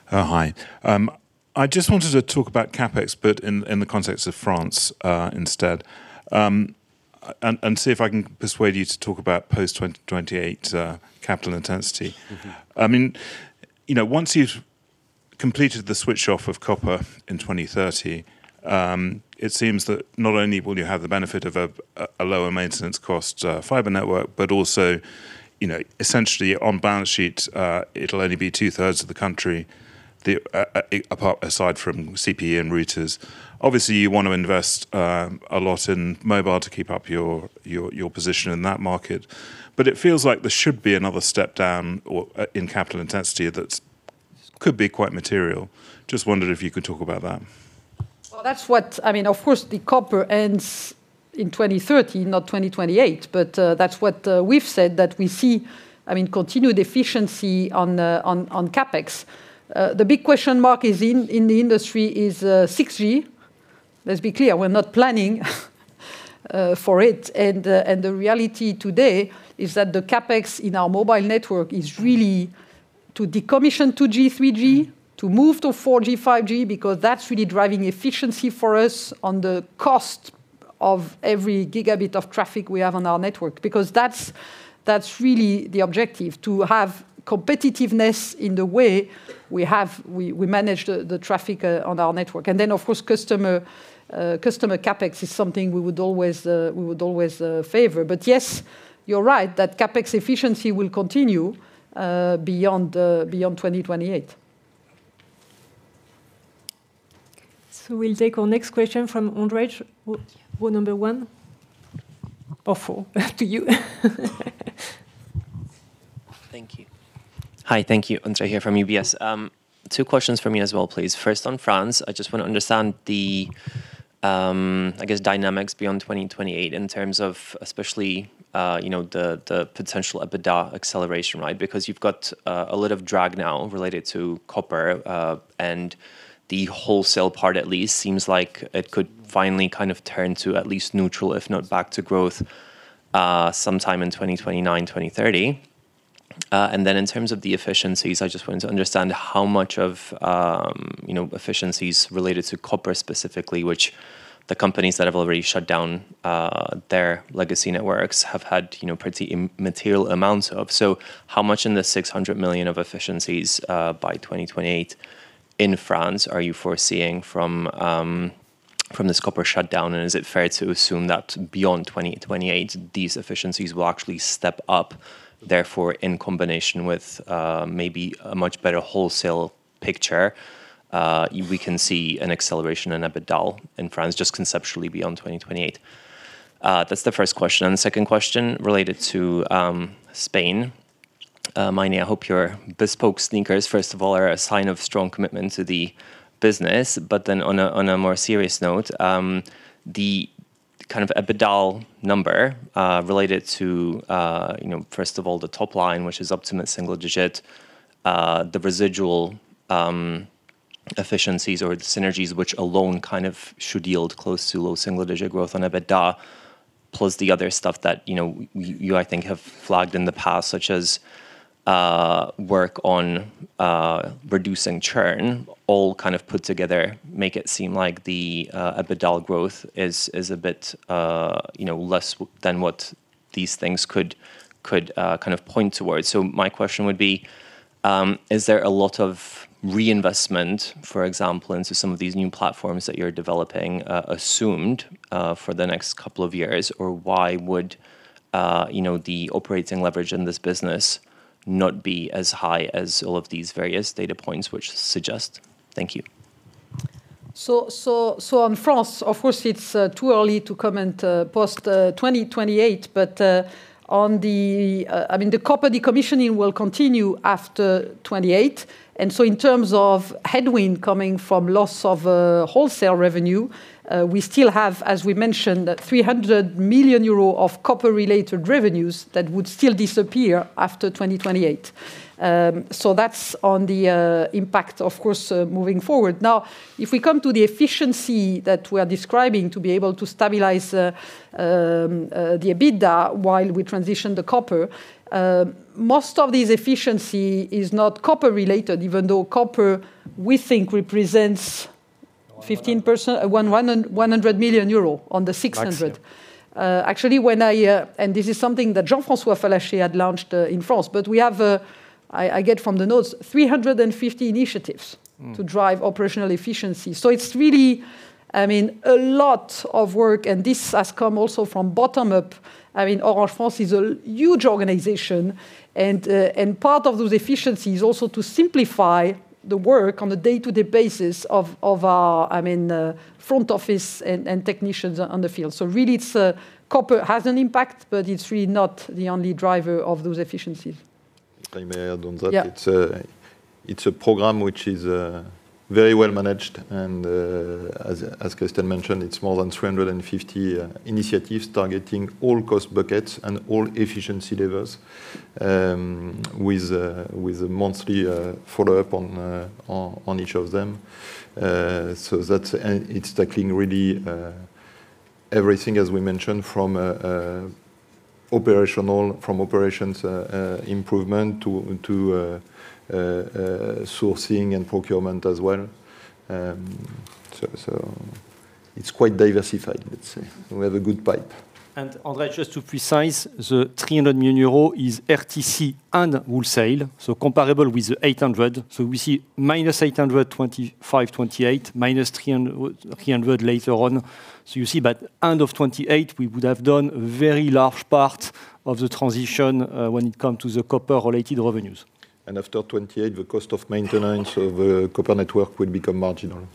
Hi. I just wanted to talk about CapEx but in the context of France instead and see if I can persuade you to talk about post-2028 capital intensity. Once you've completed the switch-off of copper in 2030. It seems that not only will you have the benefit of a lower maintenance cost fiber network, but also essentially on balance sheet, it'll only be two-thirds of the country, aside from CPE and routers. Obviously, you want to invest a lot in mobile to keep up your position in that market, but it feels like there should be another step down or in capital intensity that could be quite material. Just wondered if you could talk about that. Well, of course, the copper ends in 2030, not 2028, but that's what we've said, that we see, I mean, continued efficiency on the CapEx. The big question mark in the industry is 6G. Let's be clear, we're not planning for it, and the reality today is that the CapEx in our mobile network is really to decommission 2G, 3G, to move to 4G, 5G, because that's really driving efficiency for us on the cost of every gigabit of traffic we have on our network. Because that's really the objective: to have competitiveness in the way we manage the traffic on our network. Of course, customer CapEx is something we would always favor. Yes, you're right, that CapEx efficiency will continue beyond 2028. We'll take our next question from Ondrej. Well, number one or four, to you. Thank you. Hi, thank you. Ondrej here from UBS. Two questions from me as well, please. First, on France, I just want to understand the, I guess, dynamics beyond 2028 in terms of especially the potential EBITDA acceleration, right? Because you've got a lot of drag now related to copper, and the wholesale part at least seems like it could finally kind of turn to at least neutral, if not back to growth, sometime in 2029-2030. In terms of the efficiencies, I just wanted to understand how much of efficiencies related to copper specifically, which the companies that have already shut down their legacy networks have had pretty immaterial amounts of. How much in the 600 million of efficiencies by 2028 in France are you foreseeing from this copper shutdown? Is it fair to assume that beyond 2028, these efficiencies will actually step up, therefore, in combination with maybe a much better wholesale picture, we can see an acceleration in EBITDA in France, just conceptually beyond 2028? That's the first question. The second question related to Spain. Meinrad, I hope your bespoke sneakers, first of all, are a sign of strong commitment to the business. Then on a more serious note, the kind of EBITDA number related to, first of all, the top line, which is up to the single-digit, the residual efficiencies or the synergies, which alone should yield close to low single-digit growth on EBITDA, plus the other stuff that I think, have flagged in the past, such as work on reducing churn, all put together, make it seem like the EBITDA growth is, is a bit less than what these things could point towards. My question would be, is there a lot of reinvestment, for example, into some of these new platforms that you're developing, assumed for the next couple of years? Why would the operating leverage in this business not be as high as all of these various data points which suggest? Thank you. On France, of course, it's too early to comment post 2028, but on, the copper decommissioning will continue after 28, and so in terms of headwind coming from loss of wholesale revenue, we still have, as we mentioned, that 300 million euro of copper-related revenues that would still disappear after 2028. That's on the impact, of course, moving forward. Now, if we come to the efficiency that we are describing to be able to stabilize the EBITDA while we transition the copper, most of these efficiency is not copper related, even though copper, we think, represents 15%, 100 million euro on the 600. Actually, when I, and this is something that Jean-François Fallacher had launched in France, but we have, I get from the notes, 350 initiatives to drive operational efficiency. It's really, I mean, a lot of work, and this has come also from bottom up. I mean, Orange France is a huge organization, and part of those efficiencies also to simplify the work on a day-to-day basis of our, I mean, front office and technicians on the field. Really, it's copper has an impact, but it's really not the only driver of those efficiencies. If I may add on that. It's a program which is very well managed, and as Christel mentioned, it's more than 350 initiatives targeting all cost buckets and all efficiency levels with a monthly follow-up on each of them. It's tackling really everything, as we mentioned, from operations improvement to sourcing and procurement as well. It's quite diversified, let's say. We have a good pipe. Andrew, just to precise, the 300 million euro is RTC and wholesale, so comparable with 800. We see -825, 2028, -300, 300 later on. You see by end of 2028, we would have done very large part of the transition when it come to the copper-related revenues. After 2028, the cost of maintenance of copper network will become marginal.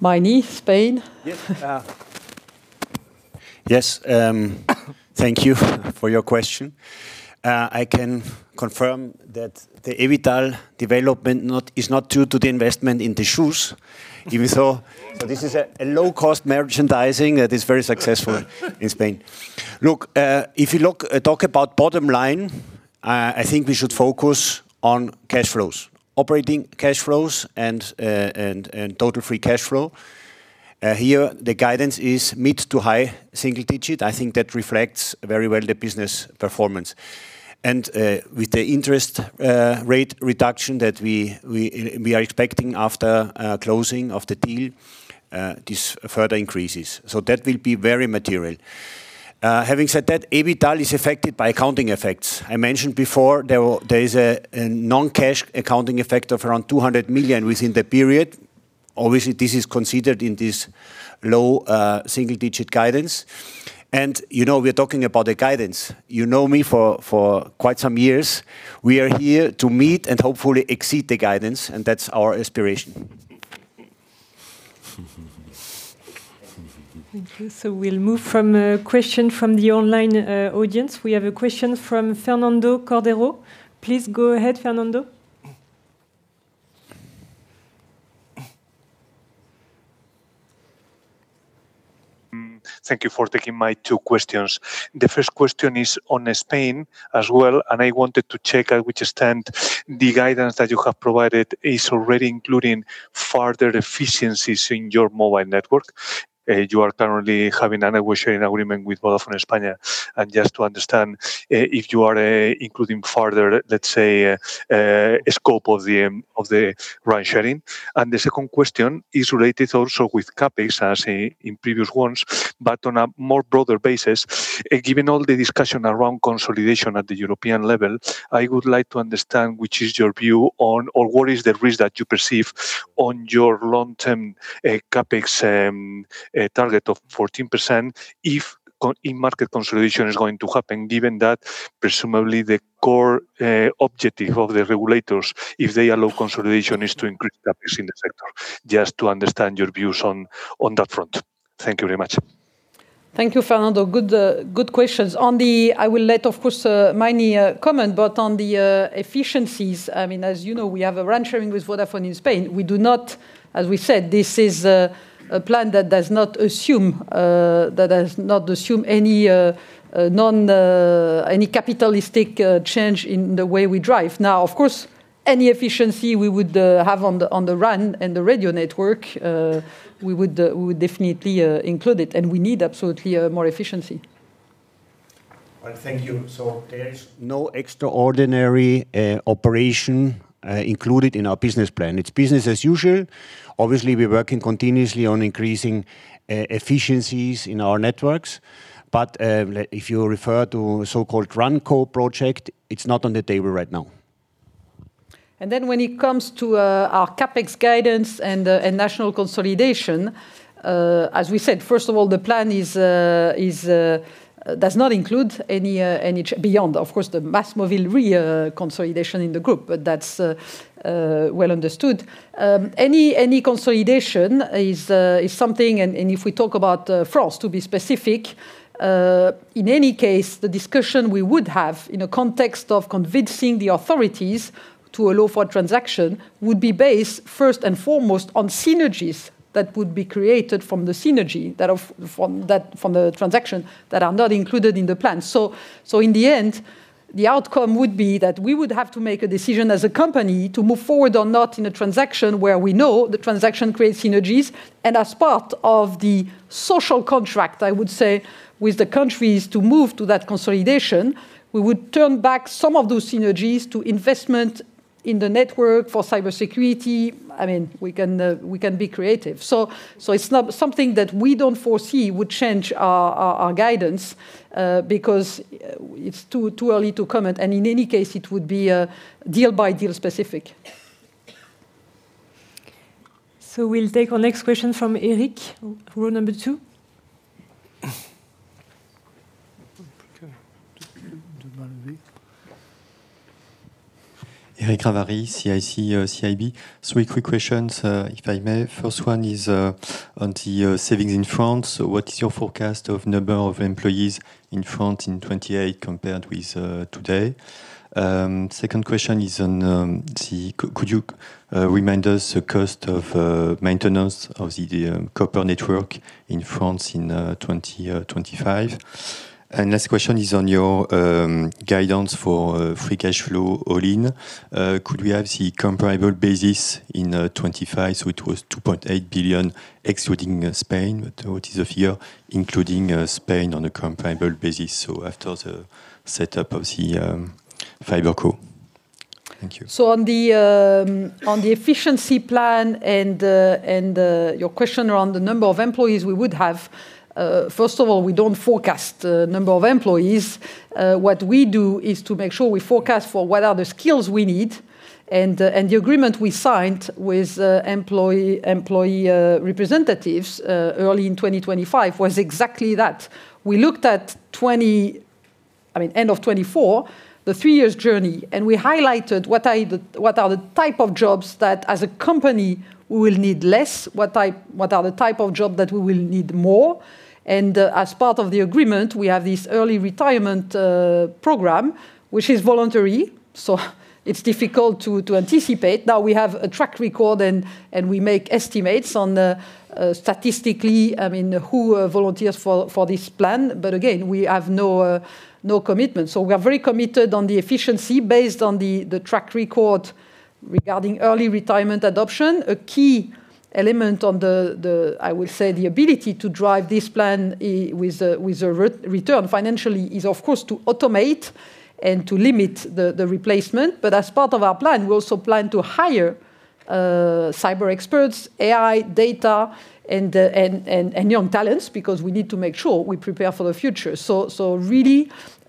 Meini, Spain? Yes. Yes, thank you for your question. I can confirm that the EBITDA development not, is not due to the investment in the shoes. Even so, this is a low-cost merchandising that is very successful in Spain. Look, if you look, talk about bottom line, I think we should focus on cash flows, operating cash flows, and total free cash flow. Here, the guidance is mid to high single digit. I think that reflects very well the business performance. With the interest rate reduction that we are expecting after closing of the deal, this further increases. That will be very material. Having said that, EBITDA is affected by accounting effects. I mentioned before, there is a non-cash accounting effect of around 200 million within the period. Obviously, this is considered in this low single-digit guidance. We are talking about the guidance. You know me for quite some years. We are here to meet and hopefully exceed the guidance, and that's our aspiration. Thank you. We'll move from a question from the online audience. We have a question from Fernando Cordero. Please go ahead, Fernando. Thank you for taking my two questions. The first question is on Spain as well, and I wanted to check at which extent the guidance that you have provided is already including further efficiencies in your mobile network. You are currently having a negotiating agreement with Vodafone España. Just to understand if you are including further, let's say, a scope of the RAN sharing. The second question is related also with CapEx, as in previous ones, but on a more broader basis. Given all the discussion around consolidation at the European level, I would like to understand, which is your view on or what is the risk that you perceive on your long-term CapEx target of 14% if in market consolidation is going to happen, given that presumably the core objective of the regulators, if they allow consolidation, is to increase CapEx in the sector. Just to understand your views on that front. Thank you very much. Thank you, Fernando. Good questions. I will let, of course, Meinrad comment, but on the efficiencies, we have a RAN sharing with Vodafone in Spain. As we said, this is a plan that does not assume any capitalistic change in the way we drive. Now, of course, any efficiency we would have on the RAN and the radio network, we would definitely include it, and we need absolutely more efficiency. Well, thank you. There is no extraordinary operation included in our business plan. It's business as usual. Obviously, we're working continuously on increasing efficiencies in our networks, but if you refer to so-called RAN Co project, it's not on the table right now. When it comes to our CapEx guidance and national consolidation, as we said, first of all, the plan does not include any beyond, of course, the MásMóvil reconsolidation in the group, but that's well understood. Any consolidation is something, if we talk about France, to be specific, in any case, the discussion we would have in the context of convincing the authorities to allow for transaction, would be based first and foremost on synergies that would be created from the synergy from the transaction that are not included in the plan. In the end, the outcome would be that we would have to make a decision as a company to move forward or not in a transaction where we know the transaction creates synergies. As part of the social contract, I would say, with the countries to move to that consolidation, we would turn back some of those synergies to investment in the network for cybersecurity. I mean, we can be creative. It's not something that we don't foresee would change our guidance because it's too early to comment, and in any case, it would be deal-by-deal specific. We'll take our next question from Eric, row number 2. Eric Ravary, CIC. Three quick questions if I may. First one is on the savings in France. What is your forecast of number of employees in France in 2028 compared with today? Second question is on could you remind us the cost of maintenance of the copper network in France in 2025? Last question is on your guidance for free cash flow all-in. Could we have the comparable basis in 2025? It was 2.8 billion, excluding Spain, but what is the figure, including Spain on a comparable basis, so after the setup of the FiberCo? Thank you. On the efficiency plan and your question around the number of employees we would have, first of all, we don't forecast the number of employees. What we do is to make sure we forecast for what are the skills we need, and the agreement we signed with employee representatives early in 2025 was exactly that. We looked at, I mean, end of 2024, the three-year journey, and we highlighted what are the type of jobs that as a company, we will need less, what are the type of job that we will need more. As part of the agreement, we have this early retirement program, which is voluntary, so it's difficult to anticipate. Now, we have a track record, and we make estimates on statistically who volunteers for this plan. Again, we have no commitment. We are very committed on the efficiency based on the track record regarding early retirement adoption. A key element on, I will say, the ability to drive this plan with a return financially, is, of course, to automate and to limit the replacement. As part of our plan, we also plan to hire cyber experts, AI, data, and young talents, because we need to make sure we prepare for the future.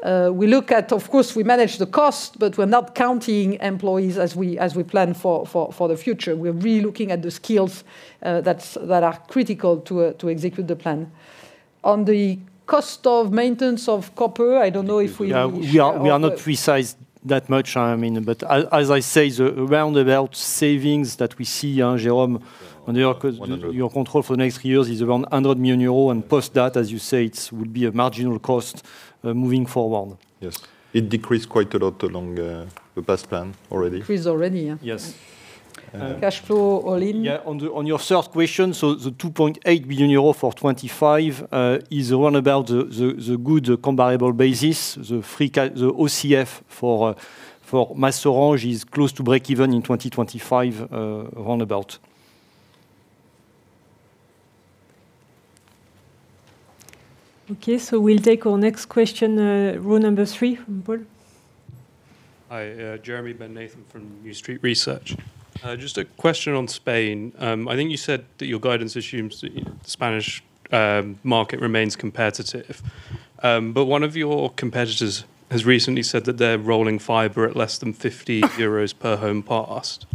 Of course, we manage the cost, but we're not counting employees as we plan for the future. We're really looking at the skills that are critical to execute the plan. On the cost of maintenance of copper. We are not precise that much. I mean, as I say, the roundabout savings that we see, Jérôme, on your control for the next few years is around 100 million euro, and post that, as you say, it would be a marginal cost moving forward. Yes. It decreased quite a lot along the past plan already. Decreased already. On your third question, so the 2.8 billion euro for 2025 is around about the good comparable basis. The OCF for Orange is close to breakeven in 2025, roundabout. Okay, we'll take our next question, row number three from Jeremy. Hi, Jeremy Ben Nathan from New Street Research. Just a question on Spain. I think you said that your guidance assumes that Spanish market remains competitive. One of your competitors has recently said that they're rolling fiber at less than 50 euros per home passed,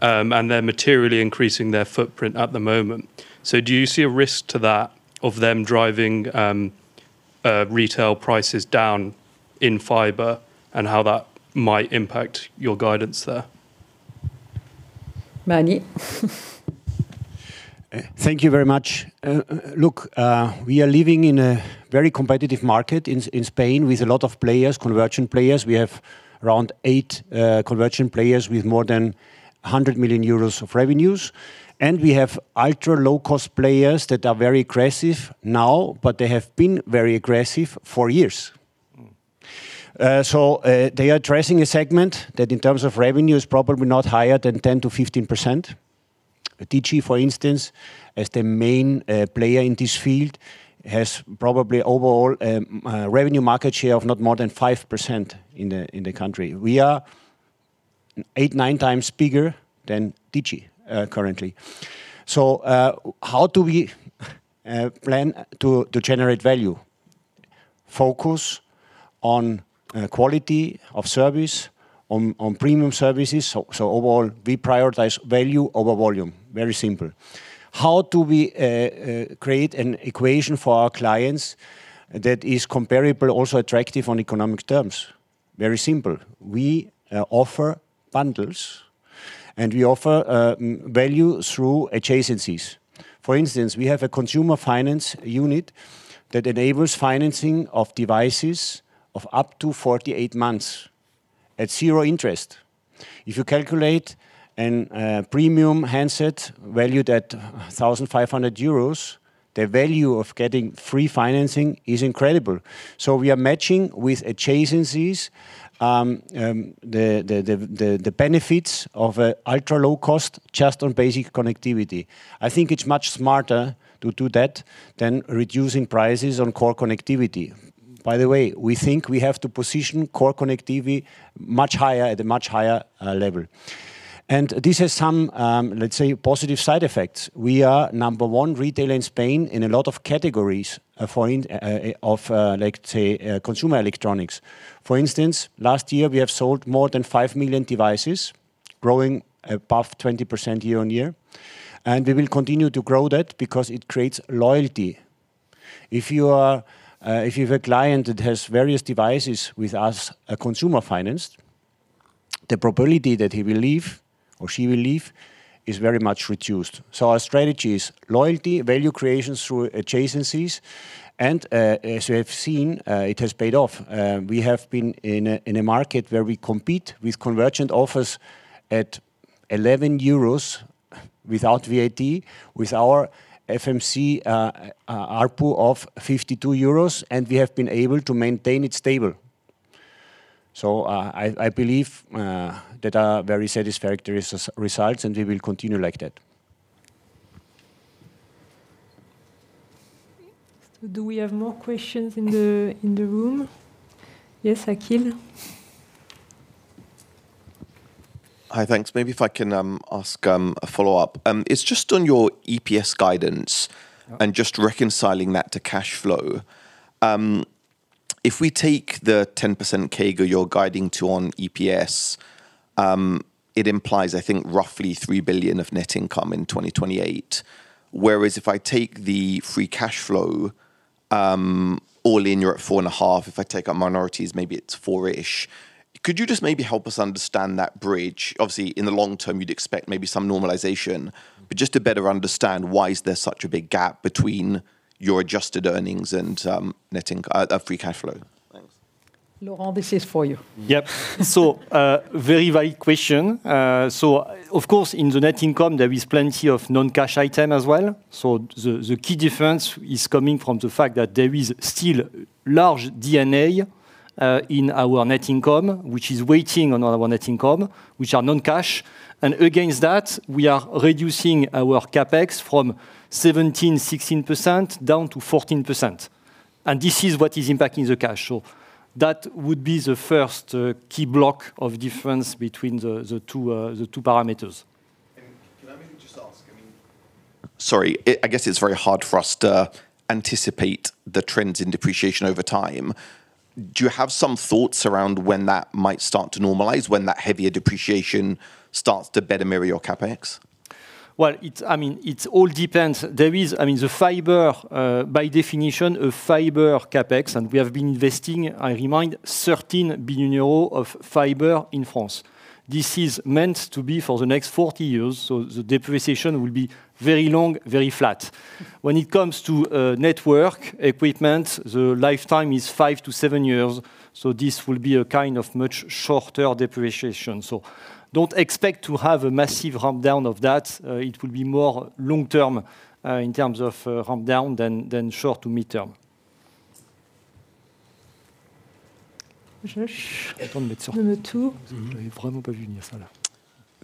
and they're materially increasing their footprint at the moment. Do you see a risk to that, of them driving retail prices down in fiber, and how that might impact your guidance there? Meinrad? Thank you very much. Look, we are living in a very competitive market in Spain with a lot of players, convergent players. We have around eight convergent players with more than 100 million euros of revenues, and we have ultra-low-cost players that are very aggressive now, but they have been very aggressive for years. They are addressing a segment that, in terms of revenue, is probably not higher than 10%-15%. Digi, for instance, as the main player in this field, has probably overall revenue market share of not more than 5% in the country. We are 8x, 9x bigger than Digi currently. How do we plan to generate value? Focus on quality of service, on premium services. Overall, we prioritize value over volume. Very simple. How do we create an equation for our clients that is comparable, also attractive on economic terms? Very simple. We offer bundles, and we offer value through adjacencies. For instance, we have a consumer finance unit that enables financing of devices of up to 48 months at zero interest. If you calculate a premium handset valued at 1,500 euros, the value of getting free financing is incredible. We are matching with adjacencies the benefits of ultra-low cost just on basic connectivity. I think it's much smarter to do that than reducing prices on core connectivity. By the way, we think we have to position core connectivity much higher, at a much higher level. This has some, let's say, positive side effects. We are number one retailer in Spain in a lot of categories, like, say, consumer electronics. For instance, last year, we have sold more than 5 million devices, growing above 20% year-on-year. We will continue to grow that because it creates loyalty. If you have a client that has various devices with us, a consumer financed, the probability that he will leave or she will leave is very much reduced. Our strategy is loyalty, value creation through adjacencies, and as you have seen, it has paid off. We have been in a market where we compete with convergent offers at 11 euros without VAT, with our FMC ARPU of 52 euros, and we have been able to maintain it stable. I believe that are very satisfactory results, and we will continue like that. Do we have more questions in the room? Yes, Akhil. Hi, thanks. Maybe if I can ask a follow-up. It's just on your EPS guidance. Just reconciling that to cash flow. If we take the 10% CAGR you're guiding to on EPS, it implies, I think, roughly 3 billion of net income in 2028. Whereas if I take the free cash flow, all in, you're at 4.5 billion. If I take out minorities, maybe it's EUR 4-ish. Could you just maybe help us understand that bridge? Obviously, in the long term, you'd expect maybe some normalization. Just to better understand, why is there such a big gap between your adjusted earnings and free cash flow? Thanks. Laurent, this is for you. Yep. Very, very question. Of course, in the net income, there is plenty of non-cash item as well. The key difference is coming from the fact that there is still large D&A in our net income, which is waiting on our net income, which are non-cash. Against that, we are reducing our CapEx from 17%, 16% down to 14%, and this is what is impacting the cash. That would be the first key block of difference between the two parameters. Can I maybe just ask? I mean, sorry, I guess it's very hard for us to anticipate the trends in depreciation over time. Do you have some thoughts around when that might start to normalize, when that heavier depreciation starts to better mirror your CapEx? Well, it's, I mean, it's all depends. There is, I mean, the fiber, by definition, a fiber CapEx, and we have been investing, I remind, 13 billion euros of fiber in France. This is meant to be for the next 40 years, so the depreciation will be very long, very flat. When it comes to network equipment, the lifetime is 5-7 years, so this will be a kind of much shorter depreciation. Don't expect to have a massive rundown of that. It will be more long-term in terms of rundown than short- to mid-term. Josh, number two.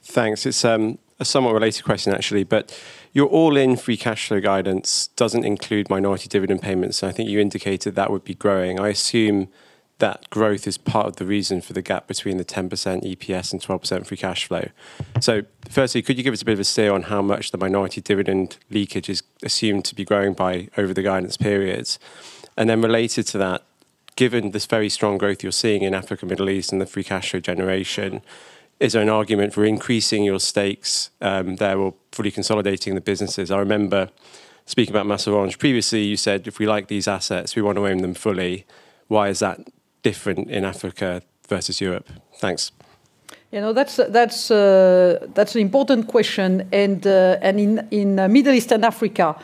Thanks. It's a somewhat related question, actually, but your all-in free cash flow guidance doesn't include minority dividend payments, so I think you indicated that would be growing. I assume that growth is part of the reason for the gap between the 10% EPS and 12% free cash flow. Firstly, could you give us a bit of a say on how much the minority dividend leakage is assumed to be growing by over the guidance periods? Related to that, given this very strong growth you're seeing in Africa, Middle East, and the free cash flow generation, is there an argument for increasing your stakes there or fully consolidating the businesses? I remember speaking about Orange previously, you said, "If we like these assets, we want to own them fully." Why is that different in Africa versus Europe? Thanks. That's an important question. In Middle East and Africa,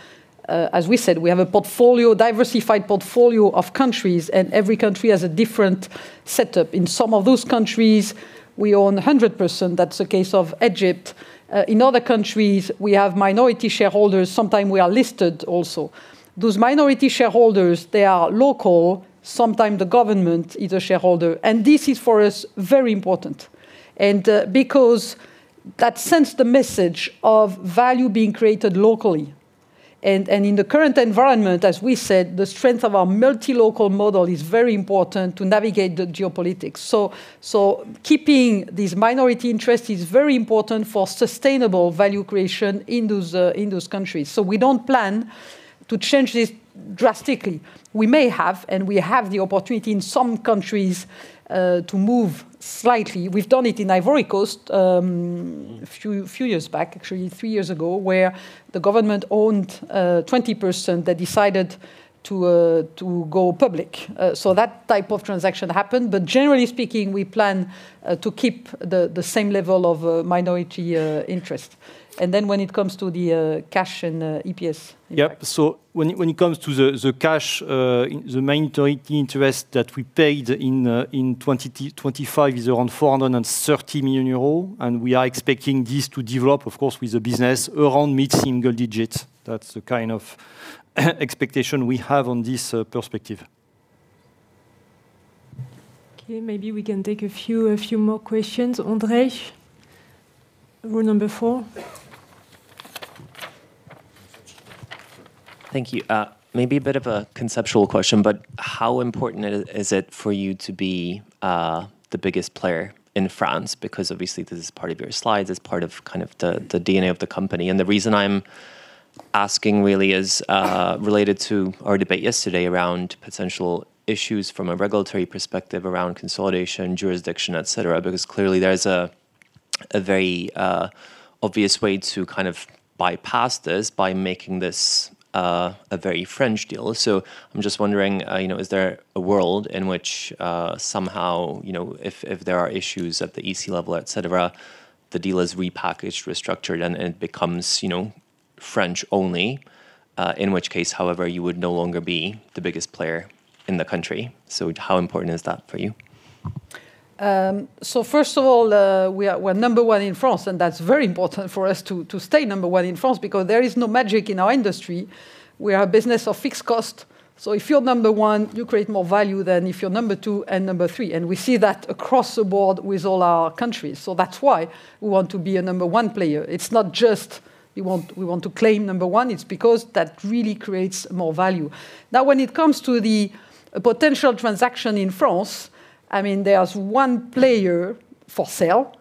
as we said, we have a portfolio, diversified portfolio of countries. Every country has a different setup. In some of those countries, we own 100%. That's the case of Egypt. In other countries, we have minority shareholders. Sometime, we are listed also. Those minority shareholders, they are local. Sometime, the government is a shareholder, and this is, for us, very important. Because that sends the message of value being created locally, and in the current environment, as we said, the strength of our multi-local model is very important to navigate the geopolitics. Keeping these minority interests is very important for sustainable value creation in those countries. We don't plan to change this drastically. We may have, and we have the opportunity in some countries to move slightly. We've done it in Ivory Coast a few years back, actually three years ago, where the government owned 20%. They decided to go public. That type of transaction happened, but generally speaking, we plan to keep the same level of minority interest. When it comes to the cash and EPS. Yep. When it comes to the cash, the minority interest that we paid in 2025 is around 430 million euros, and we are expecting this to develop, of course, with the business around mid-single digits. That's the kind of expectation we have on this perspective. Okay, maybe we can take a few more questions. Ondrej, row number four. Thank you. Maybe a bit of a conceptual question, but how important is it for you to be the biggest player in France? Because obviously, this is part of your slides. It's part of kind of the DNA of the company. The reason I'm asking really is related to our debate yesterday around potential issues from a regulatory perspective around consolidation, jurisdiction, et cetera. Because clearly, there's a very obvious way to kind of bypass this by making this a very French deal. I'm just wondering is there a world in which somehow f there are issues at the E.C. level, et cetera, the deal is repackaged, restructured, and it becomes French only, in which case, however, you would no longer be the biggest player in the country. How important is that for you? First of all, we're number one in France, and that's very important for us to stay number one in France because there is no magic in our industry. We are a business of fixed cost, so if you're number one, you create more value than if you're number two and number three, and we see that across the board with all our countries. That's why we want to be a number one player. It's not just we want to claim number one, it's because that really creates more value. Now, when it comes to the potential transaction in France, I mean, there's one player for sale,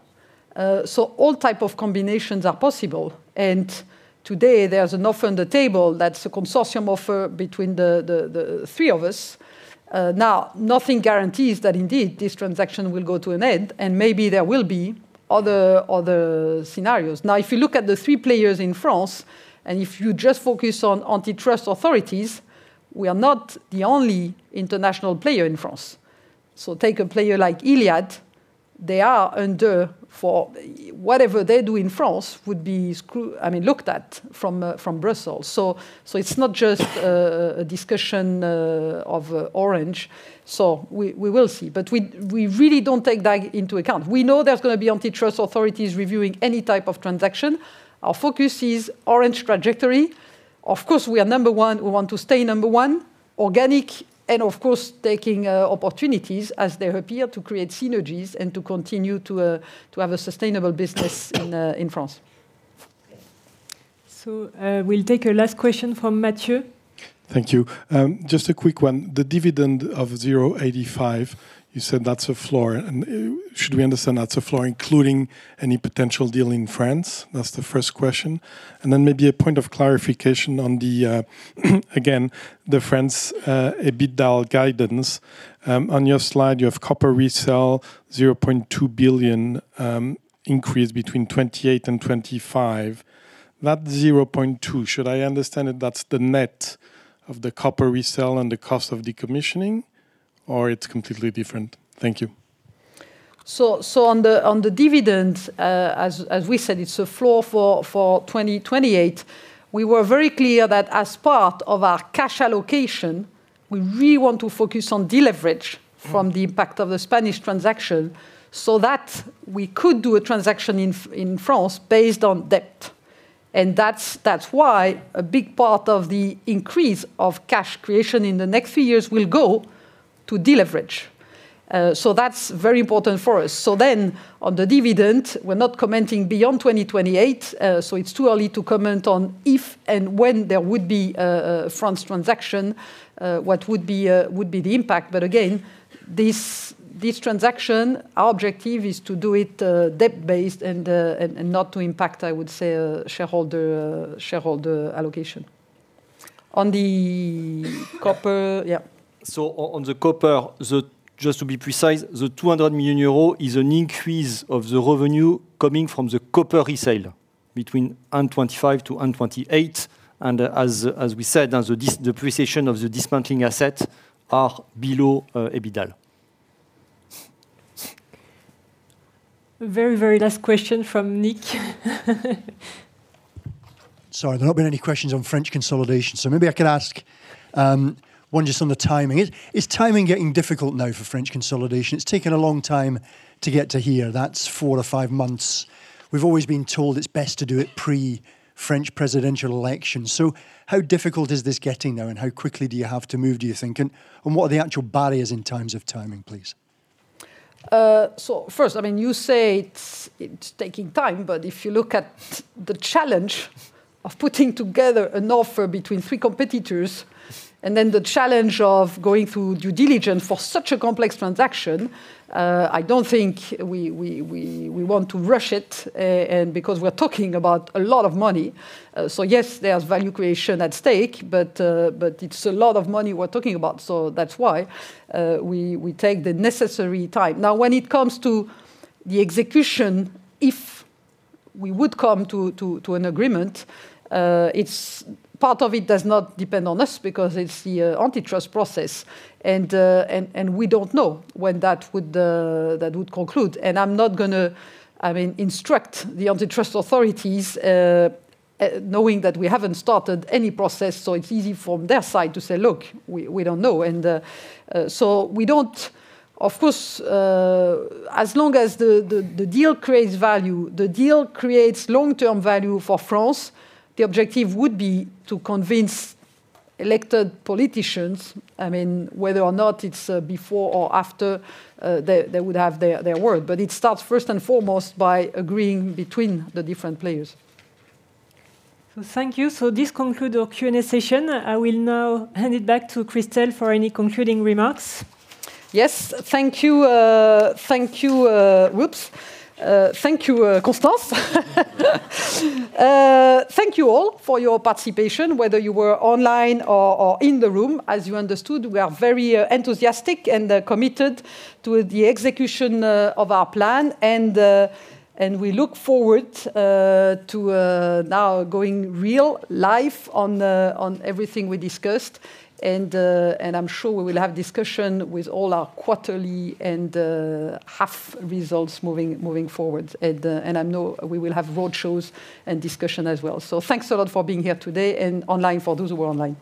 so all type of combinations are possible. Today there's an offer on the table that's a consortium offer between the three of us. Now, nothing guarantees that indeed this transaction will go to an end, and maybe there will be other scenarios. If you look at the three players in France, and if you just focus on antitrust authorities, we are not the only international player in France. Take a player like Iliad, they are under for whatever they do in France would be, I mean, looked at from Brussels. It's not just a discussion of Orange. We will see, but we really don't take that into account. We know there's gonna be antitrust authorities reviewing any type of transaction. Our focus is Orange trajectory. Of course, we are number one. We want to stay number one, organic, and of course, taking opportunities as they appear to create synergies and to continue to have a sustainable business in France. We'll take a last question from Matthieu. Thank you. Just a quick one. The dividend of 0.85, you said that's a floor, and should we understand that's a floor, including any potential deal in France? That's the first question. Maybe a point of clarification on the again, the France EBITDA guidance. On your slide, you have copper resell, 0.2 billion increase between 2028 and 2025. That 0.2, should I understand that that's the net of the copper resell and the cost of decommissioning, or it's completely different? Thank you. On the dividend, as we said, it's a floor for 2028. We were very clear that as part of our cash allocation, we really want to focus on deleverage. From the impact of the Spanish transaction so that we could do a transaction in France based on debt. That's why a big part of the increase of cash creation in the next few years will go to deleverage. That's very important for us. On the dividend, we're not commenting beyond 2028. It's too early to comment on if and when there would be a France transaction, what would be the impact. Again, this transaction, our objective is to do it debt-based and not to impact, I would say, shareholder allocation. On the copper. On the copper, just to be precise, the 200 million euro is an increase of the revenue coming from the copper resale between end 2025-end 2028, and, as we said, as the precision of the dismantling assets are below EBITDA. Very, very last question from Nick. Sorry, there have not been any questions on French consolidation, so maybe I could ask one just on the timing. Is timing getting difficult now for French consolidation? It's taken a long time to get to here. That's 4-5 months. We've always been told it's best to do it pre-French presidential election. How difficult is this getting now, and how quickly do you have to move, do you think? What are the actual barriers in terms of timing, please? First, I mean, you say it's taking time, but if you look at the challenge of putting together an offer between three competitors and then the challenge of going through due diligence for such a complex transaction, I don't think we want to rush it, and because we're talking about a lot of money. Yes, there's value creation at stake, but it's a lot of money we're talking about, so that's why we take the necessary time. Now, when it comes to the execution, if we would come to an agreement, part of it does not depend on us because it's the antitrust process, and we don't know when that would conclude. I'm not gonna, I mean, instruct the antitrust authorities, knowing that we haven't started any process, so it's easy from their side to say, "Look, we don't know." Of course, as long as the deal creates value, the deal creates long-term value for France, the objective would be to convince elected politicians, I mean, whether or not it's before or after they would have their word. It starts first and foremost by agreeing between the different players. Thank you. This conclude our Q&A session. I will now hand it back to Christel for any concluding remarks. Yes, thank you. Thank you. Whoops. Thank you, Constance. Thank you all for your participation, whether you were online or in the room. As you understood, we are very enthusiastic and committed to the execution of our plan, and I look forward to now going real life on everything we discussed. I'm sure we will have discussion with all our quarterly and half results moving forward. I know we will have roadshows and discussion as well. Thanks a lot for being here today and online, for those who were online. Thank you.